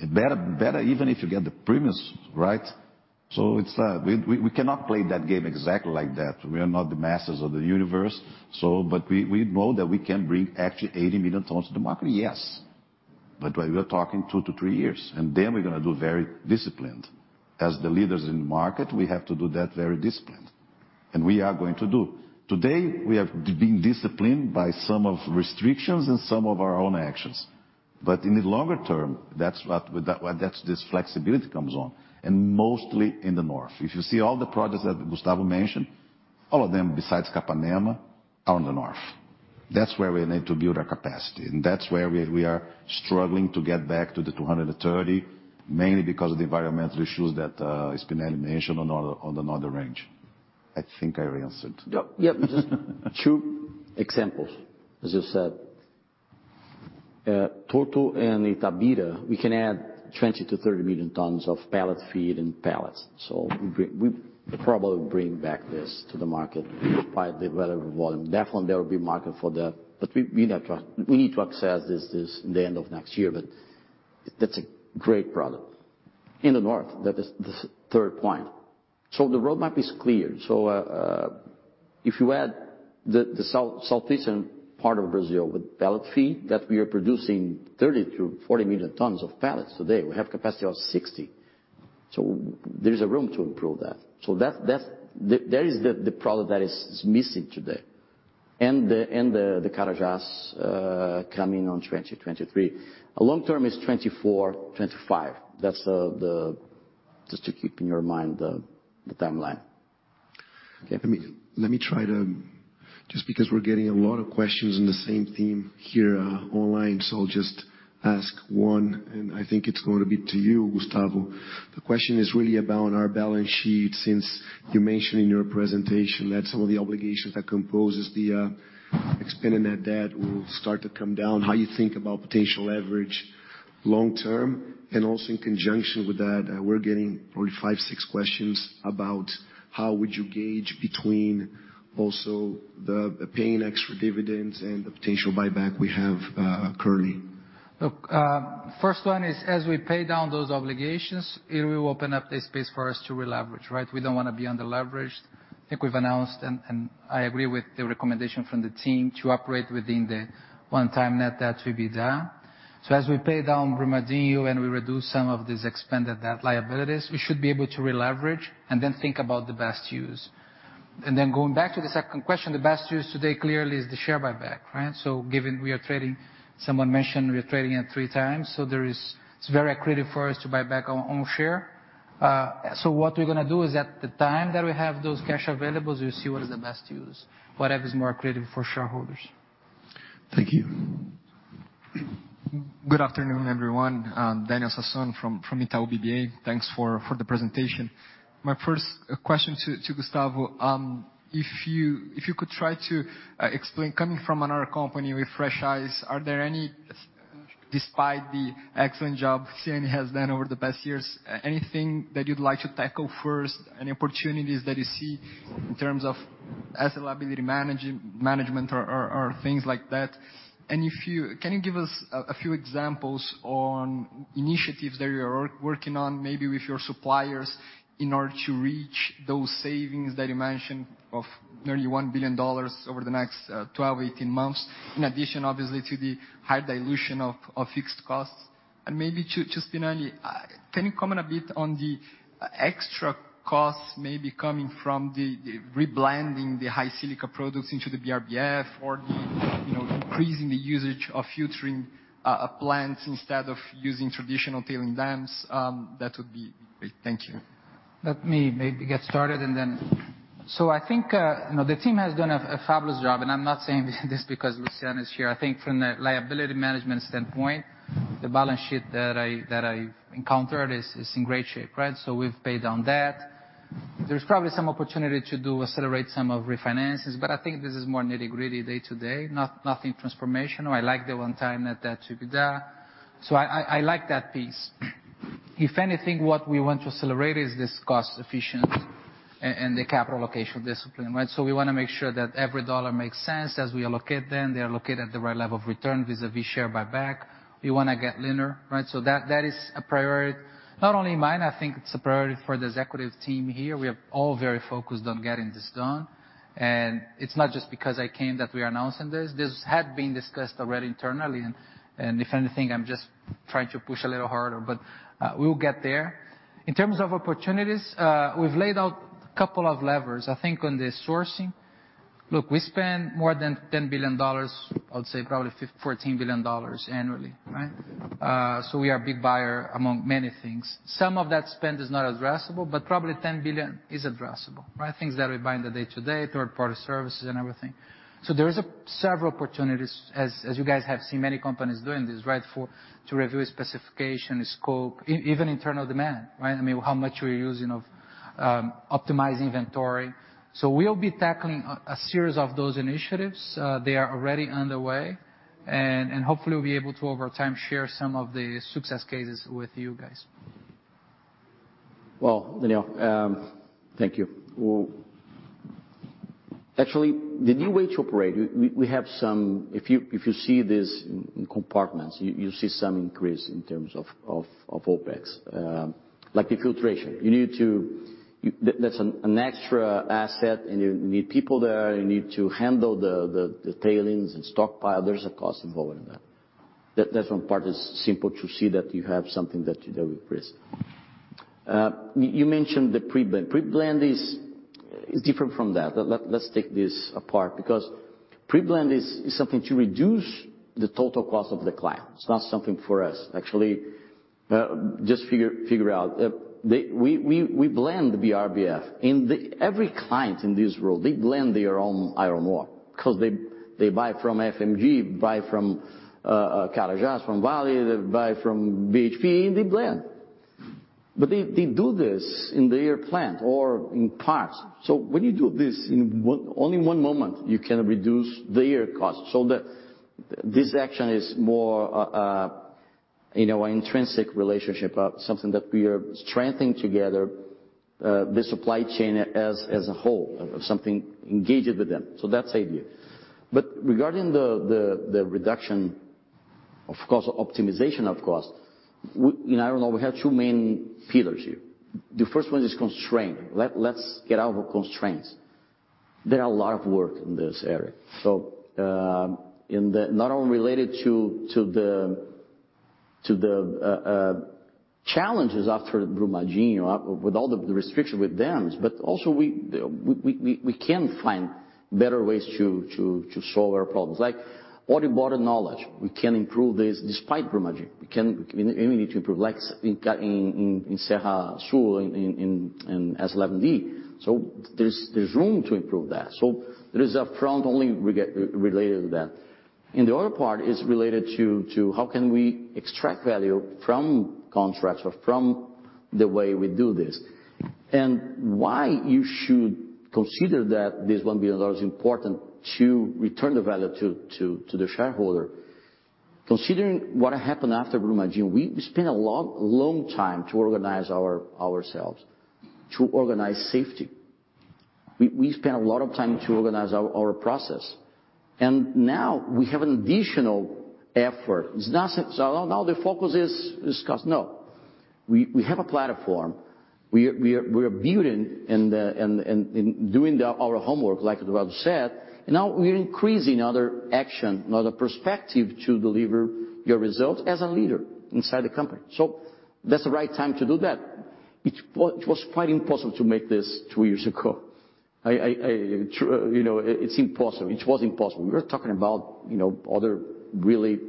Better even if you get the premiums, right? We cannot play that game exactly like that. We are not the masters of the universe. We know that we can bring actually 80 million tons to the market, yes. We are talking two to three years, and then we're gonna do very disciplined. As the leaders in the market, we have to do that very disciplined, and we are going to do. Today, we have been disciplined by some of restrictions and some of our own actions. In the longer term, that's what this flexibility comes on, and mostly in the north. If you see all the projects that Gustavo mentioned, all of them besides Capanema are in the north. That's where we need to build our capacity, and that's where we are struggling to get back to the 230, mainly because of the environmental issues that Spinelli mentioned on the northern range. I think I answered. Yep. Yep. Just two examples. As you said, Torto and Itabira, we can add 20 million-30 million tons of pellet feed and pellets. We probably bring this back to the market by the relevant volume. Definitely, there will be market for that. We have to assess this by the end of next year. That's a great product. In the north, that is the third point. The roadmap is clear. If you add the south-southeastern part of Brazil with pellet feed that we are producing 30 million-40 million tons of pellets today. We have capacity of 60. There's a room to improve that. There is the product that is missing today. The Carajás coming on 2023. Long term is 2024, 2025. That's the. Just to keep in your mind the timeline. Okay. Just because we're getting a lot of questions in the same theme here, online, so I'll just ask one, and I think it's going to be to you, Gustavo. The question is really about our balance sheet since you mentioned in your presentation that some of the obligations that composes the expended net debt will start to come down. How you think about potential leverage long term? Also in conjunction with that, we're getting probably five, six questions about how would you gauge between also the paying extra dividends and the potential buyback we have, currently. Look, first one is, as we pay down those obligations, it will open up the space for us to releverage, right? We don't wanna be under-leveraged. I think we've announced, and I agree with the recommendation from the team to operate within the 1x net debt to EBITDA. As we pay down Brumadinho, and we reduce some of these expensive debt liabilities, we should be able to releverage and then think about the best use. Then going back to the second question, the best use today clearly is the share buyback, right? Given we are trading, someone mentioned we are trading at 3x. There is. It's very accretive for us to buy back our own share. What we're gonna do is, at the time that we have those cash availables, we'll see what is the best use, whatever is more accretive for shareholders. Thank you. Good afternoon, everyone. I'm Daniel Sasson from Itaú BBA. Thanks for the presentation. My first question to Gustavo, if you could try to explain, coming from another company with fresh eyes, are there any, despite the excellent job Siani has done over the past years, anything that you'd like to tackle first, any opportunities that you see in terms of asset liability management or things like that? Can you give us a few examples on initiatives that you are working on, maybe with your suppliers, in order to reach those savings that you mentioned of nearly $1 billion over the next 12, 18 months, in addition, obviously, to the high dilution of fixed costs? Maybe to Spinelli, can you comment a bit on the extra costs maybe coming from the reblending the high silica products into the BRBF or, you know, increasing the usage of filtering plants instead of using traditional tailings dams? That would be great. Thank you. I think you know, the team has done a fabulous job, and I'm not saying this because Luciana is here. I think from the liability management standpoint, the balance sheet that I've encountered is in great shape, right? We've paid down debt. There's probably some opportunity to accelerate some of refinancings, but I think this is more nitty-gritty day-to-day, nothing transformational. I like the one-time net debt to EBITDA. I like that piece. If anything, what we want to accelerate is this cost efficiency and the capital allocation discipline, right? We wanna make sure that every dollar makes sense as we allocate them. They are allocated at the right level of return vis-à-vis share buyback. We wanna get leaner, right? That is a priority, not only mine. I think it's a priority for the executive team here. We are all very focused on getting this done. It's not just because I came that we are announcing this. This had been discussed already internally, and if anything, I'm just trying to push a little harder, but we will get there. In terms of opportunities, we've laid out a couple of levers, I think, on the sourcing. Look, we spend more than $10 billion, I would say probably $14 billion annually, right? We are a big buyer among many things. Some of that spend is not addressable, but probably $10 billion is addressable, right? Things that we buy in the day-to-day, third-party services and everything. There is several opportunities, as you guys have seen many companies doing this, right, to review specification, scope, even internal demand, right? I mean, how much we're using of optimize inventory. We'll be tackling a series of those initiatives. They are already underway. Hopefully we'll be able to, over time, share some of the success cases with you guys. Well, Daniel, thank you. Actually, the new way to operate, we have some. If you see this in compartments, you see some increase in terms of OPEX. Like the filtration. That's an extra asset, and you need people there, you need to handle the tailings and stockpile. There's a cost involved in that. That one part is simple to see that you have something that you deal with risk. You mentioned the pre-blend. Pre-blend is different from that. Let's take this apart, because pre-blend is something to reduce the total cost of the client. It's not something for us. Actually, just figure out, we blend the BRBF. Every client in this world, they blend their own iron ore, 'cause they buy from FMG, buy from Carajás, from Vale, they buy from BHP, and they blend. They do this in their plant or in parts. When you do this in only one moment, you can reduce their costs. This action is more, you know, an intrinsic relationship of something that we are strengthening together, the supply chain as a whole, of something engaged with them. That's the idea. Regarding the reduction of cost, optimization of cost, you know, I don't know, we have two main pillars here. The first one is constraint. Let's get out of constraints. There are a lot of work in this area. Not only related to the challenges after Brumadinho with all the restriction with dams, but also we can find better ways to solve our problems. Like audit board knowledge, we can improve this despite Brumadinho. We need to improve, like in Carajás, in Serra Sul, in S11D. There's room to improve that. There is a front only related to that. The other part is related to how can we extract value from contracts or from the way we do this. Why you should consider that this $1 billion is important to return the value to the shareholder. Considering what happened after Brumadinho, we spent a long time to organize ourselves to organize safety. We spent a lot of time to organize our process. Now we have an additional effort. It's not so, "Oh, now the focus is cost." No. We have a platform. We are building and doing our homework, like Eduardo said. Now we're increasing other action, another perspective to deliver your results as a leader inside the company. That's the right time to do that. It was quite impossible to make this two years ago. I you know, it's impossible. It was impossible. We were talking about, you know, other really,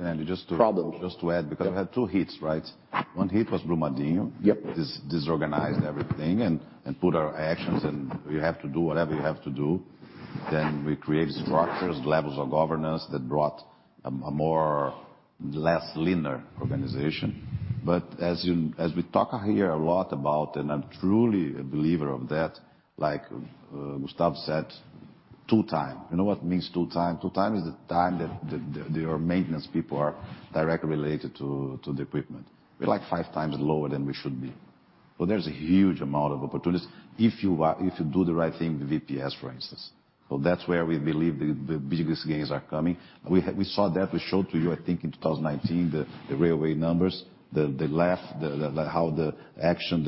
Nando, just to -problems. Just to add, because we had two hits, right? One hit was Brumadinho. Yep. This disorganized everything and put our actions, and we have to do whatever we have to do. We create structures, levels of governance that brought a more less linear organization. As we talk here a lot about, and I'm truly a believer of that, like Gustavo said, tool time. You know what tool time means? Tool time is the time that the our maintenance people are directly related to the equipment. We're like 5 times lower than we should be. There's a huge amount of opportunities if you do the right thing with VPS, for instance. That's where we believe the biggest gains are coming. We saw that. We showed to you, I think, in 2019, the railway numbers, the theft, how the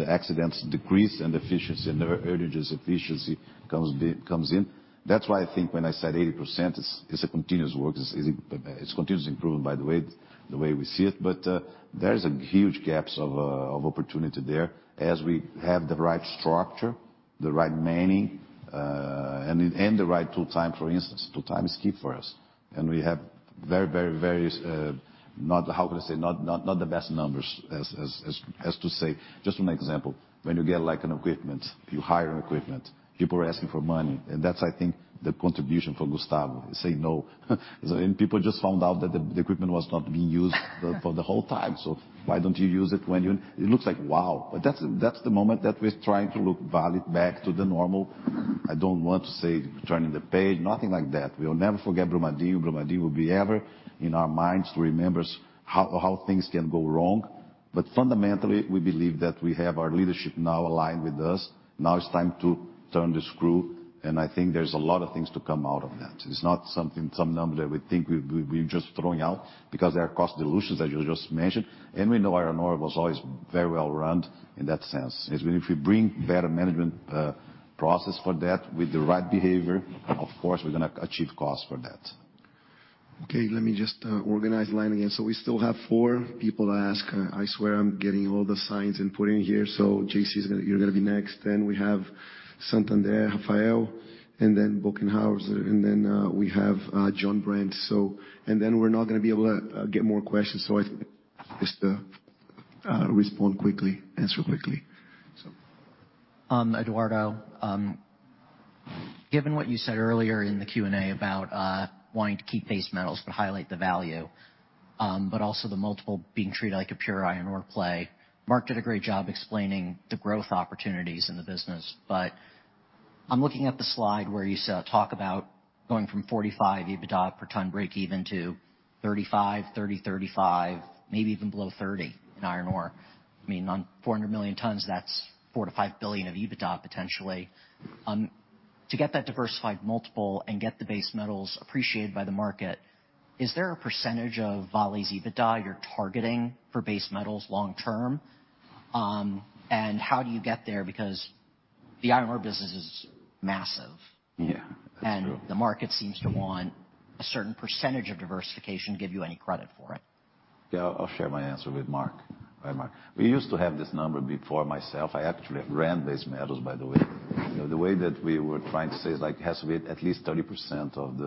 accidents decrease and efficiency and the earnings efficiency comes in. That's why I think when I said 80%, it's a continuous work. It's continuous improvement by the way we see it. There is a huge gaps of opportunity there as we have the right structure, the right manning, and the right tool time, for instance. Tool time is key for us. We have, how can I say, not the best numbers so to say. Just one example, when you get like an equipment, you hire an equipment, people are asking for money. That's, I think, the contribution for Gustavo, say no. People just found out that the equipment was not being used for the whole time. Why don't you use it when you. It looks like, wow. That's the moment that we're trying to get Vale back to normal. I don't want to say turning the page, nothing like that. We will never forget Brumadinho. Brumadinho will be ever in our minds to remember how things can go wrong. Fundamentally, we believe that we have our leadership now aligned with us. Now it's time to turn the screw, and I think there's a lot of things to come out of that. It's not something, some number that we think we're just throwing out because there are cost reductions, as you just mentioned. We know iron ore was always very well run in that sense. As when if we bring better management, process for that with the right behavior, of course, we're gonna achieve cost for that. Okay, let me just organize the line again. We still have four people to ask. I swear I'm getting all the signs and putting here. JC is gonna be next. You're gonna be next. Then we have Santander, Rafael, and then Bokkenheuser, and then we have Jonathan Brandt. We're not gonna be able to get more questions, so I think just respond quickly, answer quickly. Eduardo, given what you said earlier in the Q&A about wanting to keep base metals but highlight the value, but also the multiple being treated like a pure iron ore play. Mark did a great job explaining the growth opportunities in the business. I'm looking at the slide where you talk about going from 45 EBITDA per ton breakeven to 35, 30, 35, maybe even below 30 in iron ore. I mean, on 400 million tons, that's $4 billion-$5 billion of EBITDA potentially. To get that diversified multiple and get the base metals appreciated by the market, is there a percentage of Vale's EBITDA you're targeting for base metals long term? And how do you get there? Because the iron ore business is massive. Yeah, that's true. The market seems to want a certain percentage of diversification to give you any credit for it. Yeah, I'll share my answer with Mark. Hi, Mark. We used to have this number before myself. I actually ran base metals, by the way. The way that we were trying to say is like, it has to be at least 30% of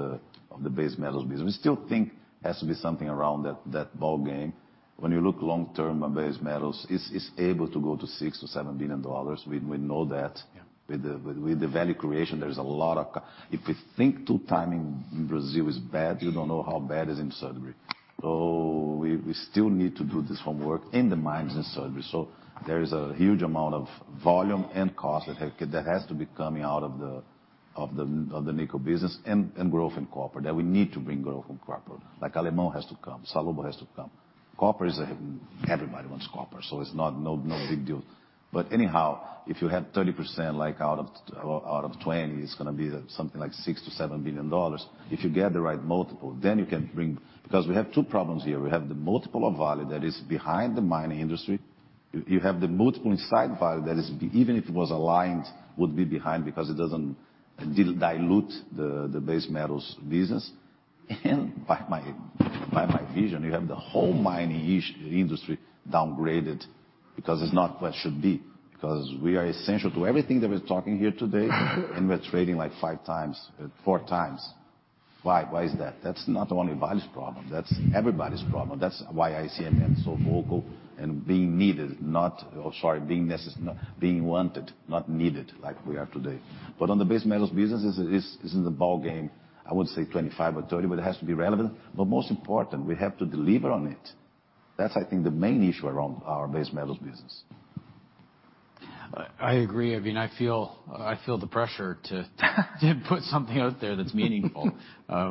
the base metals business. We still think it has to be something around that ballgame. When you look long term at base metals, it's able to go to $6 billion-$7 billion. We know that. Yeah. With the value creation, there is a lot of. If you think downtime in Brazil is bad, you don't know how bad it is in Sudbury. We still need to do this homework in the mines in Sudbury. There is a huge amount of volume and cost that has to be coming out of the nickel business and growth in copper. We need to bring growth from copper. Like Alemão has to come, Salobo has to come. Copper is a. Everybody wants copper, so it's not a big deal. Anyhow, if you have 30%, like out of 20, it's gonna be something like $6 billion-$7 billion. If you get the right multiple, then you can bring. We have two problems here. We have the multiple of Vale that is behind the mining industry. You have the multiple inside Vale that is, even if it was aligned, would be behind because it doesn't dilute the base metals business. By my vision, you have the whole mining industry downgraded because it's not what it should be. We are essential to everything that we're talking here today, and we're trading like 5x, 4x. Why? Why is that? That's not only Vale's problem, that's everybody's problem. That's why I see them being so vocal and being wanted, not needed like we are today. On the base metals business, this is the ballgame. I would say 25 or 30, but it has to be relevant. Most important, we have to deliver on it. That's, I think, the main issue around our base metals business. I agree. I mean, I feel the pressure to put something out there that's meaningful,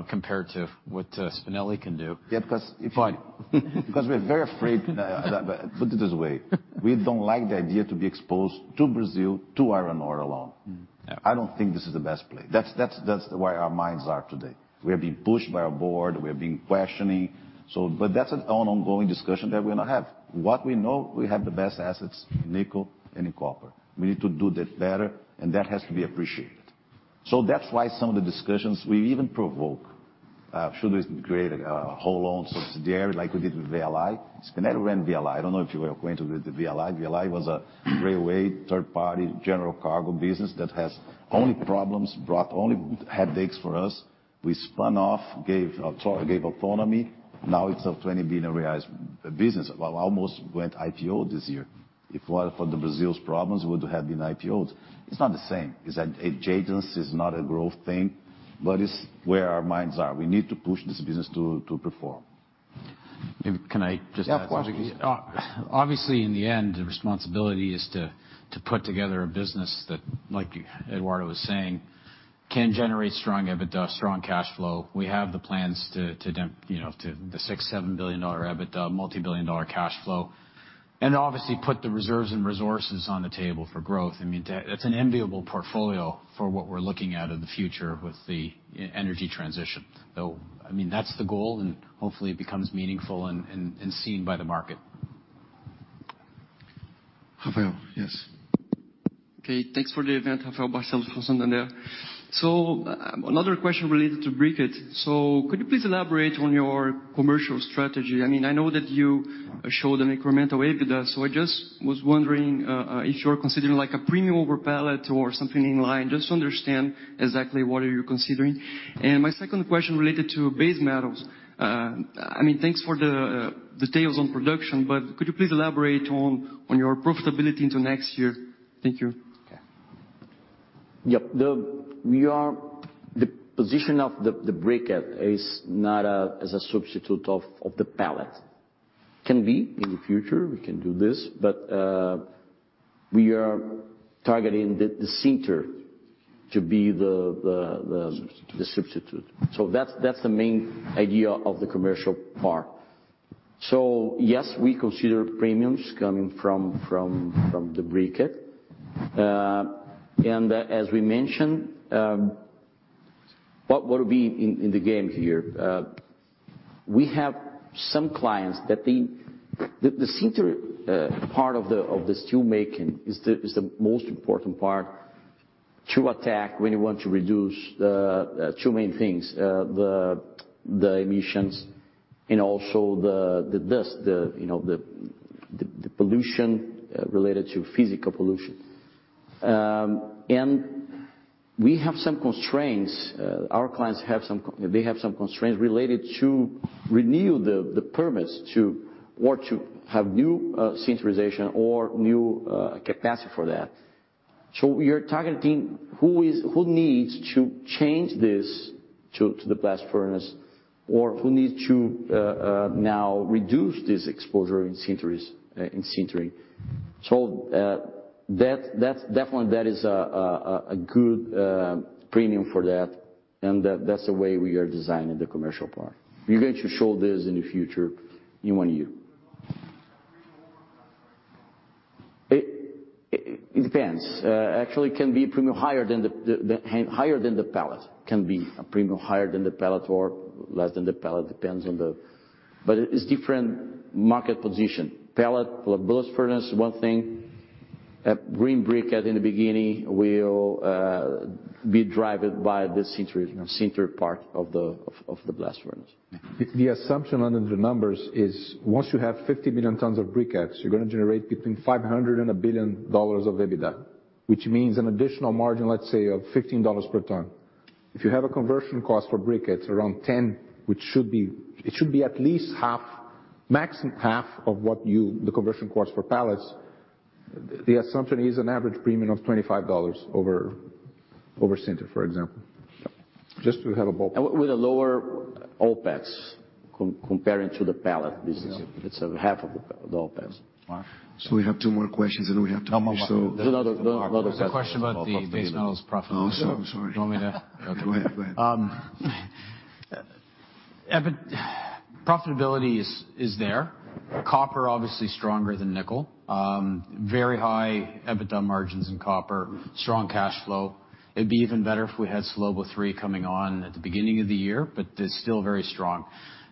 compared to what Spinelli can do. Yeah, because we're very afraid. Put it this way. We don't like the idea to be exposed to Brazil, to iron ore alone. Yeah. I don't think this is the best place. That's where our minds are today. We are being pushed by our board, we are being questioned. But that's an ongoing discussion that we now have. What we know, we have the best assets in nickel and in copper. We need to do that better, and that has to be appreciated. That's why some of the discussions we even provoke. Should we create a wholly owned subsidiary like we did with VLI. Spinelli ran VLI. I don't know if you were acquainted with the VLI. VLI was a railway, third-party general cargo business that has only problems, brought only headaches for us. We spun off, gave autonomy. Now it's a 20 billion reais business. Well, almost went IPO this year. If it were for Brazil's problems, would have been IPOs. It's not the same. It's an adjacency. Adjacency is not a growth thing, but it's where our minds are. We need to push this business to perform. Can I just add something? Yeah, of course. Obviously, in the end, the responsibility is to put together a business that, like Eduardo was saying, can generate strong EBITDA, strong cash flow. We have the plans to ramp, you know, to the $6 billion-$7 billion EBITDA, multibillion-dollar cash flow, and obviously put the reserves and resources on the table for growth. I mean, that's an enviable portfolio for what we're looking at in the future with the energy transition. I mean, that's the goal, and hopefully it becomes meaningful and seen by the market. Rafael, yes. Okay, thanks for the event. Rafael Barcellos from Santander. Another question related to briquette. Could you please elaborate on your commercial strategy? I mean, I know that you showed an incremental EBITDA, so I just was wondering if you're considering like a premium over pellet or something in line, just to understand exactly what are you considering. My second question related to base metals. I mean, thanks for the details on production, but could you please elaborate on your profitability into next year? Thank you. The position of the briquette is not as a substitute of the pellet. Can be in the future, we can do this, but we are targeting the sinter to be the substitute. That's the main idea of the commercial part. Yes, we consider premiums coming from the briquette. And as we mentioned, what would be in the game here? We have some clients that they. The sinter part of the steel making is the most important part to attack when you want to reduce the two main things, the emissions and also the dust, you know, the pollution related to physical pollution. And we have some constraints. Our clients have some constraints related to renew the permits to have new sinterization or new capacity for that. We are targeting who needs to change this to the blast furnace. Who need to now reduce this exposure in sintering. That's definitely a good premium for that, and that's the way we are designing the commercial part. We're going to show this in the future in one year. It depends. Actually, it can be premium higher than the pellet. Can be a premium higher than the pellet or less than the pellet, depends on the. It's different market position. Pellet, blast furnace is one thing. Green briquette in the beginning will be driven by the sintering, sinter part of the blast furnace. The assumption under the numbers is once you have 50 million tons of briquettes, you're gonna generate between $500 million and $1 billion of EBITDA. Which means an additional margin, let's say, of $15 per ton. If you have a conversion cost for briquettes around $10, which should be, it should be at least half, max half of the conversion cost for pellets. The assumption is an average premium of $25 over sinter, for example. Just to have a ballpark. With a lower OPEX comparing to the pellet business. Yeah. It's half of the OpEx. We have two more questions, and then we have to finish. No more. There's another question. There's a question about the base metals profitability. Oh, sorry. You want me to- Go ahead. Profitability is there. Copper obviously stronger than nickel. Very high EBITDA margins in copper. Strong cash flow. It'd be even better if we had Salobo III coming on at the beginning of the year, but they're still very strong.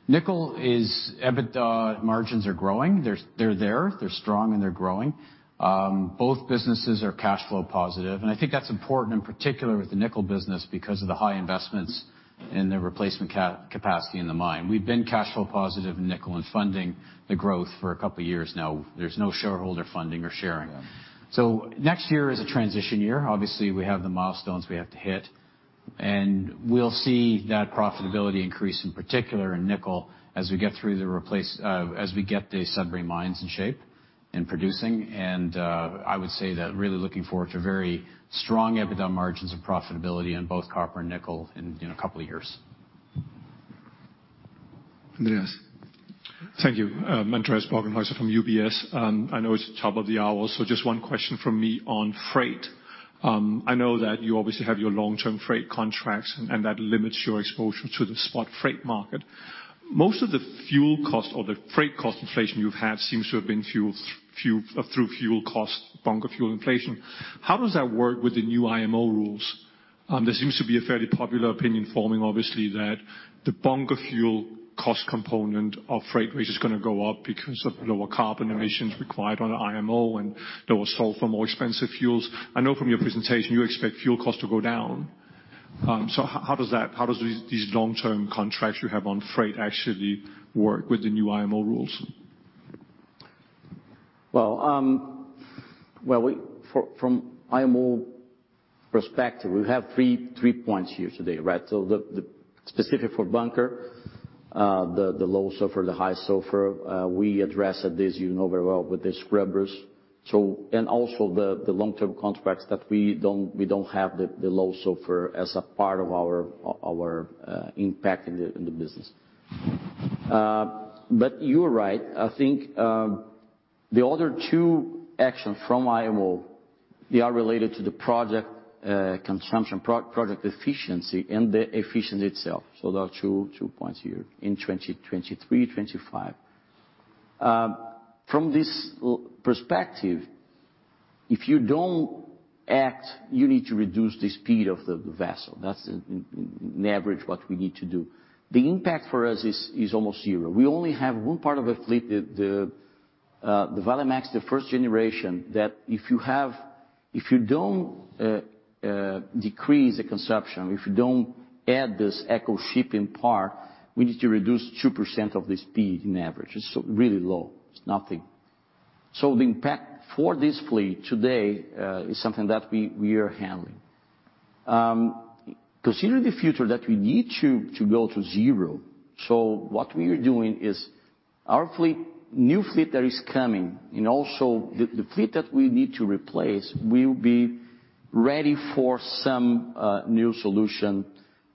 Nickel is EBITDA margins are growing. They're there. They're strong and they're growing. Both businesses are cash flow positive, and I think that's important in particular with the nickel business because of the high investments in the replacement capacity in the mine. We've been cash flow positive in nickel and funding the growth for a couple of years now. There's no shareholder funding or sharing. Yeah. Next year is a transition year. Obviously, we have the milestones we have to hit, and we'll see that profitability increase in particular in nickel as we get the Sudbury mines in shape and producing. I would say that really looking forward to very strong EBITDA margins and profitability on both copper and nickel in a couple of years. Andreas. Thank you. Andreas Bokkenheuser from UBS. I know it's top of the hour, so just one question from me on freight. I know that you obviously have your long-term freight contracts and that limits your exposure to the spot freight market. Most of the fuel cost or the freight cost inflation you've had seems to have been fueled through fuel cost, bunker fuel inflation. How does that work with the new IMO rules? There seems to be a fairly popular opinion forming, obviously, that the bunker fuel cost component of freight rate is gonna go up because of lower carbon emissions required on the IMO and lower sulfur, more expensive fuels. I know from your presentation you expect fuel costs to go down. How does these long-term contracts you have on freight actually work with the new IMO rules? Well, from IMO perspective, we have three points here today, right? The specific for bunker, the low sulfur, the high sulfur, we addressed this, you know very well, with the scrubbers. And also the long-term contracts that we don't have the low sulfur as a part of our impact in the business. You are right. I think the other two actions from IMO, they are related to the project consumption, project efficiency and the efficiency itself. There are two points here in 2023, 2025. From this perspective, if you don't act, you need to reduce the speed of the vessel. That's on average what we need to do. The impact for us is almost zero. We only have one part of the fleet, the Valemax, the first generation, that if you don't decrease the consumption, if you don't add this Ecoshipping part, we need to reduce 2% of the speed on average. It's so really low. It's nothing. The impact for this fleet today is something that we are handling. Considering the future that we need to go to zero, what we are doing is our fleet, new fleet that is coming and also the fleet that we need to replace will be ready for some new solution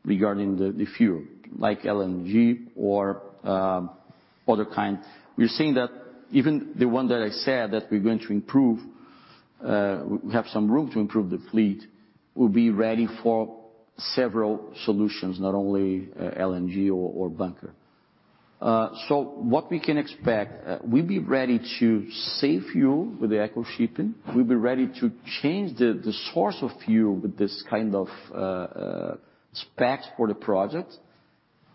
regarding the fuel, like LNG or other kind. We're seeing that even the one that I said that we're going to improve, we have some room to improve the fleet, will be ready for several solutions, not only LNG or bunker. What we can expect, we'll be ready to save fuel with the Ecoshipping. We'll be ready to change the source of fuel with this kind of specs for the project.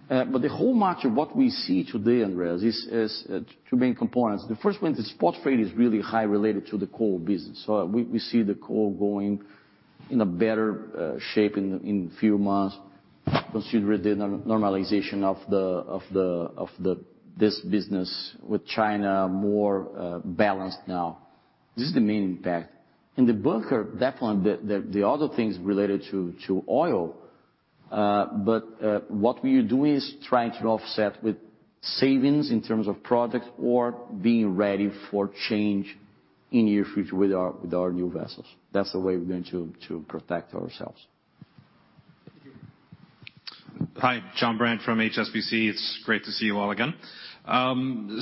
The whole market, what we see today, Andreas, is two main components. The first one is the spot freight is really high related to the coal business. We see the coal going in a better shape in few months, considering the normalization of this business with China more balanced now. This is the main impact. In the bunker, definitely, the other things related to oil. What we are doing is trying to offset with savings in terms of product or being ready for change. In the near future with our new vessels. That's the way we're going to protect ourselves. Hi. Jonathan Brandt from HSBC. It's great to see you all again.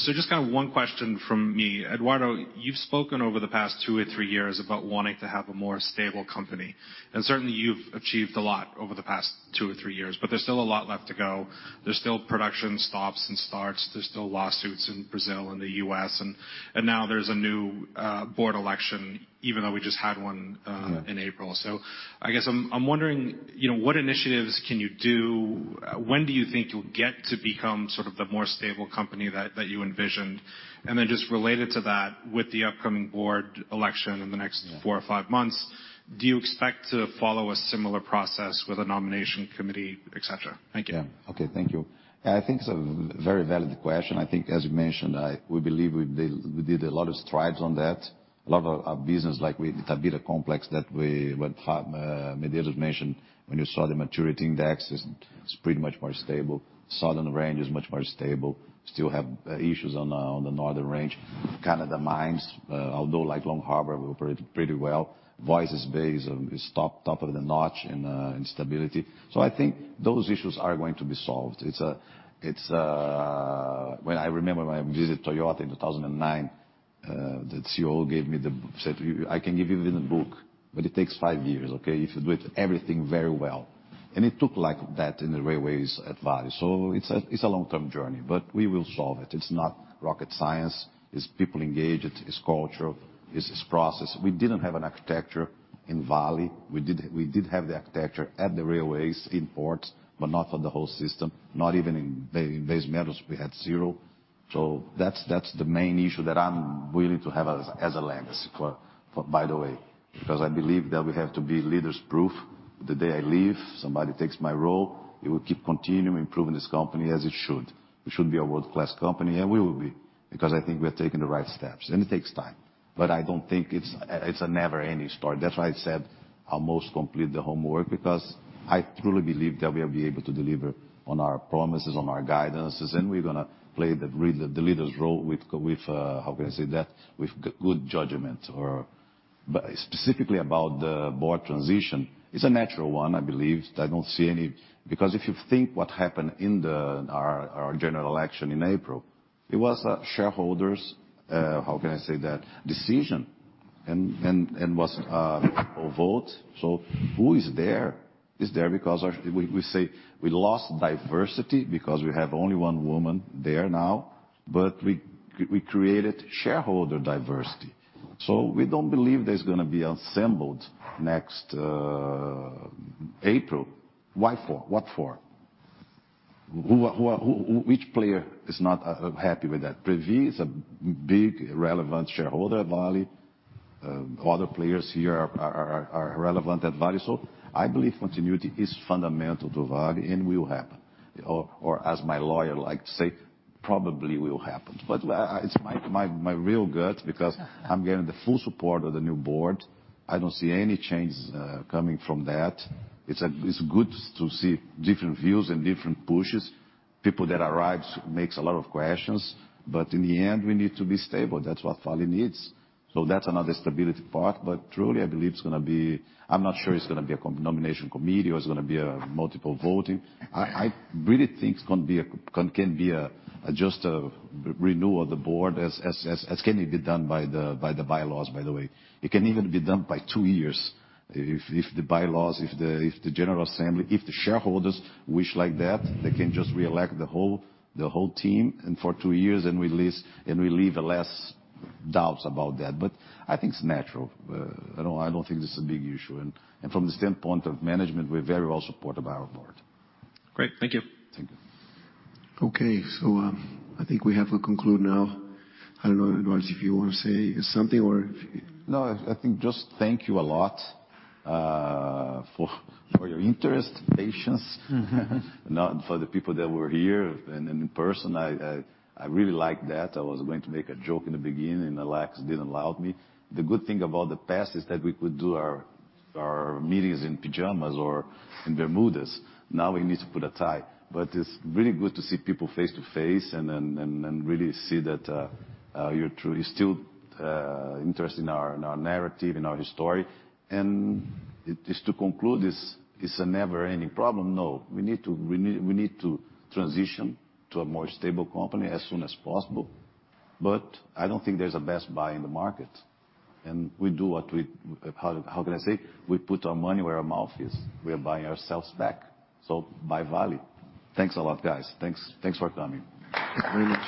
Just kind of one question from me. Eduardo, you've spoken over the past two or three years about wanting to have a more stable company, and certainly you've achieved a lot over the past two or three years. There's still a lot left to go. There's still production stops and starts, there's still lawsuits in Brazil and the U.S., and now there's a new board election, even though we just had one in April. I guess I'm wondering, you know, what initiatives can you do? When do you think you'll get to become sort of the more stable company that you envisioned? Just related to that, with the upcoming board election in the next four or five months, do you expect to follow a similar process with a nomination committee, et cetera? Thank you. Yeah. Okay, thank you. I think it's a very valid question. I think, as you mentioned, we believe we did a lot of strides on that. A lot of our business, like with Itabira Complex that Medeiros mentioned. When you saw the maturity index, it's pretty much more stable. Southern range is much more stable. Still have issues on the northern range. Canada mines, although like Long Harbor, we operate pretty well. Voisey's Bay is top-notch in stability. I think those issues are going to be solved. I remember when I visited Toyota in 2009, the CEO said, "I can give you the book, but it takes five years, okay? If you do it everything very well." It took like that in the railways at Vale. It's a long-term journey, but we will solve it. It's not rocket science. It's people engaged. It's cultural. It's this process. We didn't have an architecture in Vale. We did have the architecture at the railways in ports, but not for the whole system, not even in base metals, we had zero. That's the main issue that I'm willing to have as a legacy, by the way. Because I believe that we have to be leaders proof. The day I leave, somebody takes my role, it will keep continuing improving this company as it should. We should be a world-class company, and we will be, because I think we're taking the right steps. It takes time, but I don't think it's a never-ending story. That's why I said almost complete the homework because I truly believe that we'll be able to deliver on our promises, on our guidances, and we're gonna play the leader's role with how can I say that? With good judgment. Specifically about the board transition, it's a natural one, I believe. I don't see any because if you think what happened in our general election in April, it was shareholders' decision and was a vote. Who is there is there because of. We say we lost diversity because we have only one woman there now, but we created shareholder diversity. We don't believe there's gonna be assembly next April. Why for? What for? Which player is not happy with that? Previ is a big relevant shareholder at Vale. Other players here are relevant at Vale. I believe continuity is fundamental to Vale and will happen. As my lawyer like to say, probably will happen. It's my real gut because I'm getting the full support of the new board. I don't see any changes coming from that. It's good to see different views and different pushes. People that arrives makes a lot of questions. In the end, we need to be stable. That's what Vale needs. That's another stability part. Truly, I believe it's gonna be. I'm not sure it's gonna be a nomination committee or it's gonna be a multiple voting. I really think it can be just a renewal of the board, as it can be done by the bylaws, by the way. It can even be done by two years. If the bylaws, if the general assembly, if the shareholders wish like that, they can just reelect the whole team and for two years and relieve less doubts about that. I think it's natural. I don't think this is a big issue. From the standpoint of management, we're very well supportive of our board. Great. Thank you. Thank you. Okay. I think we have to conclude now. I don't know, Eduardo, if you wanna say something or if- No, I think just thank you a lot for your interest, patience. Now for the people that were here in person, I really like that. I was going to make a joke in the beginning, and Alex didn't allow me. The good thing about the past is that we could do our meetings in pajamas or in Bermudas. Now we need to put a tie. It's really good to see people face to face and really see that you're true. You're still interested in our narrative, in our story. Just to conclude, this is a never-ending problem. No, we need to transition to a more stable company as soon as possible. I don't think there's a best buy in the market. We do what we How can I say? We put our money where our mouth is. We are buying ourselves back. Buy Vale. Thanks a lot, guys. Thanks for coming. Thank you very much.